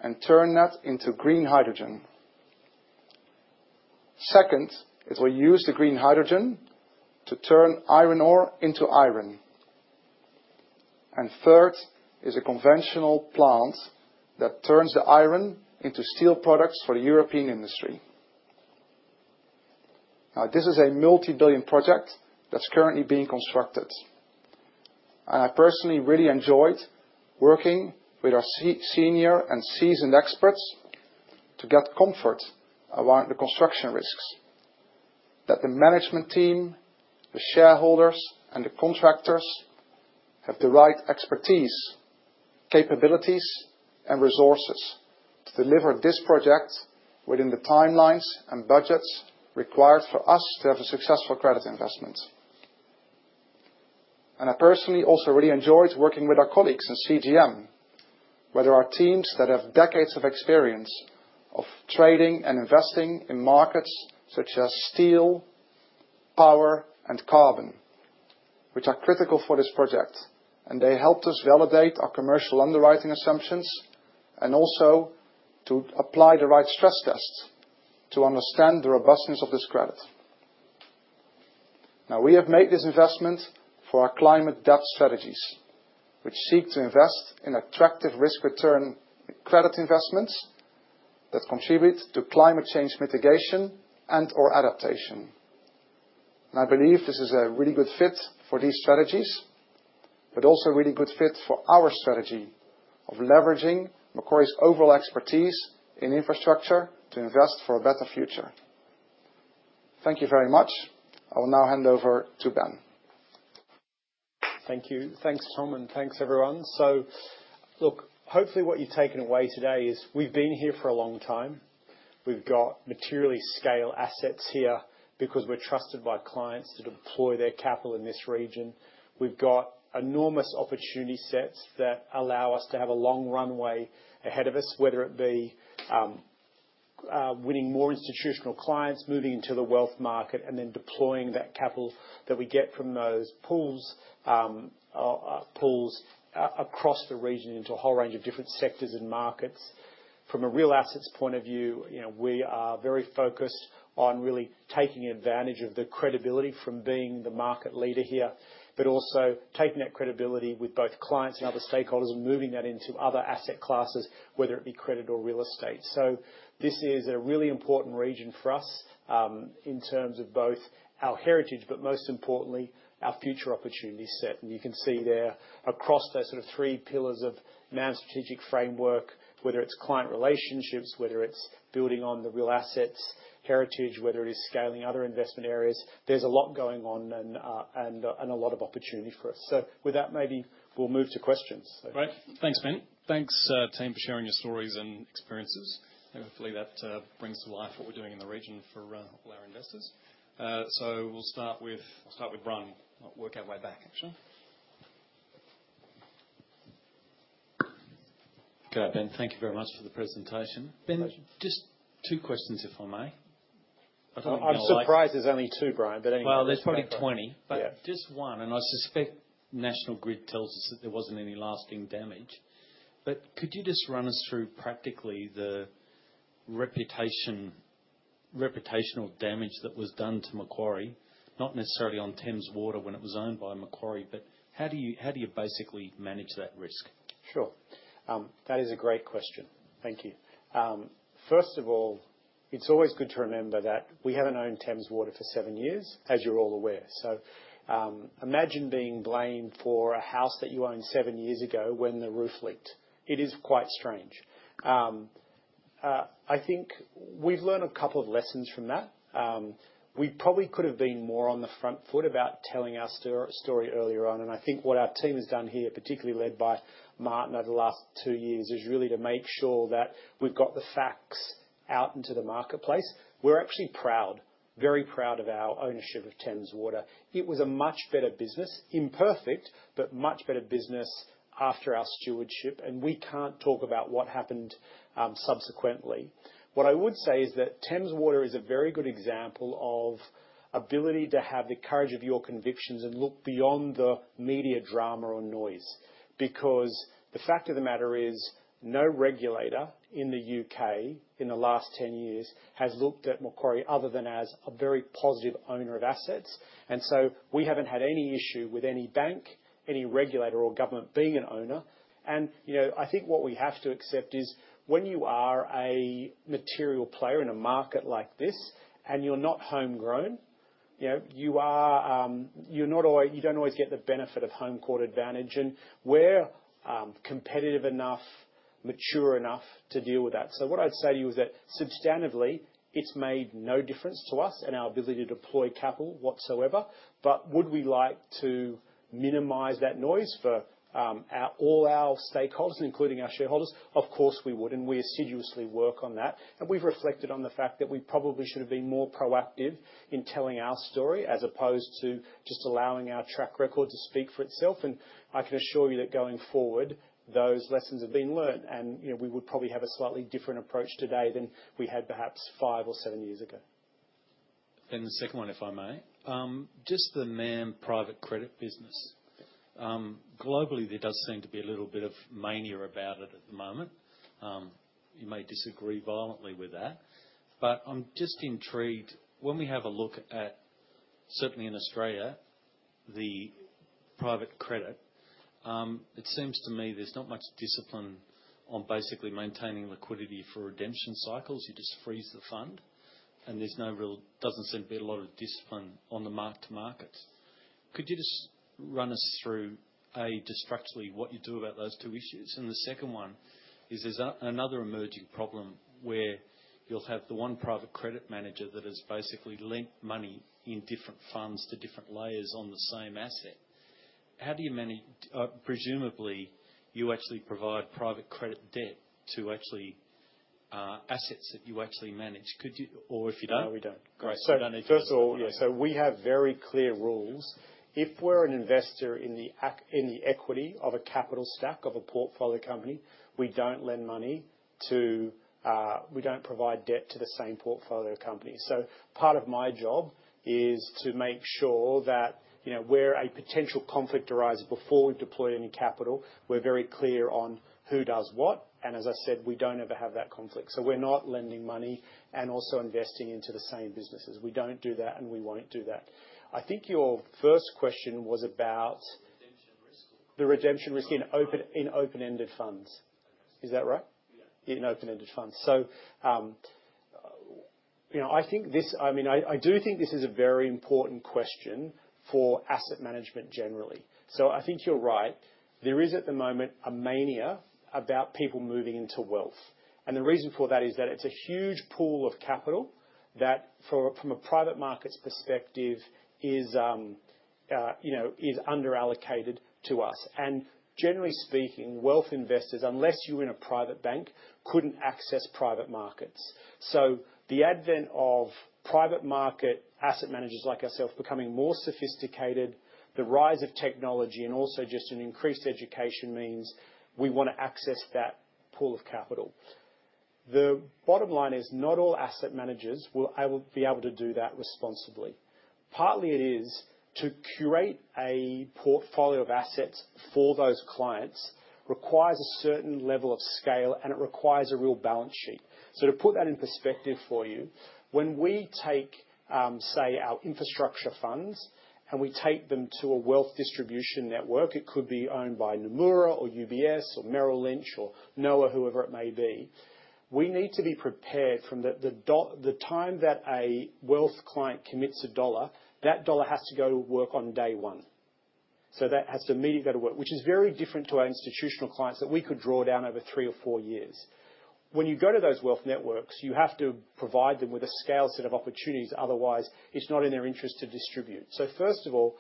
K: and turn that into green hydrogen. Second, it will use the green hydrogen to turn iron ore into iron. Third is a conventional plant that turns the iron into steel products for the European industry. This is a multi-billion project that is currently being constructed. I personally really enjoyed working with our senior and seasoned experts to get comfort around the construction risks. That the management team, the shareholders, and the contractors have the right expertise, capabilities, and resources to deliver this project within the timelines and budgets required for us to have a successful credit investment. I personally also really enjoyed working with our colleagues in CGM, where there are teams that have decades of experience of trading and investing in markets such as steel, power, and carbon, which are critical for this project. They helped us validate our commercial underwriting assumptions and also to apply the right stress tests to understand the robustness of this credit. We have made this investment for our climate debt strategies, which seek to invest in attractive risk-return credit investments that contribute to climate change mitigation and/or adaptation. I believe this is a really good fit for these strategies, but also a really good fit for our strategy of leveraging Macquarie's overall expertise in infrastructure to invest for a better future. Thank you very much. I will now hand over to Ben.
D: Thank you. Thank you, Tom, and thank you, everyone. Hopefully what you've taken away today is we've been here for a long time. We've got materially scale assets here because we're trusted by clients to deploy their capital in this region. We've got enormous opportunity sets that allow us to have a long runway ahead of us, whether it be winning more institutional clients, moving into the wealth market, and then deploying that capital that we get from those pools across the region into a whole range of different sectors and markets. From a real assets point of view, we are very focused on really taking advantage of the credibility from being the market leader here, but also taking that credibility with both clients and other stakeholders and moving that into other asset classes, whether it be credit or real estate. This is a really important region for us in terms of both our heritage, but most importantly, our future opportunity set. You can see there across those sort of three pillars of MAM's strategic framework, whether it's client relationships, whether it's building on the real assets heritage, whether it is scaling other investment areas, there's a lot going on and a lot of opportunity for us. With that, maybe we'll move to questions.
A: Right. Thanks, Ben. Thanks, team, for sharing your stories and experiences. Hopefully, that brings to life what we're doing in the region for all our investors. We'll start with Brian. We'll work our way back, actually.
L: Okay, Ben, thank you very much for the presentation. Ben, just two questions, if I may.
D: I'm surprised there's only two, Brian, but anyway.
L: There's probably 20, but just one. I suspect National Grid tells us that there wasn't any lasting damage. Could you just run us through practically the reputational damage that was done to Macquarie, not necessarily on Thames Water when it was owned by Macquarie, but how do you basically manage that risk?
D: Sure. That is a great question. Thank you. First of all, it's always good to remember that we haven't owned Thames Water for seven years, as you're all aware. Imagine being blamed for a house that you owned seven years ago when the roof leaked. It is quite strange. I think we've learned a couple of lessons from that. We probably could have been more on the front foot about telling our story earlier on. I think what our team has done here, particularly led by Martin over the last two years, is really to make sure that we've got the facts out into the marketplace. We're actually proud, very proud of our ownership of Thames Water. It was a much better business, imperfect, but much better business after our stewardship. We can't talk about what happened subsequently. What I would say is that Thames Water is a very good example of ability to have the courage of your convictions and look beyond the media drama or noise. Because the fact of the matter is no regulator in the U.K. in the last 10 years has looked at Macquarie other than as a very positive owner of assets. We have not had any issue with any bank, any regulator, or government being an owner. I think what we have to accept is when you are a material player in a market like this and you are not homegrown, you do not always get the benefit of home-court advantage. We are competitive enough, mature enough to deal with that. What I would say to you is that substantively, it has made no difference to us and our ability to deploy capital whatsoever. Would we like to minimize that noise for all our stakeholders, including our shareholders? Of course, we would, and we assiduously work on that. We have reflected on the fact that we probably should have been more proactive in telling our story as opposed to just allowing our track record to speak for itself. I can assure you that going forward, those lessons have been learned. We would probably have a slightly different approach today than we had perhaps five or seven years ago.
L: The second one, if I may. Just the MAM privatecredit business. Globally, there does seem to be a little bit of mania about it at the moment. You may disagree violently with that. I am just intrigued when we have a look at, certainly in Australia, the private credit, it seems to me there is not much discipline on basically maintaining liquidity for redemption cycles. You just freeze the fund, and there is no real, does not seem to be a lot of discipline on the mark-to-market. Could you just run us through, A, descriptively, what you do about those two issues? The second one is there's another emerging problem where you'll have the one private credit manager that has basically lent money in different funds to different layers on the same asset. How do you manage? Presumably, you actually provide private credit debt to actually assets that you actually manage. Or if you don't?
D: No, we don't. Great. First of all, yeah. We have very clear rules. If we're an investor in the equity of a capital stack of a portfolio company, we don't lend money to, we don't provide debt to, the same portfolio company. Part of my job is to make sure that where a potential conflict arises before we've deployed any capital, we're very clear on who does what. As I said, we don't ever have that conflict. We're not lending money and also investing into the same businesses. We don't do that, and we won't do that. I think your first question was about the redemption risk in open-ended funds. Is that right? Yeah. In open-ended funds. I think this, I mean, I do think this is a very important question for asset management generally. I think you're right. There is at the moment a mania about people moving into wealth. The reason for that is that it's a huge pool of capital that, from a private markets perspective, is underallocated to us. Generally speaking, wealth investors, unless you're in a private bank, couldn't access private markets. The advent of private market asset managers like ourselves becoming more sophisticated, the rise of technology, and also just an increased education means we want to access that pool of capital. The bottom line is not all asset managers will be able to do that responsibly. Partly, it is to curate a portfolio of assets for those clients requires a certain level of scale, and it requires a real balance sheet. To put that in perspective for you, when we take, say, our infrastructure funds and we take them to a wealth distribution network, it could be owned by Nomura or UBS or Merrill Lynch or NOAA, whoever it may be, we need to be prepared from the time that a wealth client commits a dollar, that dollar has to go to work on day one. That has to immediately go to work, which is very different to our institutional clients that we could draw down over three or four years. When you go to those wealth networks, you have to provide them with a scale set of opportunities; otherwise, it's not in their interest to distribute. First of all,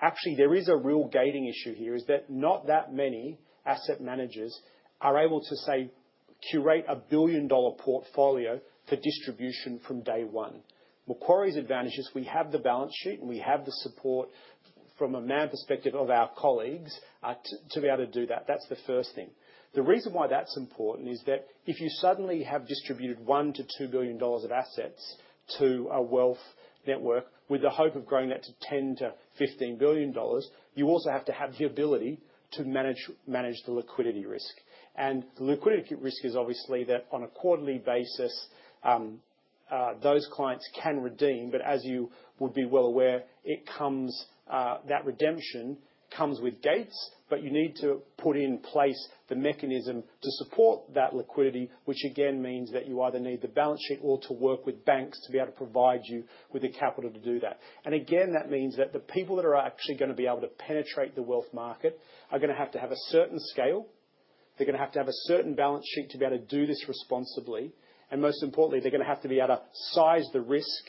D: actually, there is a real gating issue here is that not that many asset managers are able to, say, curate a billion-dollar portfolio for distribution from day one. Macquarie's advantage is we have the balance sheet, and we have the support from a MAM perspective of our colleagues to be able to do that. That's the first thing. The reason why that's important is that if you suddenly have distributed $1 billion-$2 billion of assets to a wealth network with the hope of growing that to $10 billion-$15 billion, you also have to have the ability to manage the liquidity risk. The liquidity risk is obviously that on a quarterly basis, those clients can redeem. As you would be well aware, that redemption comes with gates, but you need to put in place the mechanism to support that liquidity, which again means that you either need the balance sheet or to work with banks to be able to provide you with the capital to do that. Again, that means that the people that are actually going to be able to penetrate the wealth market are going to have to have a certain scale. They're going to have to have a certain balance sheet to be able to do this responsibly. Most importantly, they're going to have to be able to size the risk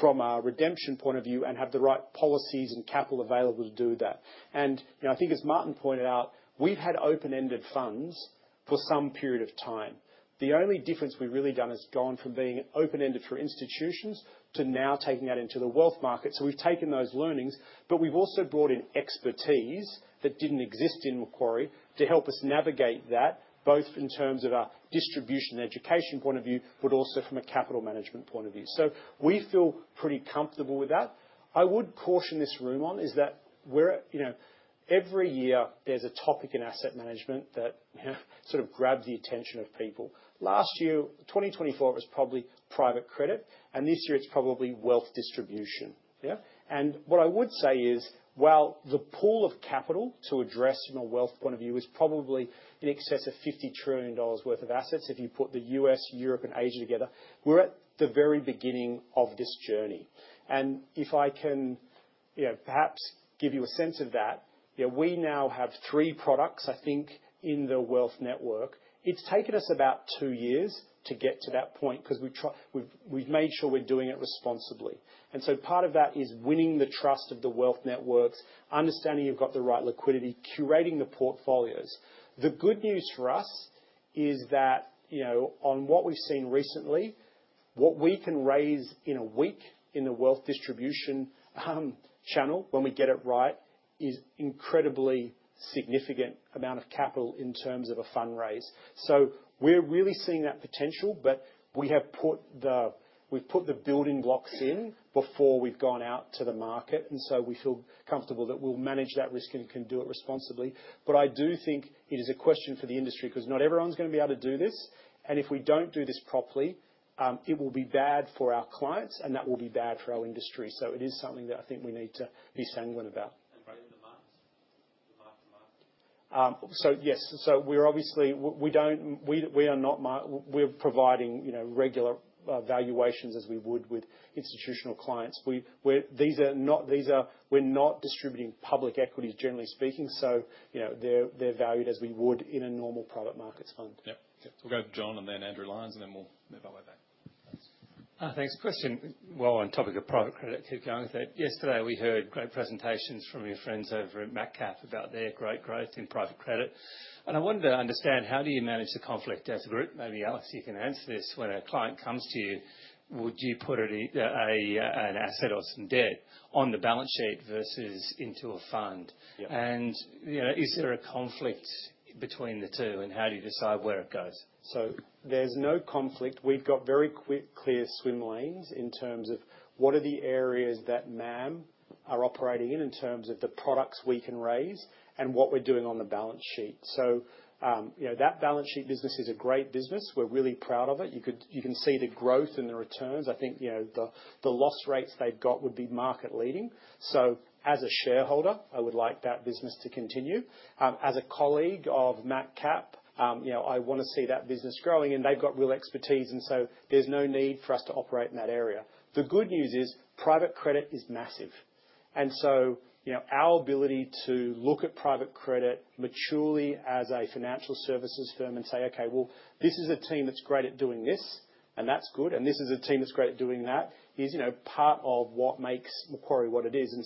D: from a redemption point of view and have the right policies and capital available to do that. I think, as Martin pointed out, we've had open-ended funds for some period of time. The only difference we've really done is gone from being open-ended for institutions to now taking that into the wealth market. We've taken those learnings, but we've also brought in expertise that didn't exist in Macquarie to help us navigate that, both in terms of a distribution education point of view, but also from a capital management point of view. We feel pretty comfortable with that. I would caution this room on is that every year there's a topic in asset management that sort of grabs the attention of people. Last year, 2024, it was probably private credit, and this year it's probably wealth distribution. What I would say is, while the pool of capital to address from a wealth point of view is probably in excess of $50 trillion worth of assets, if you put the US, Europe, and Asia together, we're at the very beginning of this journey. If I can perhaps give you a sense of that, we now have three products, I think, in the wealth network. It's taken us about two years to get to that point because we've made sure we're doing it responsibly. Part of that is winning the trust of the wealth networks, understanding you've got the right liquidity, curating the portfolios. The good news for us is that on what we've seen recently, what we can raise in a week in the wealth distribution channel when we get it right is an incredibly significant amount of capital in terms of a fundraise. We're really seeing that potential, but we have put the building blocks in before we've gone out to the market. We feel comfortable that we'll manage that risk and can do it responsibly. I do think it is a question for the industry because not everyone's going to be able to do this. If we don't do this properly, it will be bad for our clients, and that will be bad for our industry. It is something that I think we need to be sanguine about. Bring in the markets, the mark-to-market. Yes. Obviously we are providing regular valuations as we would with institutional clients. These are not, we're not distributing public equities, generally speaking. They're valued as we would in a normal private markets fund.
L: Yep. Okay.
A: We'll go to John and then Andrew Lyons, and then we'll move our way back.
M: Thanks. Question. On topic of private credit, keep going with it. Yesterday, we heard great presentations from your friends over at Macquarie Capital about their great growth in private credit. I wanted to understand how do you manage the conflict as a group? Maybe Alex, you can answer this. When a client comes to you, would you put an asset or some debt on the balance sheet versus into a fund? Is there a conflict between the two, and how do you decide where it goes?
I: There is no conflict. We've got very clear swim lanes in terms of what are the areas that MAM are operating in in terms of the products we can raise and what we're doing on the balance sheet. That balance sheet business is a great business. We're really proud of it. You can see the growth and the returns. I think the loss rates they've got would be market-leading. As a shareholder, I would like that business to continue. As a colleague of MacCap, I want to see that business growing, and they've got real expertise. There is no need for us to operate in that area. The good news is private credit is massive. Our ability to look at private credit maturely as a financial services firm and say, "Okay, well, this is a team that's great at doing this, and that's good. And this is a team that's great at doing that," is part of what makes Macquarie what it is.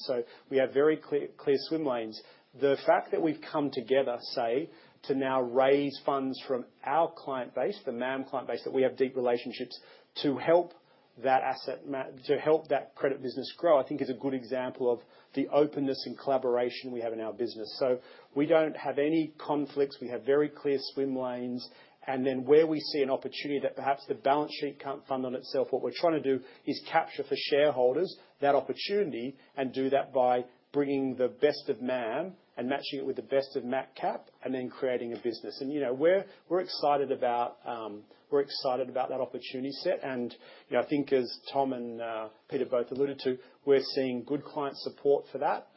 I: We have very clear swim lanes. The fact that we've come together, say, to now raise funds from our client base, the MAM client base that we have deep relationships to help that credit business grow, I think is a good example of the openness and collaboration we have in our business. We don't have any conflicts. We have very clear swim lanes. Where we see an opportunity that perhaps the balance sheet can't fund on itself, what we're trying to do is capture for shareholders that opportunity and do that by bringing the best of MAM and matching it with the best of MacCap and then creating a business. We're excited about that opportunity set. I think, as Tom and Peter both alluded to, we're seeing good client support for that,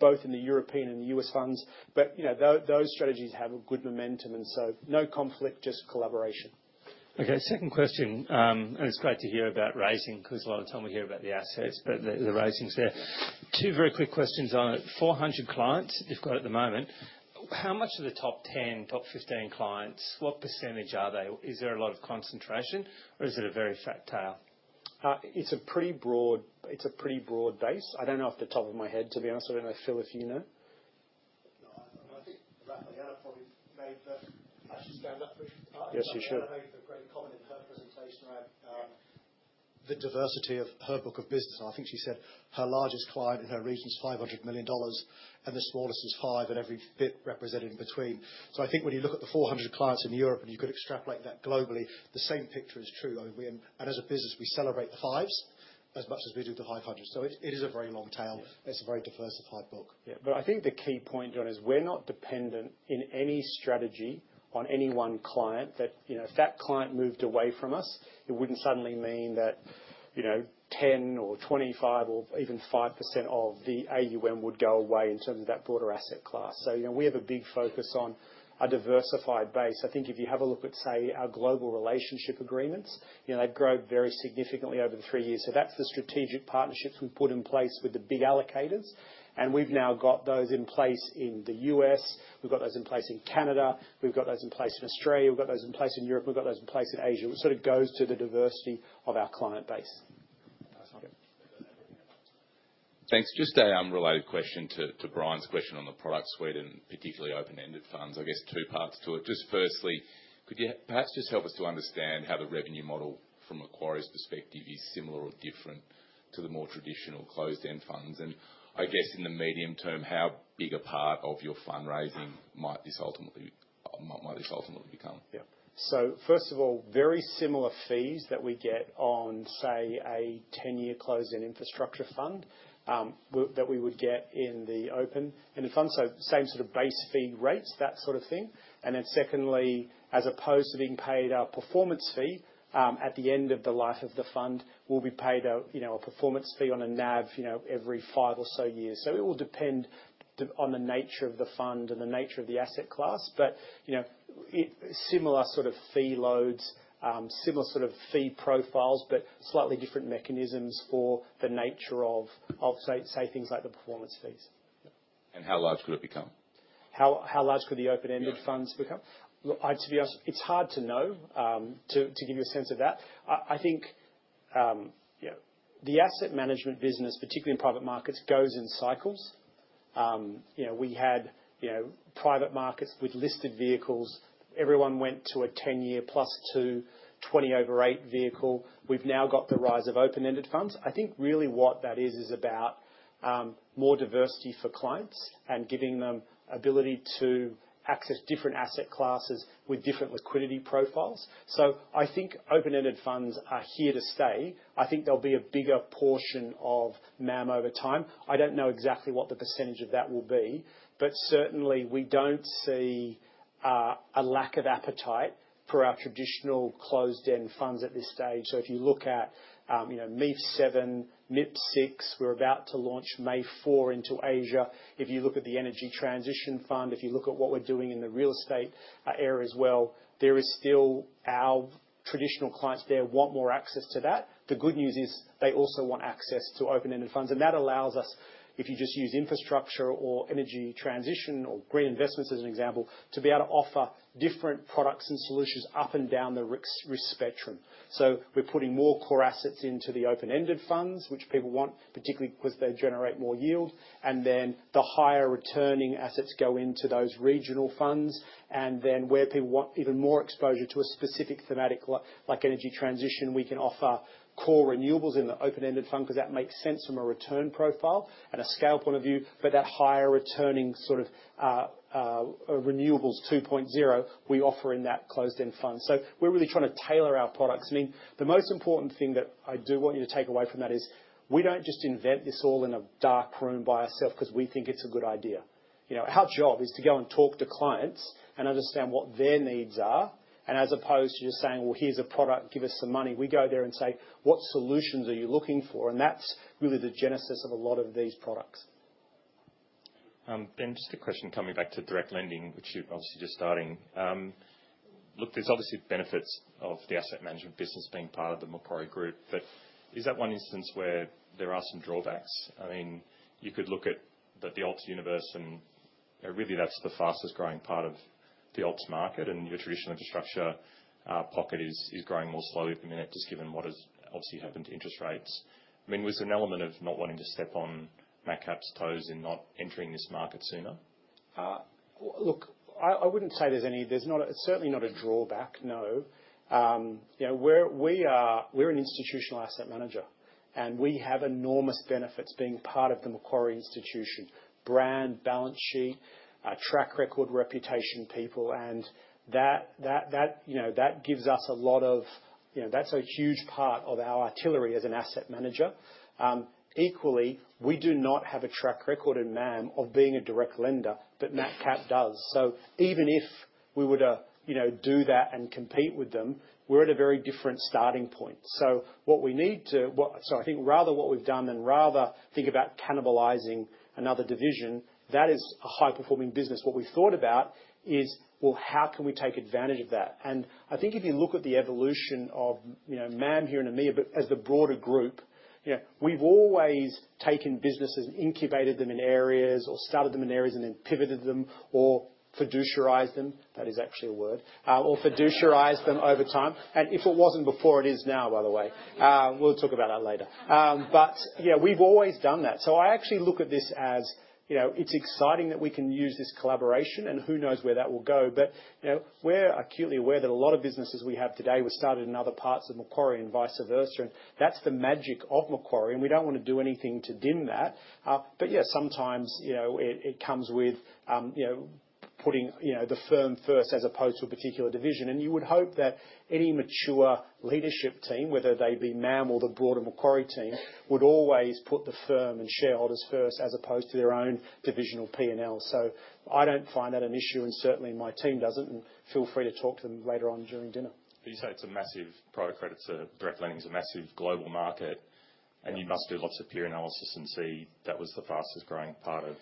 I: both in the European and the U.S. funds. Those strategies have a good momentum. No conflict, just collaboration.
M: Okay. Second question. It's great to hear about raising because a lot of the time we hear about the assets, but the raising is there. Two very quick questions on it. 400 clients you've got at the moment. How much of the top 10, top 15 clients, what % are they? Is there a lot of concentration, or is it a very fat tail?
I: It's a pretty broad, it's a pretty broad base. I don't know off the top of my head, to be honest. I don't know, Phil, if you know.
N: No, I think probably made the flashy stand-up for you. Yes, she should. I think the great comment in her presentation around the diversity of her book of business. I think she said her largest client in her region is $500 million, and the smallest is five and every bit represented in between. I think when you look at the 400 clients in Europe and you could extrapolate that globally, the same picture is true. As a business, we celebrate the fives as much as we do the 500. It is a very long tail. It is a very diversified book.
I: Yeah. I think the key point, John, is we're not dependent in any strategy on any one client that if that client moved away from us, it wouldn't suddenly mean that 10% or 25% or even 5% of the AUM would go away in terms of that broader asset class. We have a big focus on a diversified base. I think if you have a look at, say, our global relationship agreements, they've grown very significantly over the three years. That's the strategic partnerships we've put in place with the big allocators. We've now got those in place in the US. We've got those in place in Canada. We've got those in place in Australia. We've got those in place in Europe. We've got those in place in Asia. It sort of goes to the diversity of our client base.
O: Thanks. Just an unrelated question to Brian's question on the product suite and particularly open-ended funds. I guess two parts to it. Firstly, could you perhaps just help us to understand how the revenue model from Macquarie's perspective is similar or different to the more traditional closed-end funds? In the medium term, how big a part of your fundraising might this ultimately become?
D: Yep. First of all, very similar fees that we get on, say, a 10-year closed-end infrastructure fund that we would get in the open-ended fund. Same sort of base fee rates, that sort of thing. Secondly, as opposed to being paid a performance fee at the end of the life of the fund, we'll be paid a performance fee on a NAV every five or so years. It will depend on the nature of the fund and the nature of the asset class, but similar sort of fee loads, similar sort of fee profiles, but slightly different mechanisms for the nature of, say, things like the performance fees.
O: How large could it become?
D: How large could the open-ended funds become? To be honest, it's hard to know to give you a sense of that. I think the asset management business, particularly in private markets, goes in cycles. We had private markets with listed vehicles. Everyone went to a 10-year plus 2, 20 over 8 vehicle. We've now got the rise of open-ended funds. I think really what that is, is about more diversity for clients and giving them ability to access different asset classes with different liquidity profiles. I think open-ended funds are here to stay. I think there'll be a bigger portion of MAM over time. I don't know exactly what the percentage of that will be, but certainly we don't see a lack of appetite for our traditional closed-end funds at this stage. If you look at MEEF 7, MIPS 6, we're about to launch May 4 into Asia. If you look at the energy transition fund, if you look at what we're doing in the real estate area as well, there is still our traditional clients there want more access to that. The good news is they also want access to open-ended funds. That allows us, if you just use infrastructure or energy transition or green investments as an example, to be able to offer different products and solutions up and down the risk spectrum. We are putting more core assets into the open-ended funds, which people want, particularly because they generate more yield. The higher returning assets go into those regional funds. Where people want even more exposure to a specific thematic like energy transition, we can offer core renewables in the open-ended fund because that makes sense from a return profile and a scale point of view. That higher returning sort of renewables 2.0, we offer in that closed-end fund. We are really trying to tailor our products. I mean, the most important thing that I do want you to take away from that is we do not just invent this all in a dark room by ourselves because we think it is a good idea. Our job is to go and talk to clients and understand what their needs are. As opposed to just saying, "Here is a product. Give us some money." We go there and say, "What solutions are you looking for?" That is really the genesis of a lot of these products.
O: Just a question coming back to direct lending, which you are obviously just starting. Look, there are obviously benefits of the asset management business being part of the Macquarie Group, but is that one instance where there are some drawbacks? I mean, you could look at the Alts universe, and really that's the fastest growing part of the Alts market, and your traditional infrastructure pocket is growing more slowly at the minute, just given what has obviously happened to interest rates. I mean, was there an element of not wanting to step on Macquarie Capital's toes in not entering this market sooner?
D: Look, I wouldn't say there's any—there's certainly not a drawback, no. We're an institutional asset manager, and we have enormous benefits being part of the Macquarie institution: brand, balance sheet, track record, reputation, people. And that gives us a lot of—that's a huge part of our artillery as an asset manager. Equally, we do not have a track record in Macquarie Asset Management of being a direct lender, but Macquarie Capital does. So even if we were to do that and compete with them, we're at a very different starting point. What we need to—I think rather what we've done than rather think about cannibalizing another division, that is a high-performing business. What we thought about is, how can we take advantage of that? I think if you look at the evolution of MAM here in EMEA, but as the broader group, we've always taken businesses and incubated them in areas or started them in areas and then pivoted them or fiduciarized them—that is actually a word—or fiduciarized them over time. If it wasn't before, it is now, by the way. We'll talk about that later. Yeah, we've always done that. I actually look at this as it's exciting that we can use this collaboration, and who knows where that will go. We're acutely aware that a lot of businesses we have today were started in other parts of Macquarie and vice versa. That is the magic of Macquarie. We do not want to do anything to dim that. Sometimes it comes with putting the firm first as opposed to a particular division. You would hope that any mature leadership team, whether they be MAM or the broader Macquarie team, would always put the firm and shareholders first as opposed to their own divisional P&L. I do not find that an issue, and certainly my team does not. Feel free to talk to them later on during dinner. You say it is a massive—prior credit to direct lending is a massive global market, and you must do lots of peer analysis and see that was the fastest growing part of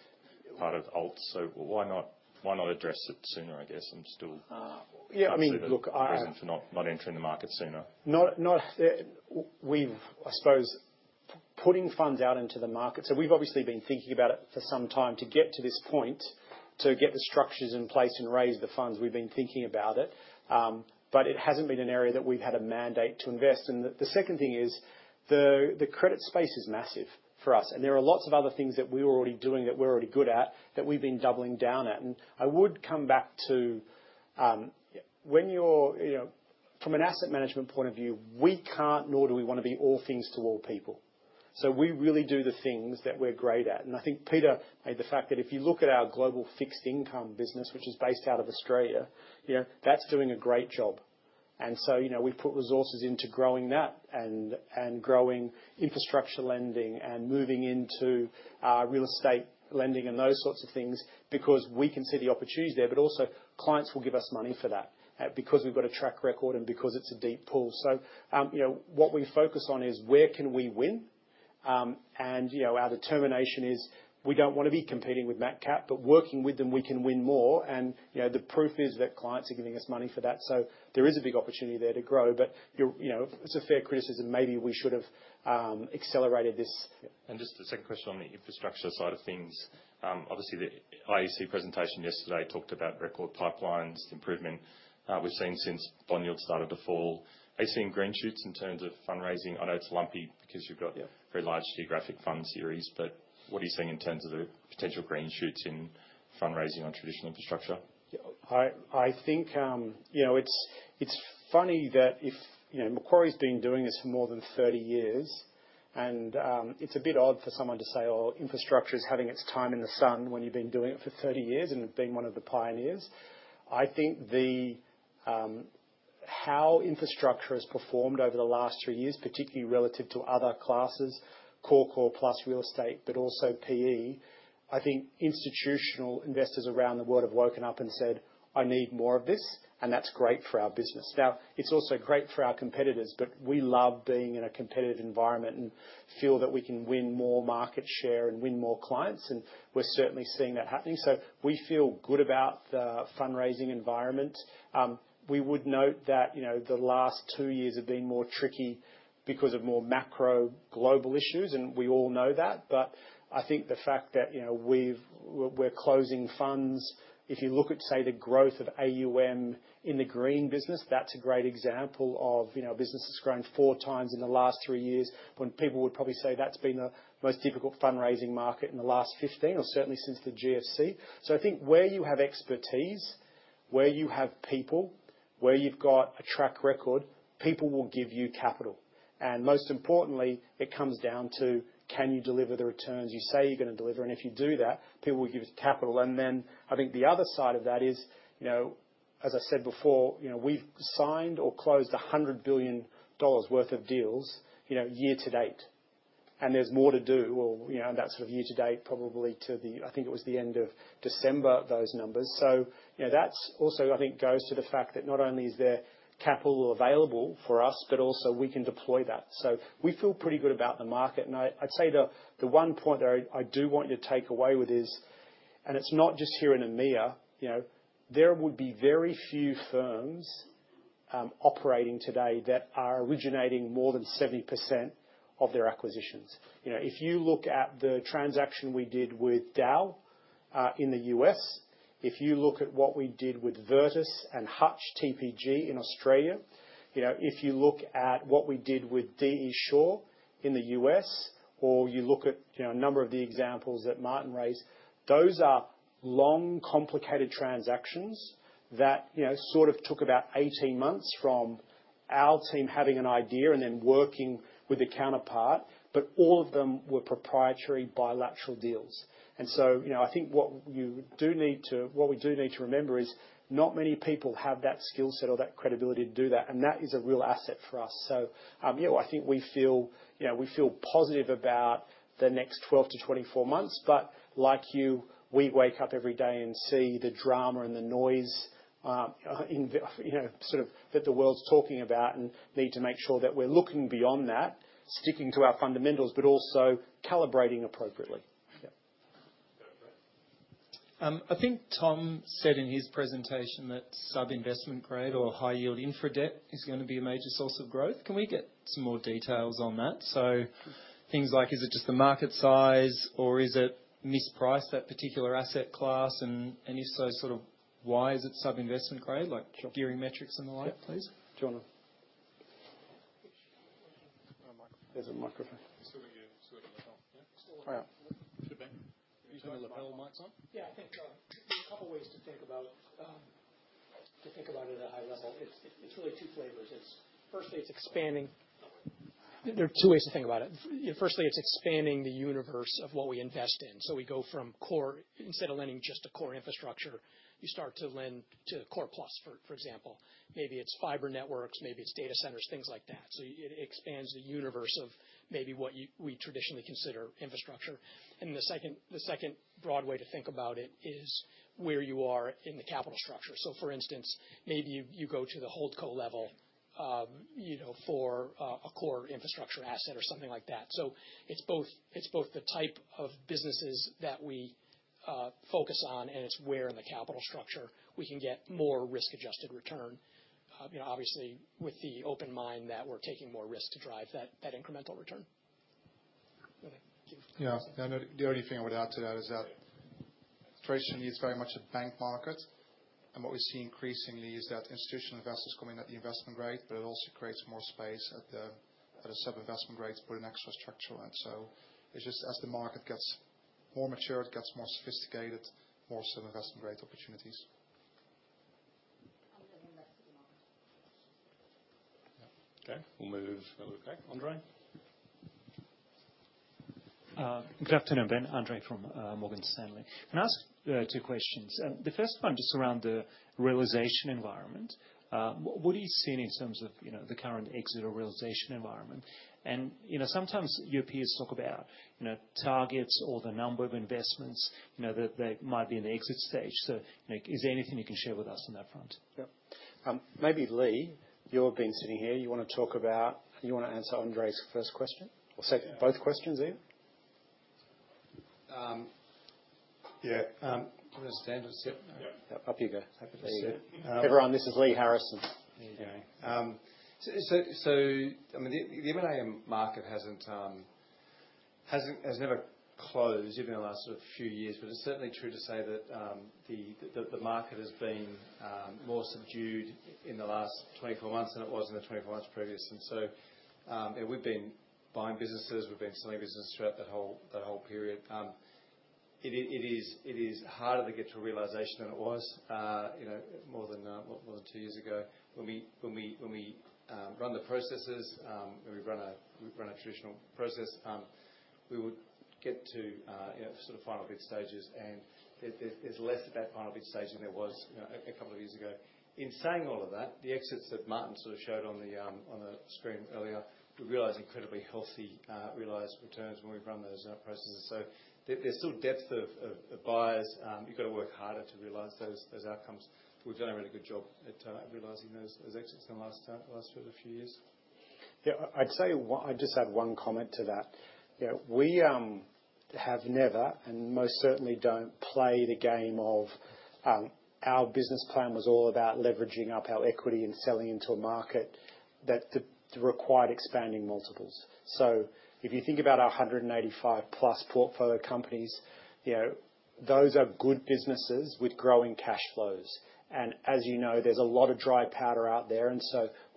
D: Alts. Why not address it sooner, I guess, and still—yeah, I mean, look, I—present for not entering the market sooner. I suppose putting funds out into the market. We've obviously been thinking about it for some time to get to this point, to get the structures in place and raise the funds. We've been thinking about it, but it hasn't been an area that we've had a mandate to invest. The second thing is the credit space is massive for us. There are lots of other things that we were already doing that we're already good at that we've been doubling down at. I would come back to when you're from an asset management point of view, we can't, nor do we want to be all things to all people. We really do the things that we're great at. I think, Peter, the fact that if you look at our global fixed income business, which is based out of Australia, that's doing a great job. We put resources into growing that and growing infrastructure lending and moving into real estate lending and those sorts of things because we can see the opportunities there, but also clients will give us money for that because we've got a track record and because it's a deep pool. What we focus on is where can we win? Our determination is we don't want to be competing with Macquarie Capital, but working with them, we can win more. The proof is that clients are giving us money for that. There is a big opportunity there to grow. It's a fair criticism. Maybe we should have accelerated this.
O: Just a second question on the infrastructure side of things. Obviously, the IEC presentation yesterday talked about record pipelines, the improvement we've seen since bond yields started to fall. Are you seeing green shoots in terms of fundraising? I know it's lumpy because you've got very large geographic fund series, but what are you seeing in terms of the potential green shoots in fundraising on traditional infrastructure?
D: I think it's funny that if Macquarie's been doing this for more than 30 years, and it's a bit odd for someone to say, "Oh, infrastructure is having its time in the sun when you've been doing it for 30 years and been one of the pioneers." I think how infrastructure has performed over the last three years, particularly relative to other classes, core, core plus real estate, but also PE, I think institutional investors around the world have woken up and said, "I need more of this, and that's great for our business." Now, it's also great for our competitors, but we love being in a competitive environment and feel that we can win more market share and win more clients. We are certainly seeing that happening. We feel good about the fundraising environment. We would note that the last two years have been more tricky because of more macro global issues, and we all know that. I think the fact that we're closing funds, if you look at, say, the growth of AUM in the green business, that's a great example of businesses growing four times in the last three years when people would probably say that's been the most difficult fundraising market in the last 15 or certainly since the GFC. I think where you have expertise, where you have people, where you've got a track record, people will give you capital. Most importantly, it comes down to can you deliver the returns you say you're going to deliver? If you do that, people will give you capital. I think the other side of that is, as I said before, we've signed or closed $100 billion worth of deals year to date. There's more to do. That's sort of year to date, probably to the—I think it was the end of December, those numbers. That also, I think, goes to the fact that not only is there capital available for us, but also we can deploy that. We feel pretty good about the market. I'd say the one point that I do want you to take away with is, it's not just here in EMEA, there would be very few firms operating today that are originating more than 70% of their acquisitions. If you look at the transaction we did with Dow in the US, if you look at what we did with Veritas and Hutch TPG in Australia, if you look at what we did with D.E. Shaw in the US, or you look at a number of the examples that Martin raised, those are long, complicated transactions that sort of took about 18 months from our team having an idea and then working with a counterpart, but all of them were proprietary bilateral deals. I think what you do need to—what we do need to remember is not many people have that skill set or that credibility to do that. That is a real asset for us. Yeah, I think we feel positive about the next 12-24 months. Like you, we wake up every day and see the drama and the noise sort of that the world's talking about and need to make sure that we're looking beyond that, sticking to our fundamentals but also calibrating appropriately. Yeah.
N: I think Tom said in his presentation that sub-investment grade or high-yield infra debt is going to be a major source of growth. Can we get some more details on that? Things like, is it just the market size, or is it mispriced that particular asset class? If so, sort of why is it sub-investment grade? Like gearing metrics and the like, please. John.
D: There's a microphone. It's still in your lapel, yeah? Oh, yeah. Should it be? You just want the lapel mics on?
K: Yeah, I think so. There's a couple of ways to think about it at a high level. It's really two flavors. Firstly, it's expanding. There are two ways to think about it. Firstly, it's expanding the universe of what we invest in. So we go from core—instead of lending just to core infrastructure, you start to lend to core plus, for example. Maybe it's fiber networks, maybe it's data centers, things like that. It expands the universe of maybe what we traditionally consider infrastructure. The second broad way to think about it is where you are in the capital structure. For instance, maybe you go to the Holdco level for a core infrastructure asset or something like that. It's both the type of businesses that we focus on and it's where in the capital structure we can get more risk-adjusted return, obviously with the open mind that we're taking more risk to drive that incremental return. Yeah.
D: The only thing I would add to that is that traditionally it's very much a bank market. What we see increasingly is that institutional investors coming at the investment grade, but it also creates more space at the sub-investment grade to put an extra structure on it. Just as the market gets more mature, it gets more sophisticated, more sub-investment grade opportunities.
A: Okay. We'll move that way. Okay. Andre?
P: Good afternoon, Ben. Andre from Morgan Stanley. Can I ask two questions? The first one just around the realization environment. What are you seeing in terms of the current exit or realization environment? Sometimes your peers talk about targets or the number of investments that they might be in the exit stage. Is there anything you can share with us on that front?
D: Yep. Maybe Lee, you've been sitting here. You want to talk about—you want to answer Andre's first question or both questions even? Yeah. Do you want to stand and sit? Yep. Yep. Up you go. Happy to sit. Everyone, this is Lee Harrison.
Q: There you go. I mean, the M&A market has never closed even in the last sort of few years, but it's certainly true to say that the market has been more subdued in the last 24 months than it was in the 24 months previous. We have been buying businesses. We have been selling businesses throughout that whole period. It is harder to get to a realization than it was more than two years ago. When we run the processes, when we run a traditional process, we would get to sort of final bid stages, and there's less at that final bid stage than there was a couple of years ago. In saying all of that, the exits that Martin sort of showed on the screen earlier, we realize incredibly healthy realized returns when we've run those processes. There is still depth of buyers. You've got to work harder to realize those outcomes. We've done a really good job at realizing those exits in the last sort of few years.
D: Yeah. I'd say I just add one comment to that. We have never and most certainly do not play the game of our business plan was all about leveraging up our equity and selling into a market that required expanding multiples. If you think about our 185-plus portfolio companies, those are good businesses with growing cash flows. And as you know, there is a lot of dry powder out there.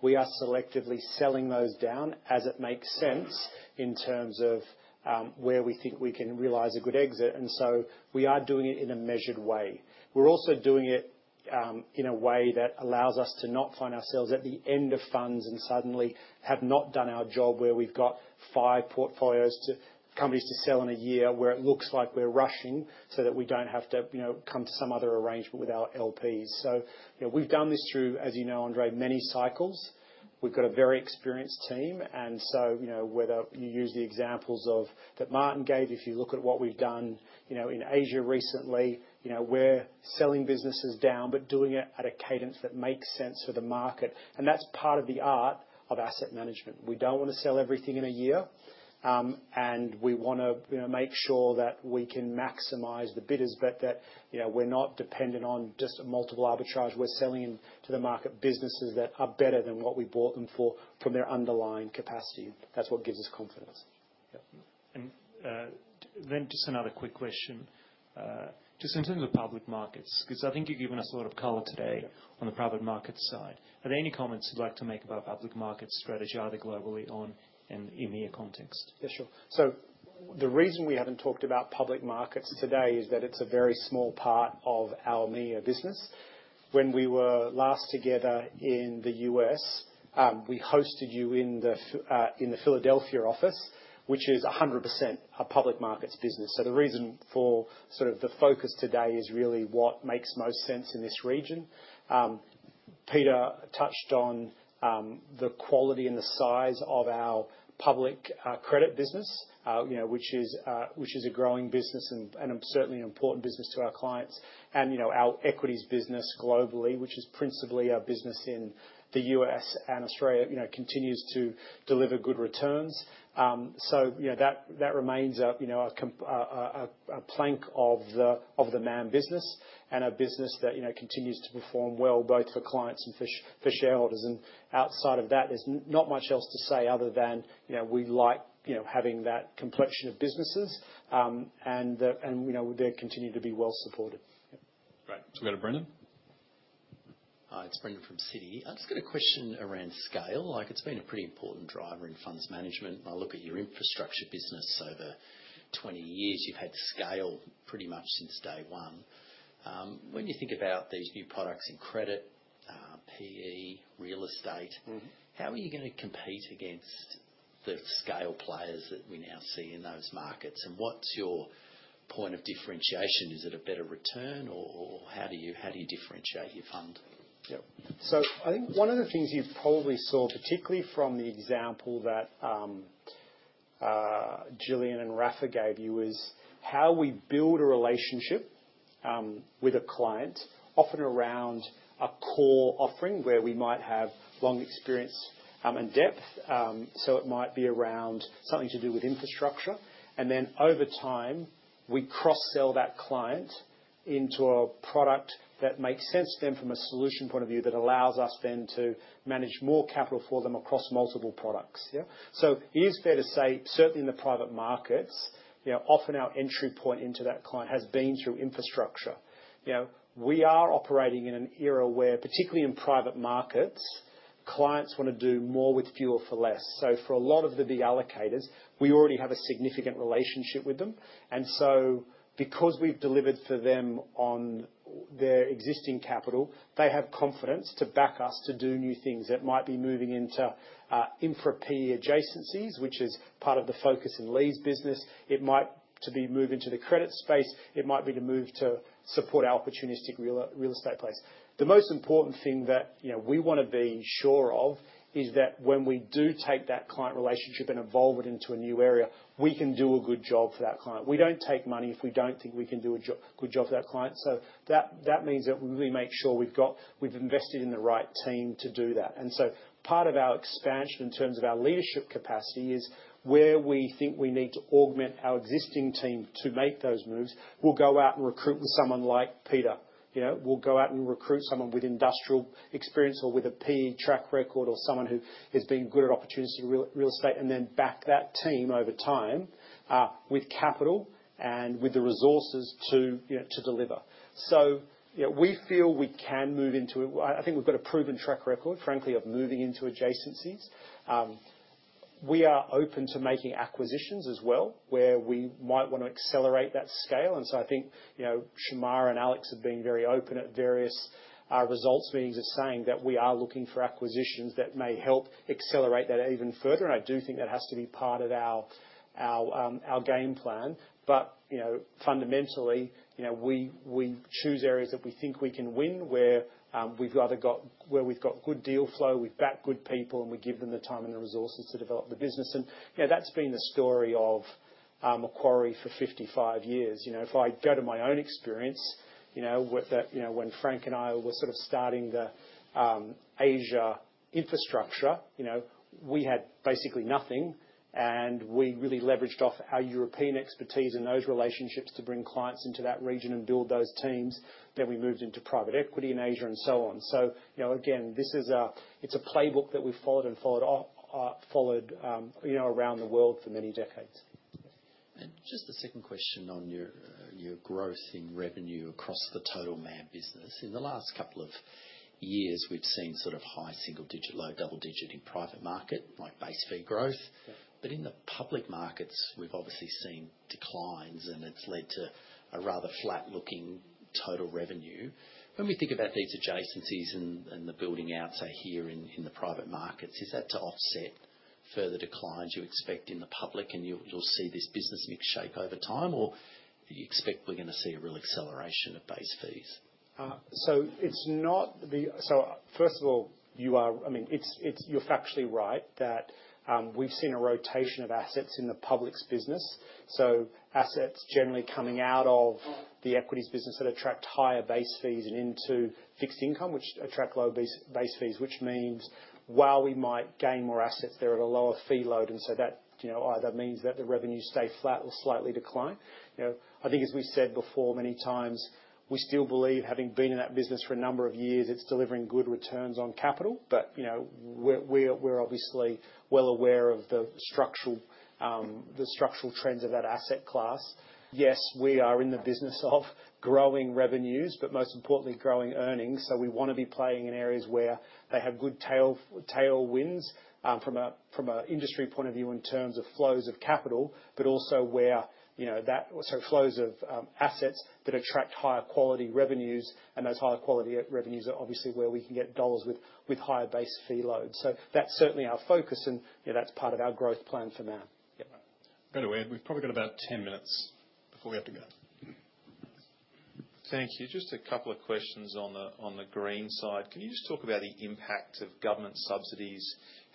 D: We are selectively selling those down as it makes sense in terms of where we think we can realize a good exit. We are doing it in a measured way. We are also doing it in a way that allows us to not find ourselves at the end of funds and suddenly have not done our job where we've got five portfolios to companies to sell in a year where it looks like we're rushing so that we don't have to come to some other arrangement with our LPs. We have done this through, as you know, Andre, many cycles. We've got a very experienced team. Whether you use the examples that Martin gave, if you look at what we've done in Asia recently, we're selling businesses down but doing it at a cadence that makes sense for the market. That's part of the art of asset management. We don't want to sell everything in a year. We want to make sure that we can maximize the bidders, but that we're not dependent on just multiple arbitrage. We're selling to the market businesses that are better than what we bought them for from their underlying capacity. That's what gives us confidence.
P: Yep. Just another quick question. Just in terms of public markets, because I think you've given us a lot of color today on the private market side, are there any comments you'd like to make about public market strategy either globally or in EMEA context?
D: Yeah, sure. The reason we haven't talked about public markets today is that it's a very small part of our EMEA business. When we were last together in the US, we hosted you in the Philadelphia office, which is 100% a public markets business. The reason for sort of the focus today is really what makes most sense in this region. Peter touched on the quality and the size of our public credit business, which is a growing business and certainly an important business to our clients. Our equities business globally, which is principally our business in the US and Australia, continues to deliver good returns. That remains a plank of the MAM business and a business that continues to perform well both for clients and for shareholders. Outside of that, there is not much else to say other than we like having that complexion of businesses, and they continue to be well supported.
A: Great. We have got a Brendan.
R: Hi, it is Brendan from Citi. I just got a question around scale. It's been a pretty important driver in funds management. I look at your infrastructure business over 20 years. You've had scale pretty much since day one. When you think about these new products in credit, PE, real estate, how are you going to compete against the scale players that we now see in those markets? And what's your point of differentiation? Is it a better return, or how do you differentiate your fund?
D: Yep. I think one of the things you probably saw, particularly from the example that Gillian and Rafa gave you, is how we build a relationship with a client, often around a core offering where we might have long experience and depth. It might be around something to do with infrastructure. Over time, we cross-sell that client into a product that makes sense to them from a solution point of view that allows us then to manage more capital for them across multiple products. Yeah. It is fair to say, certainly in the private markets, often our entry point into that client has been through infrastructure. We are operating in an era where, particularly in private markets, clients want to do more with fewer for less. For a lot of the B allocators, we already have a significant relationship with them. Because we have delivered for them on their existing capital, they have confidence to back us to do new things that might be moving into infra PE adjacencies, which is part of the focus in Lee's business. It might be to move into the credit space. It might be to move to support our opportunistic real estate place. The most important thing that we want to be sure of is that when we do take that client relationship and evolve it into a new area, we can do a good job for that client. We do not take money if we do not think we can do a good job for that client. That means that we really make sure we have invested in the right team to do that. Part of our expansion in terms of our leadership capacity is where we think we need to augment our existing team to make those moves. We will go out and recruit with someone like Peter. will go out and recruit someone with industrial experience or with a PE track record or someone who has been good at opportunistic real estate, and then back that team over time with capital and with the resources to deliver. We feel we can move into it. I think we have got a proven track record, frankly, of moving into adjacencies. We are open to making acquisitions as well where we might want to accelerate that scale. I think Shemara and Alex have been very open at various results meetings of saying that we are looking for acquisitions that may help accelerate that even further. I do think that has to be part of our game plan. Fundamentally, we choose areas that we think we can win where we've got good deal flow, we've backed good people, and we give them the time and the resources to develop the business. That's been the story of Macquarie for 55 years. If I go to my own experience, when Frank and I were sort of starting the Asia infrastructure, we had basically nothing. We really leveraged off our European expertise and those relationships to bring clients into that region and build those teams. We moved into private equity in Asia and so on. Again, it's a playbook that we've followed and followed around the world for many decades.
R: Just the second question on your growth in revenue across the total MAM business. In the last couple of years, we've seen sort of high single-digit, low double-digit in private market, like base fee growth? In the public markets, we've obviously seen declines, and it's led to a rather flat-looking total revenue. When we think about these adjacencies and the building out, say, here in the private markets, is that to offset further declines you expect in the public, and you'll see this business mix shape over time, or do you expect we're going to see a real acceleration of base fees?
D: First of all, you are—I mean, you're factually right that we've seen a rotation of assets in the public's business. Assets generally coming out of the equities business that attract higher base fees and into fixed income, which attract low base fees, which means while we might gain more assets, they're at a lower fee load. That either means that the revenues stay flat or slightly decline. I think, as we've said before many times, we still believe, having been in that business for a number of years, it's delivering good returns on capital. We are obviously well aware of the structural trends of that asset class. Yes, we are in the business of growing revenues, but most importantly, growing earnings. We want to be playing in areas where they have good tailwinds from an industry point of view in terms of flows of capital, but also where that—so flows of assets that attract higher quality revenues. Those higher quality revenues are obviously where we can get dollars with higher base fee loads. That is certainly our focus, and that is part of our growth plan for now.
A: Yep. Go to Ed. We've probably got about 10 minutes before we have to go.
S: Thank you. Just a couple of questions on the green side. Can you just talk about the impact of government subsidies,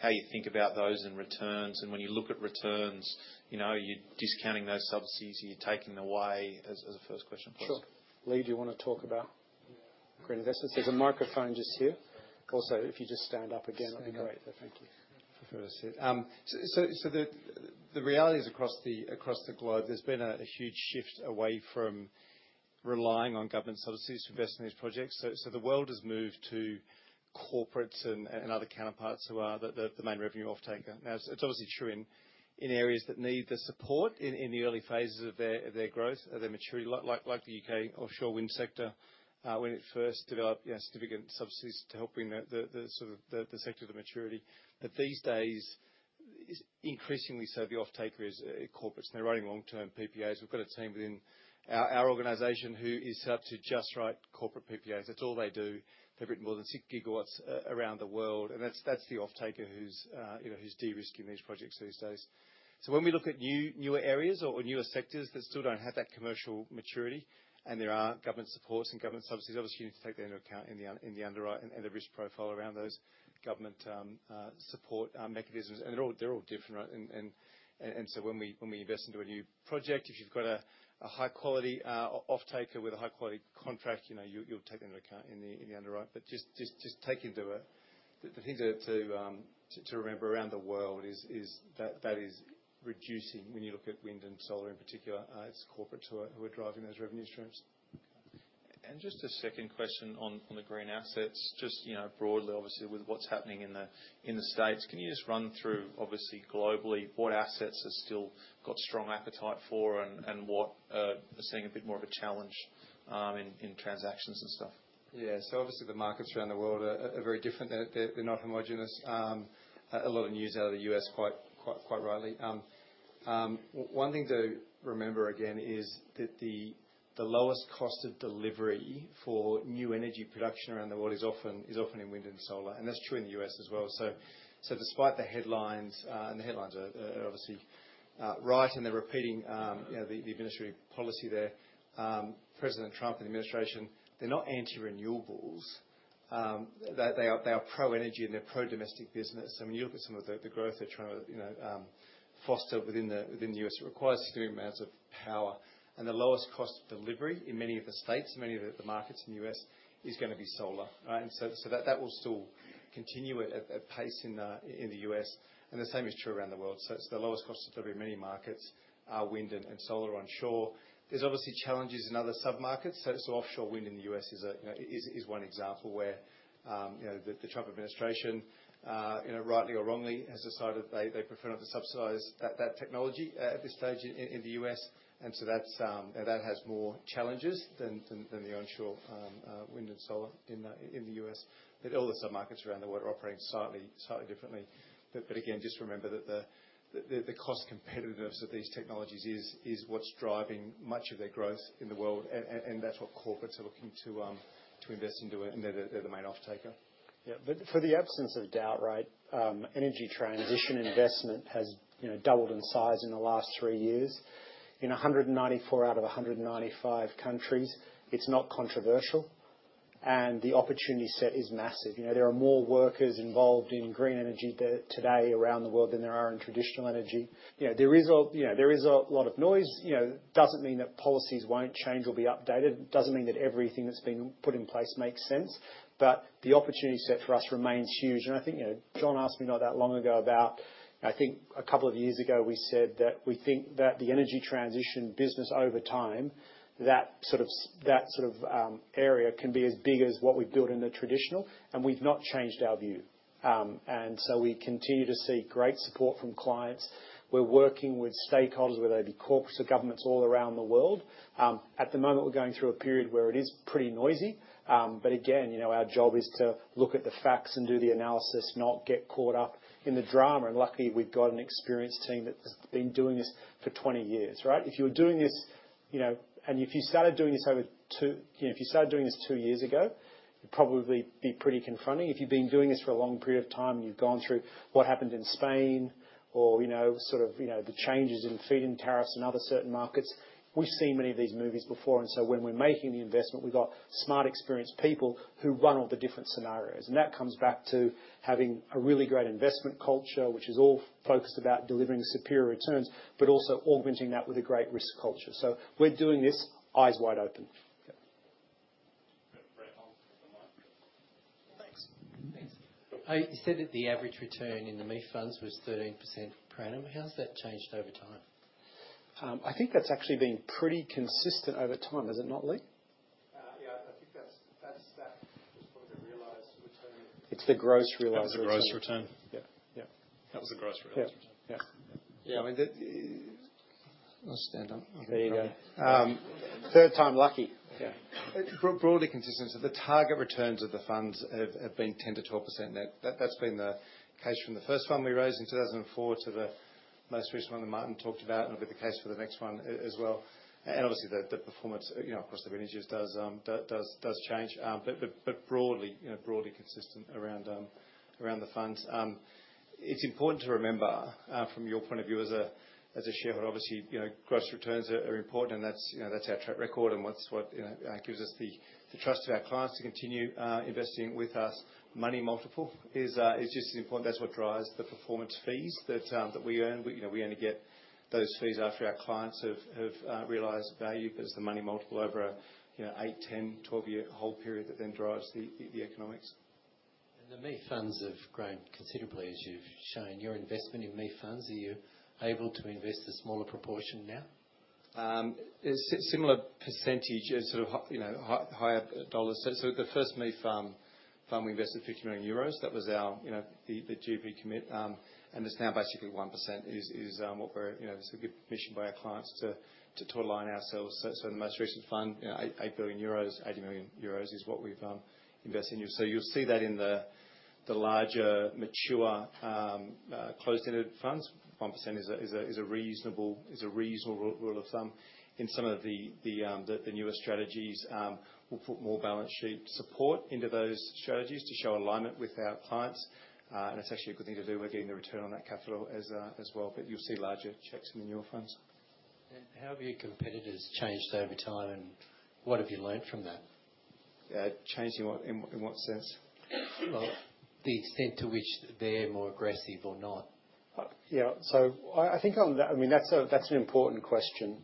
S: how you think about those and returns? When you look at returns, are you discounting those subsidies or are you taking them away?
D: As a first question for us. Sure. Lee, do you want to talk about green investments? There is a microphone just here. Also, if you just stand up again, that would be great.
Q: Thank you. The reality is across the globe, there has been a huge shift away from relying on government subsidies to invest in these projects. The world has moved to corporates and other counterparts who are the main revenue off-taker. Now, it is obviously true in areas that need the support in the early phases of their growth, of their maturity, like the U.K. offshore wind sector when it first developed significant subsidies to helping the sector to maturity. These days, increasingly so, the off-taker is corporates, and they're writing long-term PPAs. We've got a team within our organization who is set up to just write corporate PPAs. That's all they do. They've written more than 6 GW around the world. That's the off-taker who's de-risking these projects these days. When we look at newer areas or newer sectors that still don't have that commercial maturity and there aren't government supports and government subsidies, obviously, you need to take that into account in the underwrite and the risk profile around those government support mechanisms. They're all different, right? When we invest into a new project, if you've got a high-quality off-taker with a high-quality contract, you'll take that into account in the underwrite. Just take into it, the thing to remember around the world is that that is reducing. When you look at wind and solar in particular, it's corporates who are driving those revenue streams. Just a second question on the green assets, just broadly, obviously, with what's happening in the States. Can you just run through, obviously, globally, what assets have still got strong appetite for and what are seeing a bit more of a challenge in transactions and stuff? Yeah. Obviously, the markets around the world are very different. They're not homogenous. A lot of news out of the U.S., quite rightly. One thing to remember, again, is that the lowest cost of delivery for new energy production around the world is often in wind and solar. That's true in the U.S. as well. Despite the headlines, and the headlines are obviously right, and they're repeating the administrative policy there, President Trump and the administration, they're not anti-renewables. They are pro-energy and they're pro-domestic business. I mean, you look at some of the growth they're trying to foster within the U.S., it requires significant amounts of power. The lowest cost of delivery in many of the states, many of the markets in the U.S., is going to be solar. That will still continue at pace in the U.S. The same is true around the world. It's the lowest cost of delivery in many markets, wind and solar onshore. There's obviously challenges in other sub-markets. Offshore wind in the U.S. is one example where the Trump administration, rightly or wrongly, has decided they prefer not to subsidize that technology at this stage in the U.S. That has more challenges than the onshore wind and solar in the U.S. All the sub-markets around the world are operating slightly differently. Just remember that the cost competitiveness of these technologies is what's driving much of their growth in the world. That's what corporates are looking to invest into. They're the main off-taker.
D: For the absence of doubt, right, energy transition investment has doubled in size in the last three years. In 194 out of 195 countries, it's not controversial. The opportunity set is massive. There are more workers involved in green energy today around the world than there are in traditional energy. There is a lot of noise. It doesn't mean that policies won't change or be updated. It doesn't mean that everything that's been put in place makes sense. The opportunity set for us remains huge. I think John asked me not that long ago about, I think a couple of years ago, we said that we think that the energy transition business over time, that sort of area can be as big as what we've built in the traditional. We've not changed our view. We continue to see great support from clients. We're working with stakeholders, whether they be corporates or governments all around the world. At the moment, we're going through a period where it is pretty noisy. Again, our job is to look at the facts and do the analysis, not get caught up in the drama. Luckily, we've got an experienced team that has been doing this for 20 years, right? If you were doing this, and if you started doing this over two, if you started doing this two years ago, it'd probably be pretty confronting. If you've been doing this for a long period of time and you've gone through what happened in Spain or sort of the changes in feed-in tariffs in other certain markets, we've seen many of these movies before. When we're making the investment, we've got smart, experienced people who run all the different scenarios. That comes back to having a really great investment culture, which is all focused about delivering superior returns, but also augmenting that with a great risk culture. We're doing this eyes wide open.
S: Yeah. Great. Thanks. Thanks. You said that the average return in the MEIF Funds was 13% per annum. How has that changed over time?
D: I think that's actually been pretty consistent over time, has it not, Lee?
Q: Yeah. I think that's probably the realized return.
D: It's the gross realized return.
J: It's the gross return.
D: Yeah. Yeah.
J: That was the gross realized return. Yeah. Yeah. Yeah. I mean, I'll stand up. There you go. Third time lucky. Yeah. Broadly consistent to the target returns of the funds have been 10-12%. That's been the case from the first fund we raised in 2004 to the most recent one that Martin talked about, and it'll be the case for the next one as well. Obviously, the performance across the ranges does change. Broadly consistent around the funds. It's important to remember from your point of view as a shareholder, obviously, gross returns are important, and that's our track record and what gives us the trust of our clients to continue investing with us. Money multiple is just as important. That's what drives the performance fees that we earn. We only get those fees after our clients have realized value. It's the money multiple over an 8, 10, 12-year whole period that then drives the economics.
S: The MEIF Funds have grown considerably, as you've shown. Your investment in MEIF Funds, are you able to invest a smaller proportion now?
J: Similar percentage, sort of higher dollars. The first MEIF Fund we invested 50 million euros. That was the GP commit. It's now basically 1% is what we're it's a good mission by our clients to align ourselves. The most recent fund, 8 billion euros, 80 million euros is what we've invested in. You'll see that in the larger mature closed-ended funds. 1% is a reasonable rule of thumb. In some of the newer strategies, we'll put more balance sheet support into those strategies to show alignment with our clients. It's actually a good thing to do. We're getting the return on that capital as well. You'll see larger s in the newer funds.
S: How have your competitors changed over time, and what have you learned from that?
J: Changed in what sense?
S: The extent to which they're more aggressive or not.
D: Yeah. I think on that, I mean, that's an important question.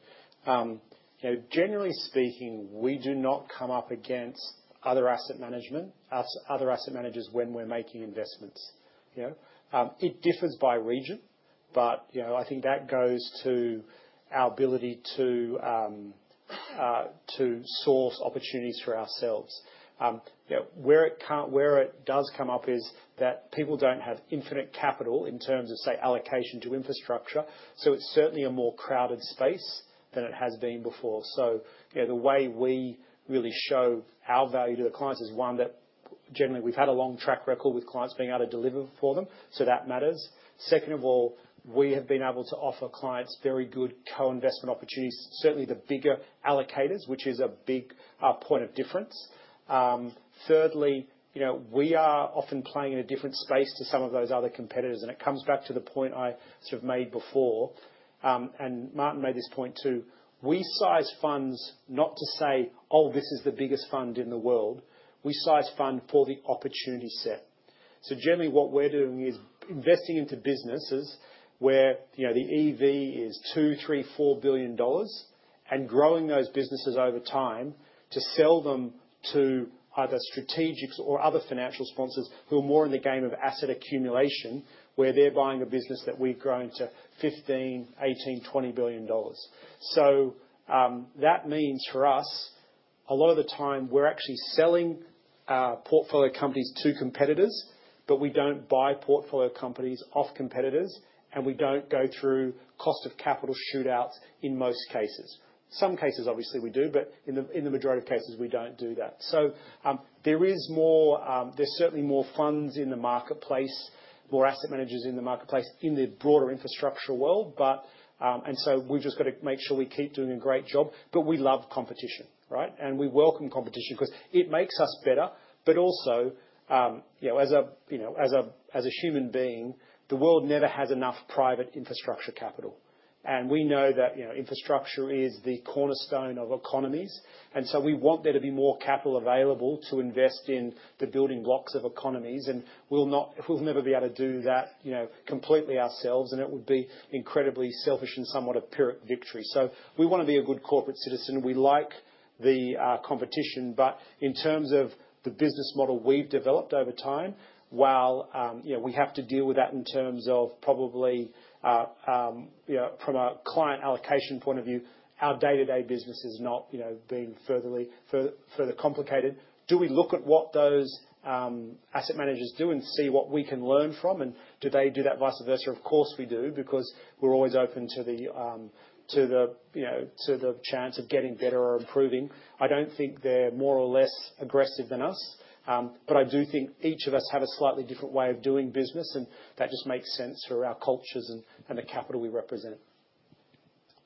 D: Generally speaking, we do not come up against other asset managers when we're making investments. It differs by region, but I think that goes to our ability to source opportunities for ourselves. Where it does come up is that people don't have infinite capital in terms of, say, allocation to infrastructure. It's certainly a more crowded space than it has been before. The way we really show our value to the clients is, one, that generally, we've had a long track record with clients being able to deliver for them. That matters. Second of all, we have been able to offer clients very good co-investment opportunities, certainly the bigger allocators, which is a big point of difference. Thirdly, we are often playing in a different space to some of those other competitors. It comes back to the point I sort of made before. Martin made this point too. We size funds not to say, "Oh, this is the biggest fund in the world." We size fund for the opportunity set. Generally, what we're doing is investing into businesses where the EV is $2 billion, $3 billion, $4 billion and growing those businesses over time to sell them to either strategics or other financial sponsors who are more in the game of asset accumulation, where they're buying a business that we've grown to $15 billion, $18 billion, $20 billion. That means for us, a lot of the time, we're actually selling portfolio companies to competitors, but we don't buy portfolio companies off competitors, and we don't go through cost of capital shootouts in most cases. Some cases, obviously, we do, but in the majority of cases, we don't do that. There is more, there's certainly more funds in the marketplace, more asset managers in the marketplace in the broader infrastructure world. We just have to make sure we keep doing a great job. We love competition, right? We welcome competition because it makes us better. Also, as a human being, the world never has enough private infrastructure capital. We know that infrastructure is the cornerstone of economies. We want there to be more capital available to invest in the building blocks of economies. We'll never be able to do that completely ourselves, and it would be incredibly selfish and somewhat a pyrrhic victory. We want to be a good corporate citizen. We like the competition. In terms of the business model we've developed over time, while we have to deal with that in terms of probably from a client allocation point of view, our day-to-day business has not been further complicated. Do we look at what those asset managers do and see what we can learn from? And do they do that vice versa? Of course, we do because we're always open to the chance of getting better or improving. I don't think they're more or less aggressive than us. I do think each of us have a slightly different way of doing business, and that just makes sense for our cultures and the capital we represent.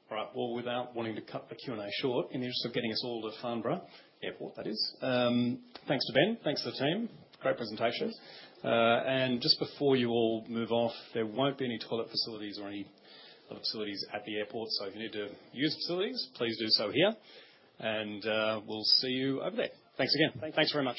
A: All right. Without wanting to cut the Q&A short, in the interest of getting us all to Farnborough Airport, that is, thanks to Ben, thanks to the team. Great presentation. Just before you all move off, there will not be any toilet facilities or any other facilities at the airport. If you need to use facilities, please do so here. We will see you over there. Thanks again. Thanks very much.